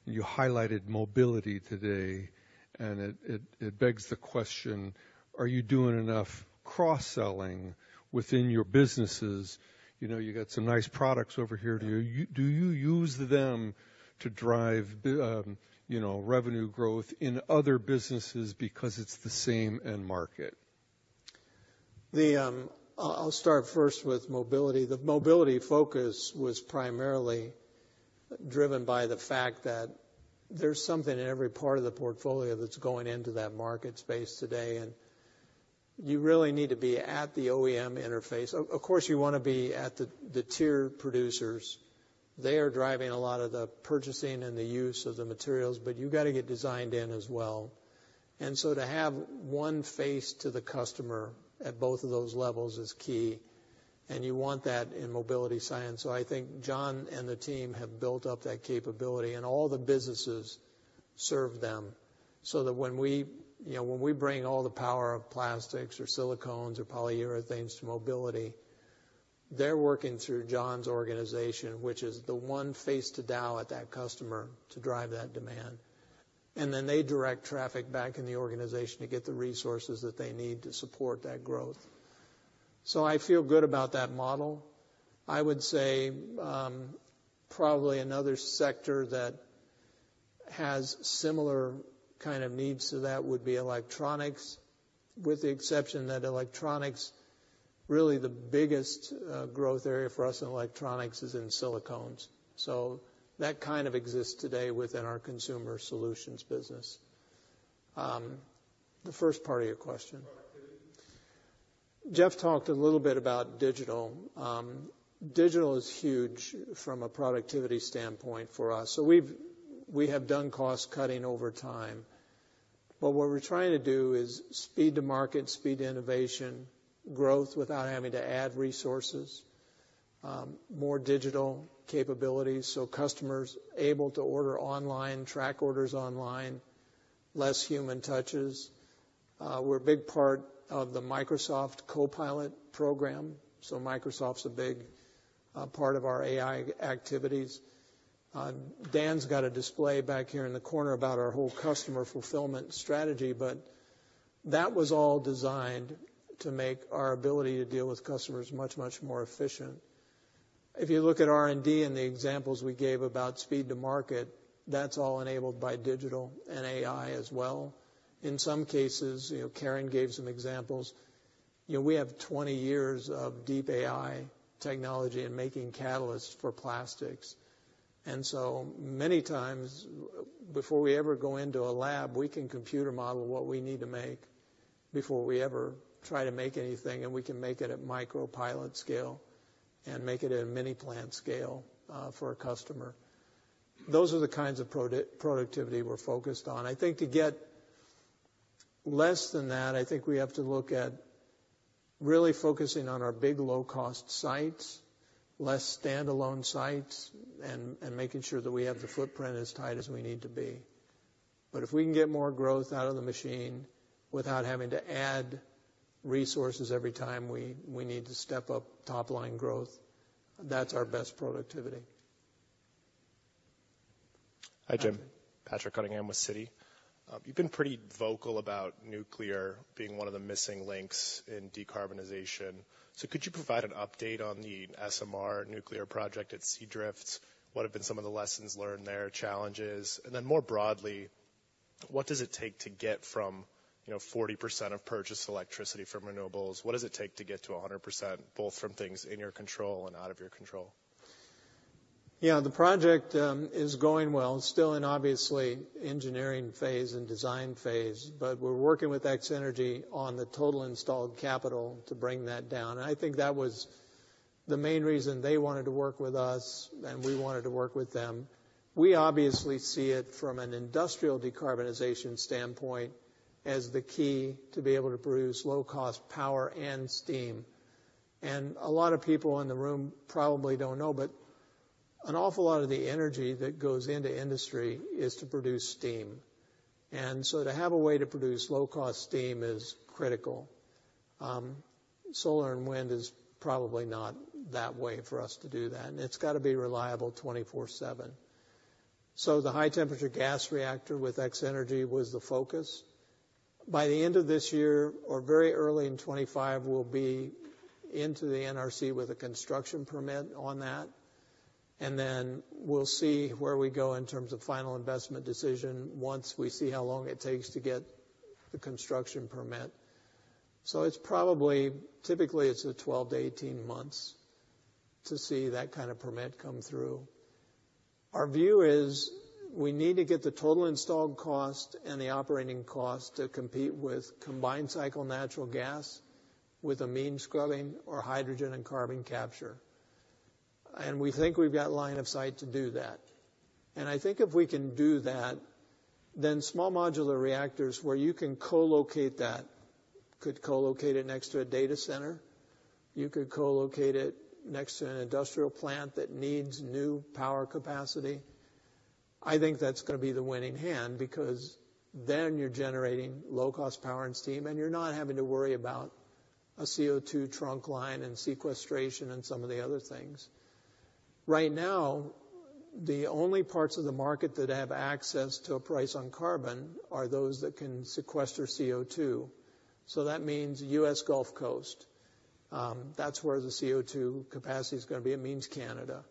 You highlighted mobility today, and it begs the question: Are you doing enough cross-selling within your businesses? You know, you got some nice products over here. Do you use them to drive the, you know, revenue growth in other businesses because it's the same end market? I'll start first with mobility. The mobility focus was primarily driven by the fact that there's something in every part of the portfolio that's going into that market space today, and you really need to be at the OEM interface. Of course, you wanna be at the tier producers. They are driving a lot of the purchasing and the use of the materials, but you gotta get designed in as well. And so to have one face to the customer at both of those levels is key, and you want that in mobility science. So I think John and the team have built up that capability, and all the businesses serve them, so that when we, you know, when we bring all the power of plastics or silicones or polyurethanes to mobility, they're working through John's organization, which is the one face to Dow at that customer, to drive that demand. And then they direct traffic back in the organization to get the resources that they need to support that growth. So I feel good about that model. I would say, probably another sector that has similar kind of needs to that would be electronics, with the exception that electronics really, the biggest growth area for us in electronics is in silicones, so that kind of exists today within our consumer solutions business. The first part of your question? Productivity. Jeff talked a little bit about digital. Digital is huge from a productivity standpoint for us. So we've done cost cutting over time. But what we're trying to do is speed to market, speed to innovation, growth without having to add resources, more digital capabilities, so customer's able to order online, track orders online, less human touches. We're a big part of the Microsoft Copilot program, so Microsoft's a big part of our AI activities. Dan's got a display back here in the corner about our whole customer fulfillment strategy, but that was all designed to make our ability to deal with customers much, much more efficient. If you look at R&D and the examples we gave about speed to market, that's all enabled by digital and AI as well. In some cases, you know, Karen gave some examples. You know, we have 20 years of deep AI technology and making catalysts for plastics. And so many times, before we ever go into a lab, we can computer model what we need to make... before we ever try to make anything, and we can make it at micro pilot scale and make it at a mini plant scale, for a customer. Those are the kinds of productivity we're focused on. I think to get less than that, I think we have to look at really focusing on our big, low-cost sites, less standalone sites, and making sure that we have the footprint as tight as we need to be. But if we can get more growth out of the machine without having to add resources every time we need to step up top line growth, that's our best productivity. Hi, Jim. Patrick Cunningham with Citi. You've been pretty vocal about nuclear being one of the missing links in decarbonization. So could you provide an update on the SMR nuclear project at Seadrift? What have been some of the lessons learned there, challenges? And then more broadly, what does it take to get from, you know, 40% of purchased electricity from renewables? What does it take to get to 100%, both from things in your control and out of your control? Yeah, the project is going well, still in obviously engineering phase and design phase. But we're working with X-energy on the total installed capital to bring that down. I think that was the main reason they wanted to work with us, and we wanted to work with them. We obviously see it from an industrial decarbonization standpoint as the key to be able to produce low-cost power and steam. And a lot of people in the room probably don't know, but an awful lot of the energy that goes into industry is to produce steam, and so to have a way to produce low-cost steam is critical. Solar and wind is probably not that way for us to do that, and it's got to be reliable 24/7. So the high-temperature gas reactor with X-energy was the focus. By the end of this year, or very early in 2025, we'll be into the NRC with a construction permit on that, and then we'll see where we go in terms of final investment decision, once we see how long it takes to get the construction permit. So it's probably... Typically, it's a 12-18 months to see that kind of permit come through. Our view is, we need to get the total installed cost and the operating cost to compete with combined cycle natural gas, with amine scrubbing or hydrogen and carbon capture, and we think we've got line of sight to do that. And I think if we can do that, then small modular reactors, where you can co-locate that, could co-locate it next to a data center, you could co-locate it next to an industrial plant that needs new power capacity. I think that's gonna be the winning hand, because then you're generating low-cost power and steam, and you're not having to worry about a CO2 trunk line and sequestration and some of the other things. Right now, the only parts of the market that have access to a price on carbon are those that can sequester CO2, so that means U.S. Gulf Coast. That's where the CO2 capacity is gonna be. It means Canada.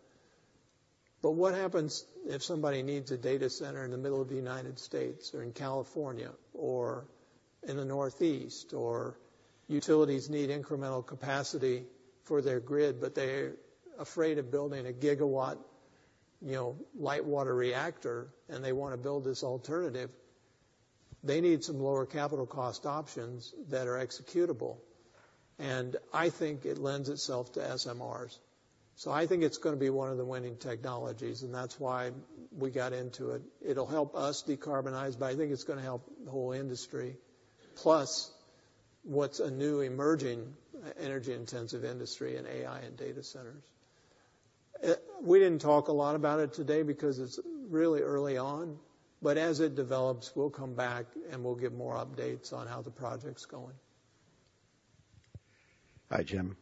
But what happens if somebody needs a data center in the middle of the United States, or in California, or in the Northeast, or utilities need incremental capacity for their grid, but they're afraid of building a gigawatt, you know, light water reactor, and they want to build this alternative? They need some lower capital cost options that are executable, and I think it lends itself to SMRs. I think it's gonna be one of the winning technologies, and that's why we got into it. It'll help us decarbonize, but I think it's gonna help the whole industry, plus what's a new emerging energy-intensive industry in AI and data centers. We didn't talk a lot about it today because it's really early on, but as it develops, we'll come back, and we'll give more updates on how the project's going. Hi, Jim.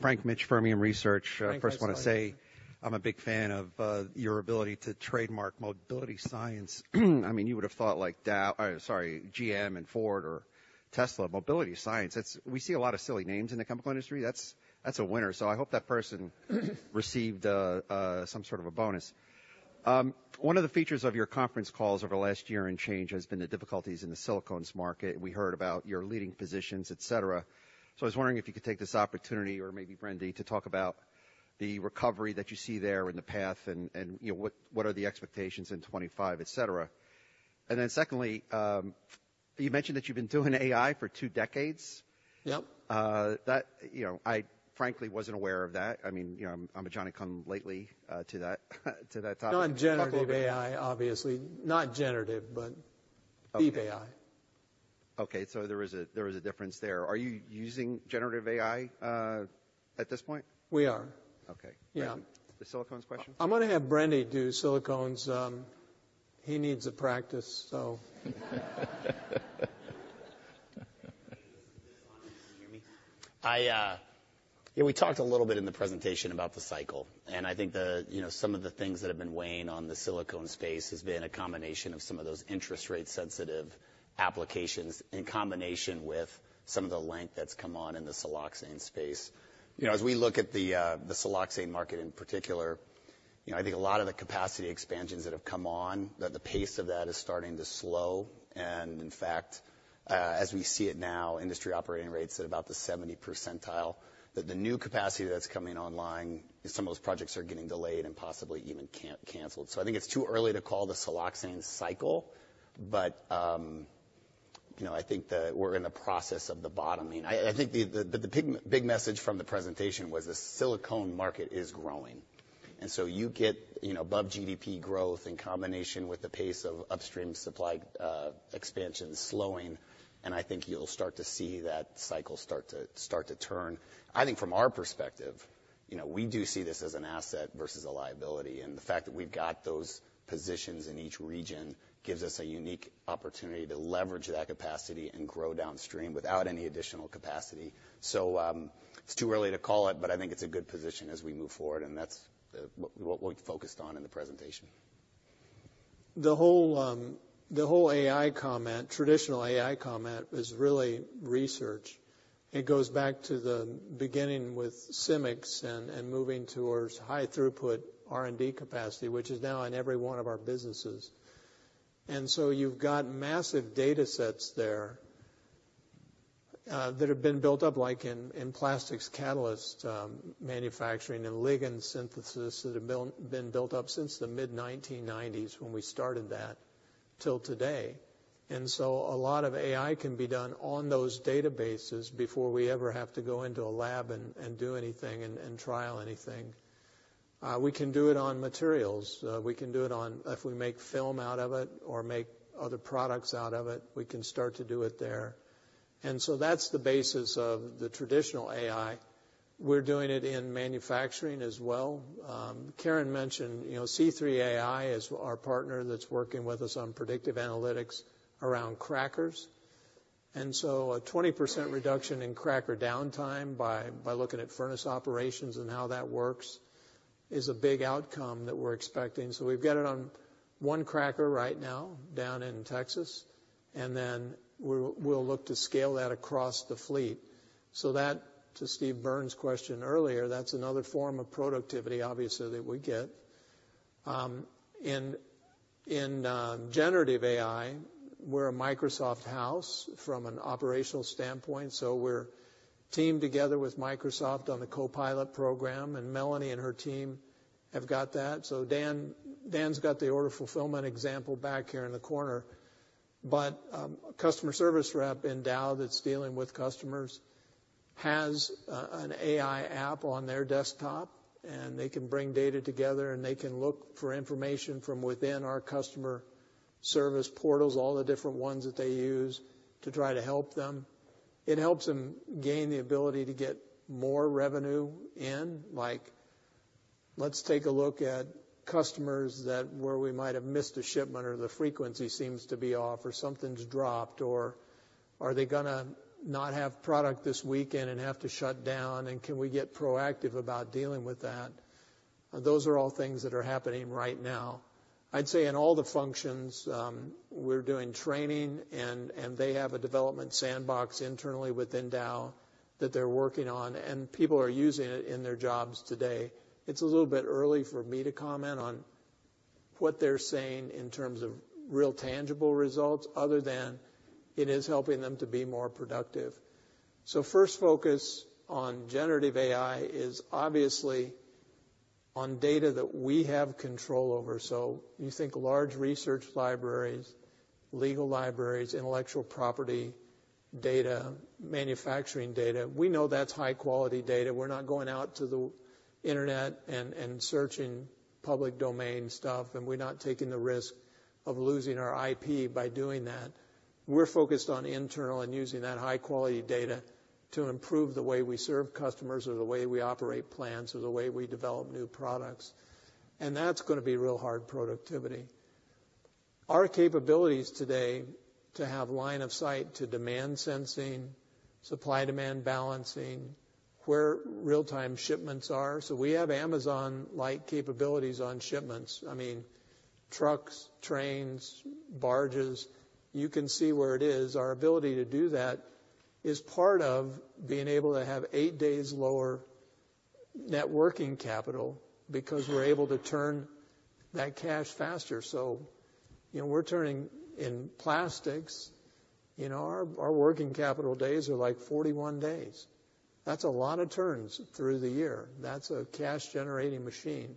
Frank Mitsch, Fermium Research. Frank, how are you? First, I want to say I'm a big fan of your ability to trademark mobility science. I mean, you would have thought like Dow... Sorry, GM and Ford or Tesla. Mobility science, it's we see a lot of silly names in the chemical industry. That's, that's a winner, so I hope that person received some sort of a bonus. One of the features of your conference calls over the last year and change has been the difficulties in the silicones market. We heard about your leading positions, et cetera. So I was wondering if you could take this opportunity, or maybe Brendy, to talk about the recovery that you see there and the path and, you know, what are the expectations in 2025, et cetera. And then secondly, you mentioned that you've been doing AI for two decades? Yep. You know, I frankly wasn't aware of that. I mean, you know, I'm a Johnny-come-lately to that topic. Not generative AI, obviously. Not generative, but- Okay. Deep AI. Okay, so there is a, there is a difference there. Are you using generative AI at this point? We are. Okay. Yeah. The silicones question? I'm gonna have Brendy do silicones. He needs the practice, so... Can you hear me? Yeah, we talked a little bit in the presentation about the cycle, and I think the, you know, some of the things that have been weighing on the silicone space has been a combination of some of those interest rate-sensitive applications, in combination with some of the length that's come on in the siloxane space. You know, as we look at the siloxane market in particular, you know, I think a lot of the capacity expansions that have come on, that the pace of that is starting to slow. And in fact, as we see it now, industry operating rates at about the 70th percentile, that the new capacity that's coming online, some of those projects are getting delayed and possibly even canceled. So I think it's too early to call the siloxane cycle, but... You know, I think that we're in the process of the bottoming. I think, but the big message from the presentation was the silicone market is growing. And so you get, you know, above GDP growth in combination with the pace of upstream supply expansion slowing, and I think you'll start to see that cycle start to turn. I think from our perspective, you know, we do see this as an asset versus a liability, and the fact that we've got those positions in each region gives us a unique opportunity to leverage that capacity and grow downstream without any additional capacity. So, it's too early to call it, but I think it's a good position as we move forward, and that's what we focused on in the presentation. The whole AI comment, traditional AI comment, is really research. It goes back to the beginning with Symyx and moving towards high throughput R&D capacity, which is now in every one of our businesses. And so you've got massive data sets there that have been built up, like in plastics catalyst manufacturing and ligand synthesis, that have been built up since the mid-1990s, when we started that, till today. And so a lot of AI can be done on those databases before we ever have to go into a lab and do anything and trial anything. We can do it on materials. We can do it on... If we make film out of it or make other products out of it, we can start to do it there. And so that's the basis of the traditional AI. We're doing it in manufacturing as well. Karen mentioned, you know, C3 AI is our partner that's working with us on predictive analytics around crackers. And so a 20% reduction in cracker downtime by looking at furnace operations and how that works is a big outcome that we're expecting. So we've got it on one cracker right now, down in Texas, and then we'll look to scale that across the fleet. So that, to Steve Byrne's question earlier, that's another form of productivity, obviously, that we get. In generative AI, we're a Microsoft house from an operational standpoint, so we're teamed together with Microsoft on the Copilot program, and Melanie and her team have got that. So Dan, Dan's got the order fulfillment example back here in the corner. A customer service rep in Dow that's dealing with customers has an AI app on their desktop, and they can bring data together, and they can look for information from within our customer service portals, all the different ones that they use, to try to help them. It helps them gain the ability to get more revenue in, like, let's take a look at customers that where we might have missed a shipment, or the frequency seems to be off, or something's dropped, or are they gonna not have product this weekend and have to shut down, and can we get proactive about dealing with that? Those are all things that are happening right now. I'd say in all the functions, we're doing training, and they have a development sandbox internally within Dow that they're working on, and people are using it in their jobs today. It's a little bit early for me to comment on what they're saying in terms of real, tangible results, other than it is helping them to be more productive. So first focus on generative AI is obviously on data that we have control over. So you think large research libraries, legal libraries, intellectual property data, manufacturing data. We know that's high quality data. We're not going out to the internet and searching public domain stuff, and we're not taking the risk of losing our IP by doing that. We're focused on internal and using that high quality data to improve the way we serve customers or the way we operate plants or the way we develop new products. That's gonna be real hard productivity. Our capabilities today to have line of sight to demand sensing, supply-demand balancing, where real-time shipments are, so we have Amazon-like capabilities on shipments. I mean, trucks, trains, barges, you can see where it is. Our ability to do that is part of being able to have 8 days lower net working capital, because we're able to turn that cash faster. So, you know, we're turning in plastics, you know, our, our working capital days are, like, 41 days. That's a lot of turns through the year. That's a cash-generating machine.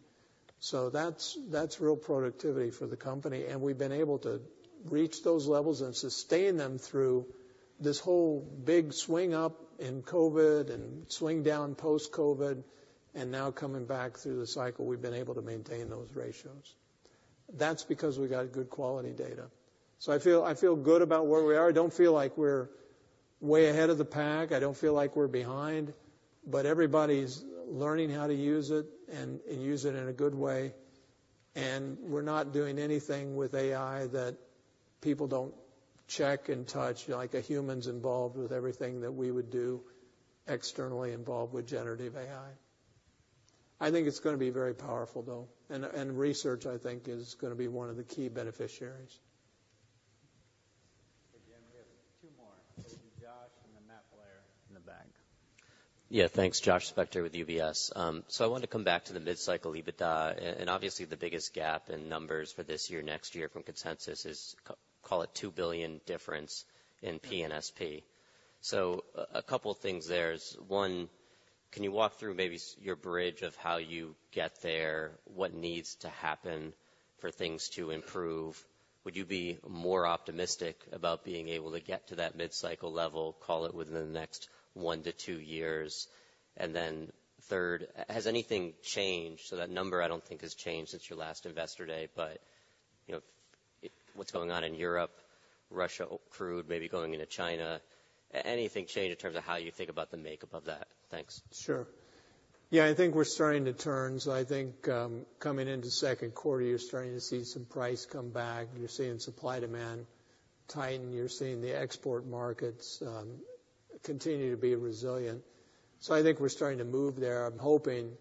So that's real productivity for the company, and we've been able to reach those levels and sustain them through this whole big swing up in COVID and swing down post-COVID, and now coming back through the cycle, we've been able to maintain those ratios. That's because we've got good quality data. So I feel good about where we are. I don't feel like we're way ahead of the pack. I don't feel like we're behind. But everybody's learning how to use it and use it in a good way. And we're not doing anything with AI that people don't check and touch, like, a human's involved with everything that we would do externally involved with generative AI. I think it's gonna be very powerful, though. And research, I think, is gonna be one of the key beneficiaries. Again, we have two more. Josh and then Matt Blair in the back. Yeah. Thanks. Josh Spector with UBS. So I wanted to come back to the mid-cycle EBITDA. And obviously, the biggest gap in numbers for this year, next year from consensus is call it $2 billion difference in PNSP. So a couple things there is, one-... Can you walk through maybe your bridge of how you get there? What needs to happen for things to improve? Would you be more optimistic about being able to get to that mid-cycle level, call it within the next 1 to 2 years? And then third, has anything changed? So that number, I don't think, has changed since your last Investor Day, but, you know, what's going on in Europe, Russia, crude, maybe going into China, anything changed in terms of how you think about the makeup of that? Thanks. Sure. Yeah, I think we're starting to turn. So I think, coming into second quarter, you're starting to see some price come back. You're seeing supply-demand tighten. You're seeing the export markets, continue to be resilient. So I think we're starting to move there. I'm hoping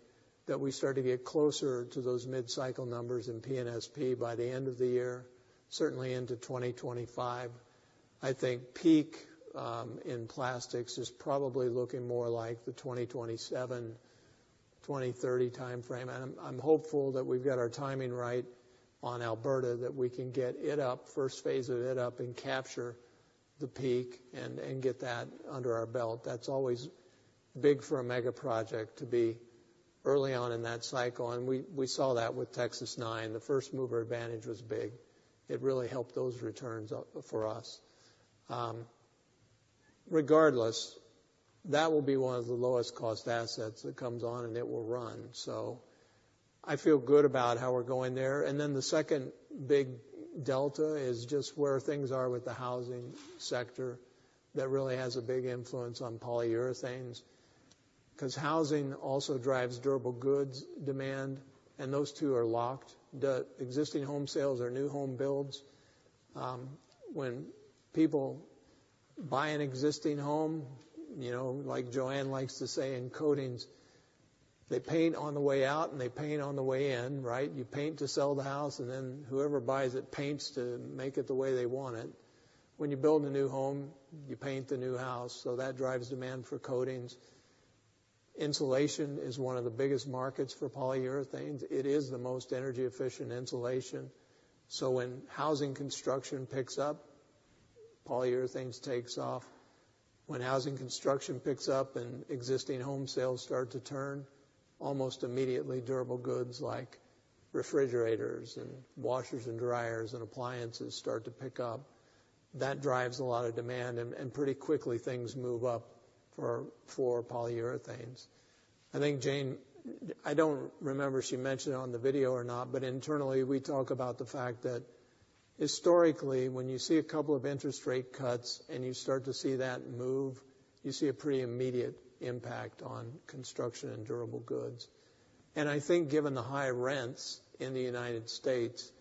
that we start to get closer to those mid-cycle numbers in PNSP by the end of the year, certainly into 2025. I think peak, in plastics is probably looking more like the 2027, 2030 timeframe. And I'm, I'm hopeful that we've got our timing right on Alberta, that we can get it up, first phase of it up, and capture the peak and, and get that under our belt. That's always big for a mega project to be early on in that cycle, and we, we saw that with Texas-9. The first mover advantage was big. It really helped those returns out for us. Regardless, that will be one of the lowest cost assets that comes on, and it will run. So I feel good about how we're going there. And then the second big delta is just where things are with the housing sector. That really has a big influence on polyurethanes, 'cause housing also drives durable goods demand, and those two are locked. The existing home sales or new home builds, when people buy an existing home, you know, like Joanne likes to say in Coatings, they paint on the way out, and they paint on the way in, right? You paint to sell the house, and then whoever buys it paints to make it the way they want it. When you build a new home, you paint the new house, so that drives demand for coatings. Insulation is one of the biggest markets for polyurethanes. It is the most energy-efficient insulation. So when housing construction picks up, polyurethanes takes off. When housing construction picks up and existing home sales start to turn, almost immediately, durable goods like refrigerators and washers and dryers and appliances start to pick up. That drives a lot of demand, and, and pretty quickly things move up for, for polyurethanes. I think Jane-- I don't remember if she mentioned it on the video or not, but internally, we talk about the fact that historically, when you see a couple of interest rate cuts and you start to see that move, you see a pretty immediate impact on construction and durable goods. I think given the high rents in the United States,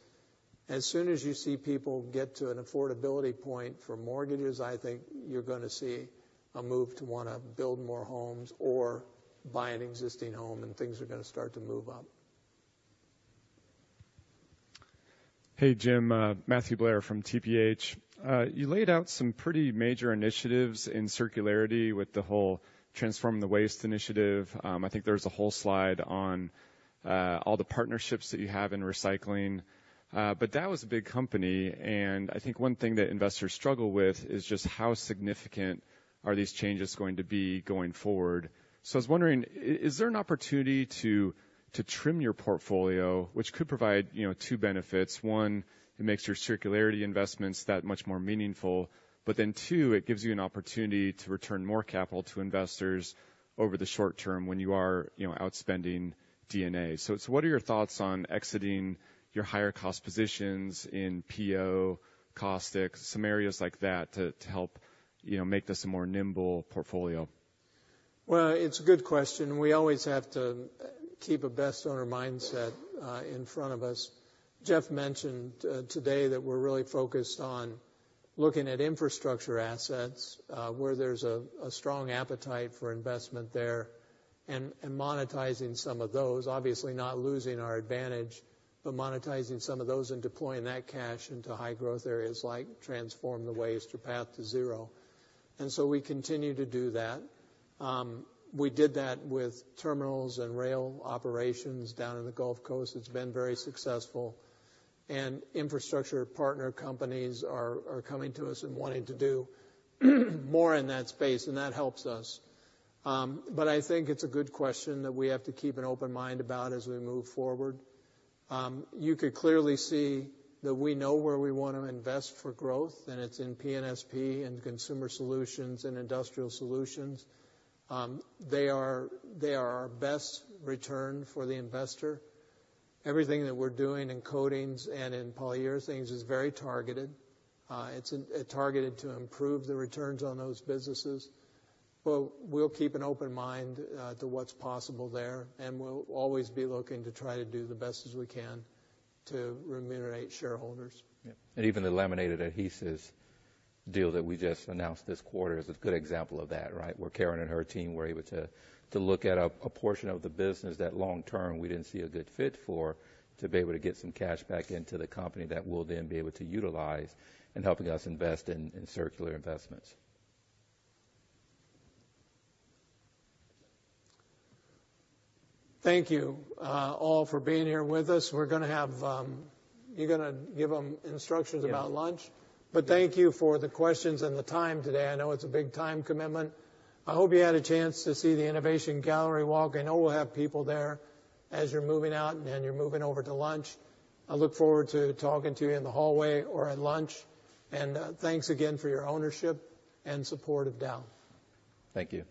as soon as you see people get to an affordability point for mortgages, I think you're gonna see a move to wanna build more homes or buy an existing home, and things are gonna start to move up. Hey, Jim, Matthew Blair from TPH. You laid out some pretty major initiatives in circularity with the whole Transform the Waste initiative. I think there's a whole slide on all the partnerships that you have in recycling, but that was a big company, and I think one thing that investors struggle with is just how significant are these changes going to be going forward? So I was wondering, is there an opportunity to trim your portfolio, which could provide, you know, two benefits? One, it makes your circularity investments that much more meaningful, but then, two, it gives you an opportunity to return more capital to investors over the short term when you are, you know, outspending DNA. So, what are your thoughts on exiting your higher cost positions in PO, caustic, some areas like that, to help, you know, make this a more nimble portfolio? Well, it's a good question. We always have to keep a best owner mindset in front of us. Jeff mentioned today that we're really focused on looking at infrastructure assets where there's a strong appetite for investment there, and monetizing some of those. Obviously, not losing our advantage, but monetizing some of those and deploying that cash into high-growth areas like Transform the Waste or Path to Zero. And so we continue to do that. We did that with terminals and rail operations down in the Gulf Coast. It's been very successful. And infrastructure partner companies are coming to us and wanting to do more in that space, and that helps us. But I think it's a good question that we have to keep an open mind about as we move forward. You could clearly see that we know where we want to invest for growth, and it's in PNSP and Consumer Solutions and Industrial Solutions. They are, they are our best return for the investor. Everything that we're doing in Coatings and in Polyurethanes is very targeted. It's targeted to improve the returns on those businesses, but we'll keep an open mind, to what's possible there, and we'll always be looking to try to do the best as we can to remunerate shareholders. Yep. And even the laminating adhesives deal that we just announced this quarter is a good example of that, right? Where Karen and her team were able to look at a portion of the business that long term we didn't see a good fit for, to be able to get some cash back into the company that we'll then be able to utilize in helping us invest in circular investments. Thank you, all for being here with us. We're gonna have... You're gonna give them instructions about lunch? Thank you for the questions and the time today. I know it's a big time commitment. I hope you had a chance to see the innovation gallery walk. I know we'll have people there as you're moving out and you're moving over to lunch. I look forward to talking to you in the hallway or at lunch. Thanks again for your ownership and support of Dow. Thank you.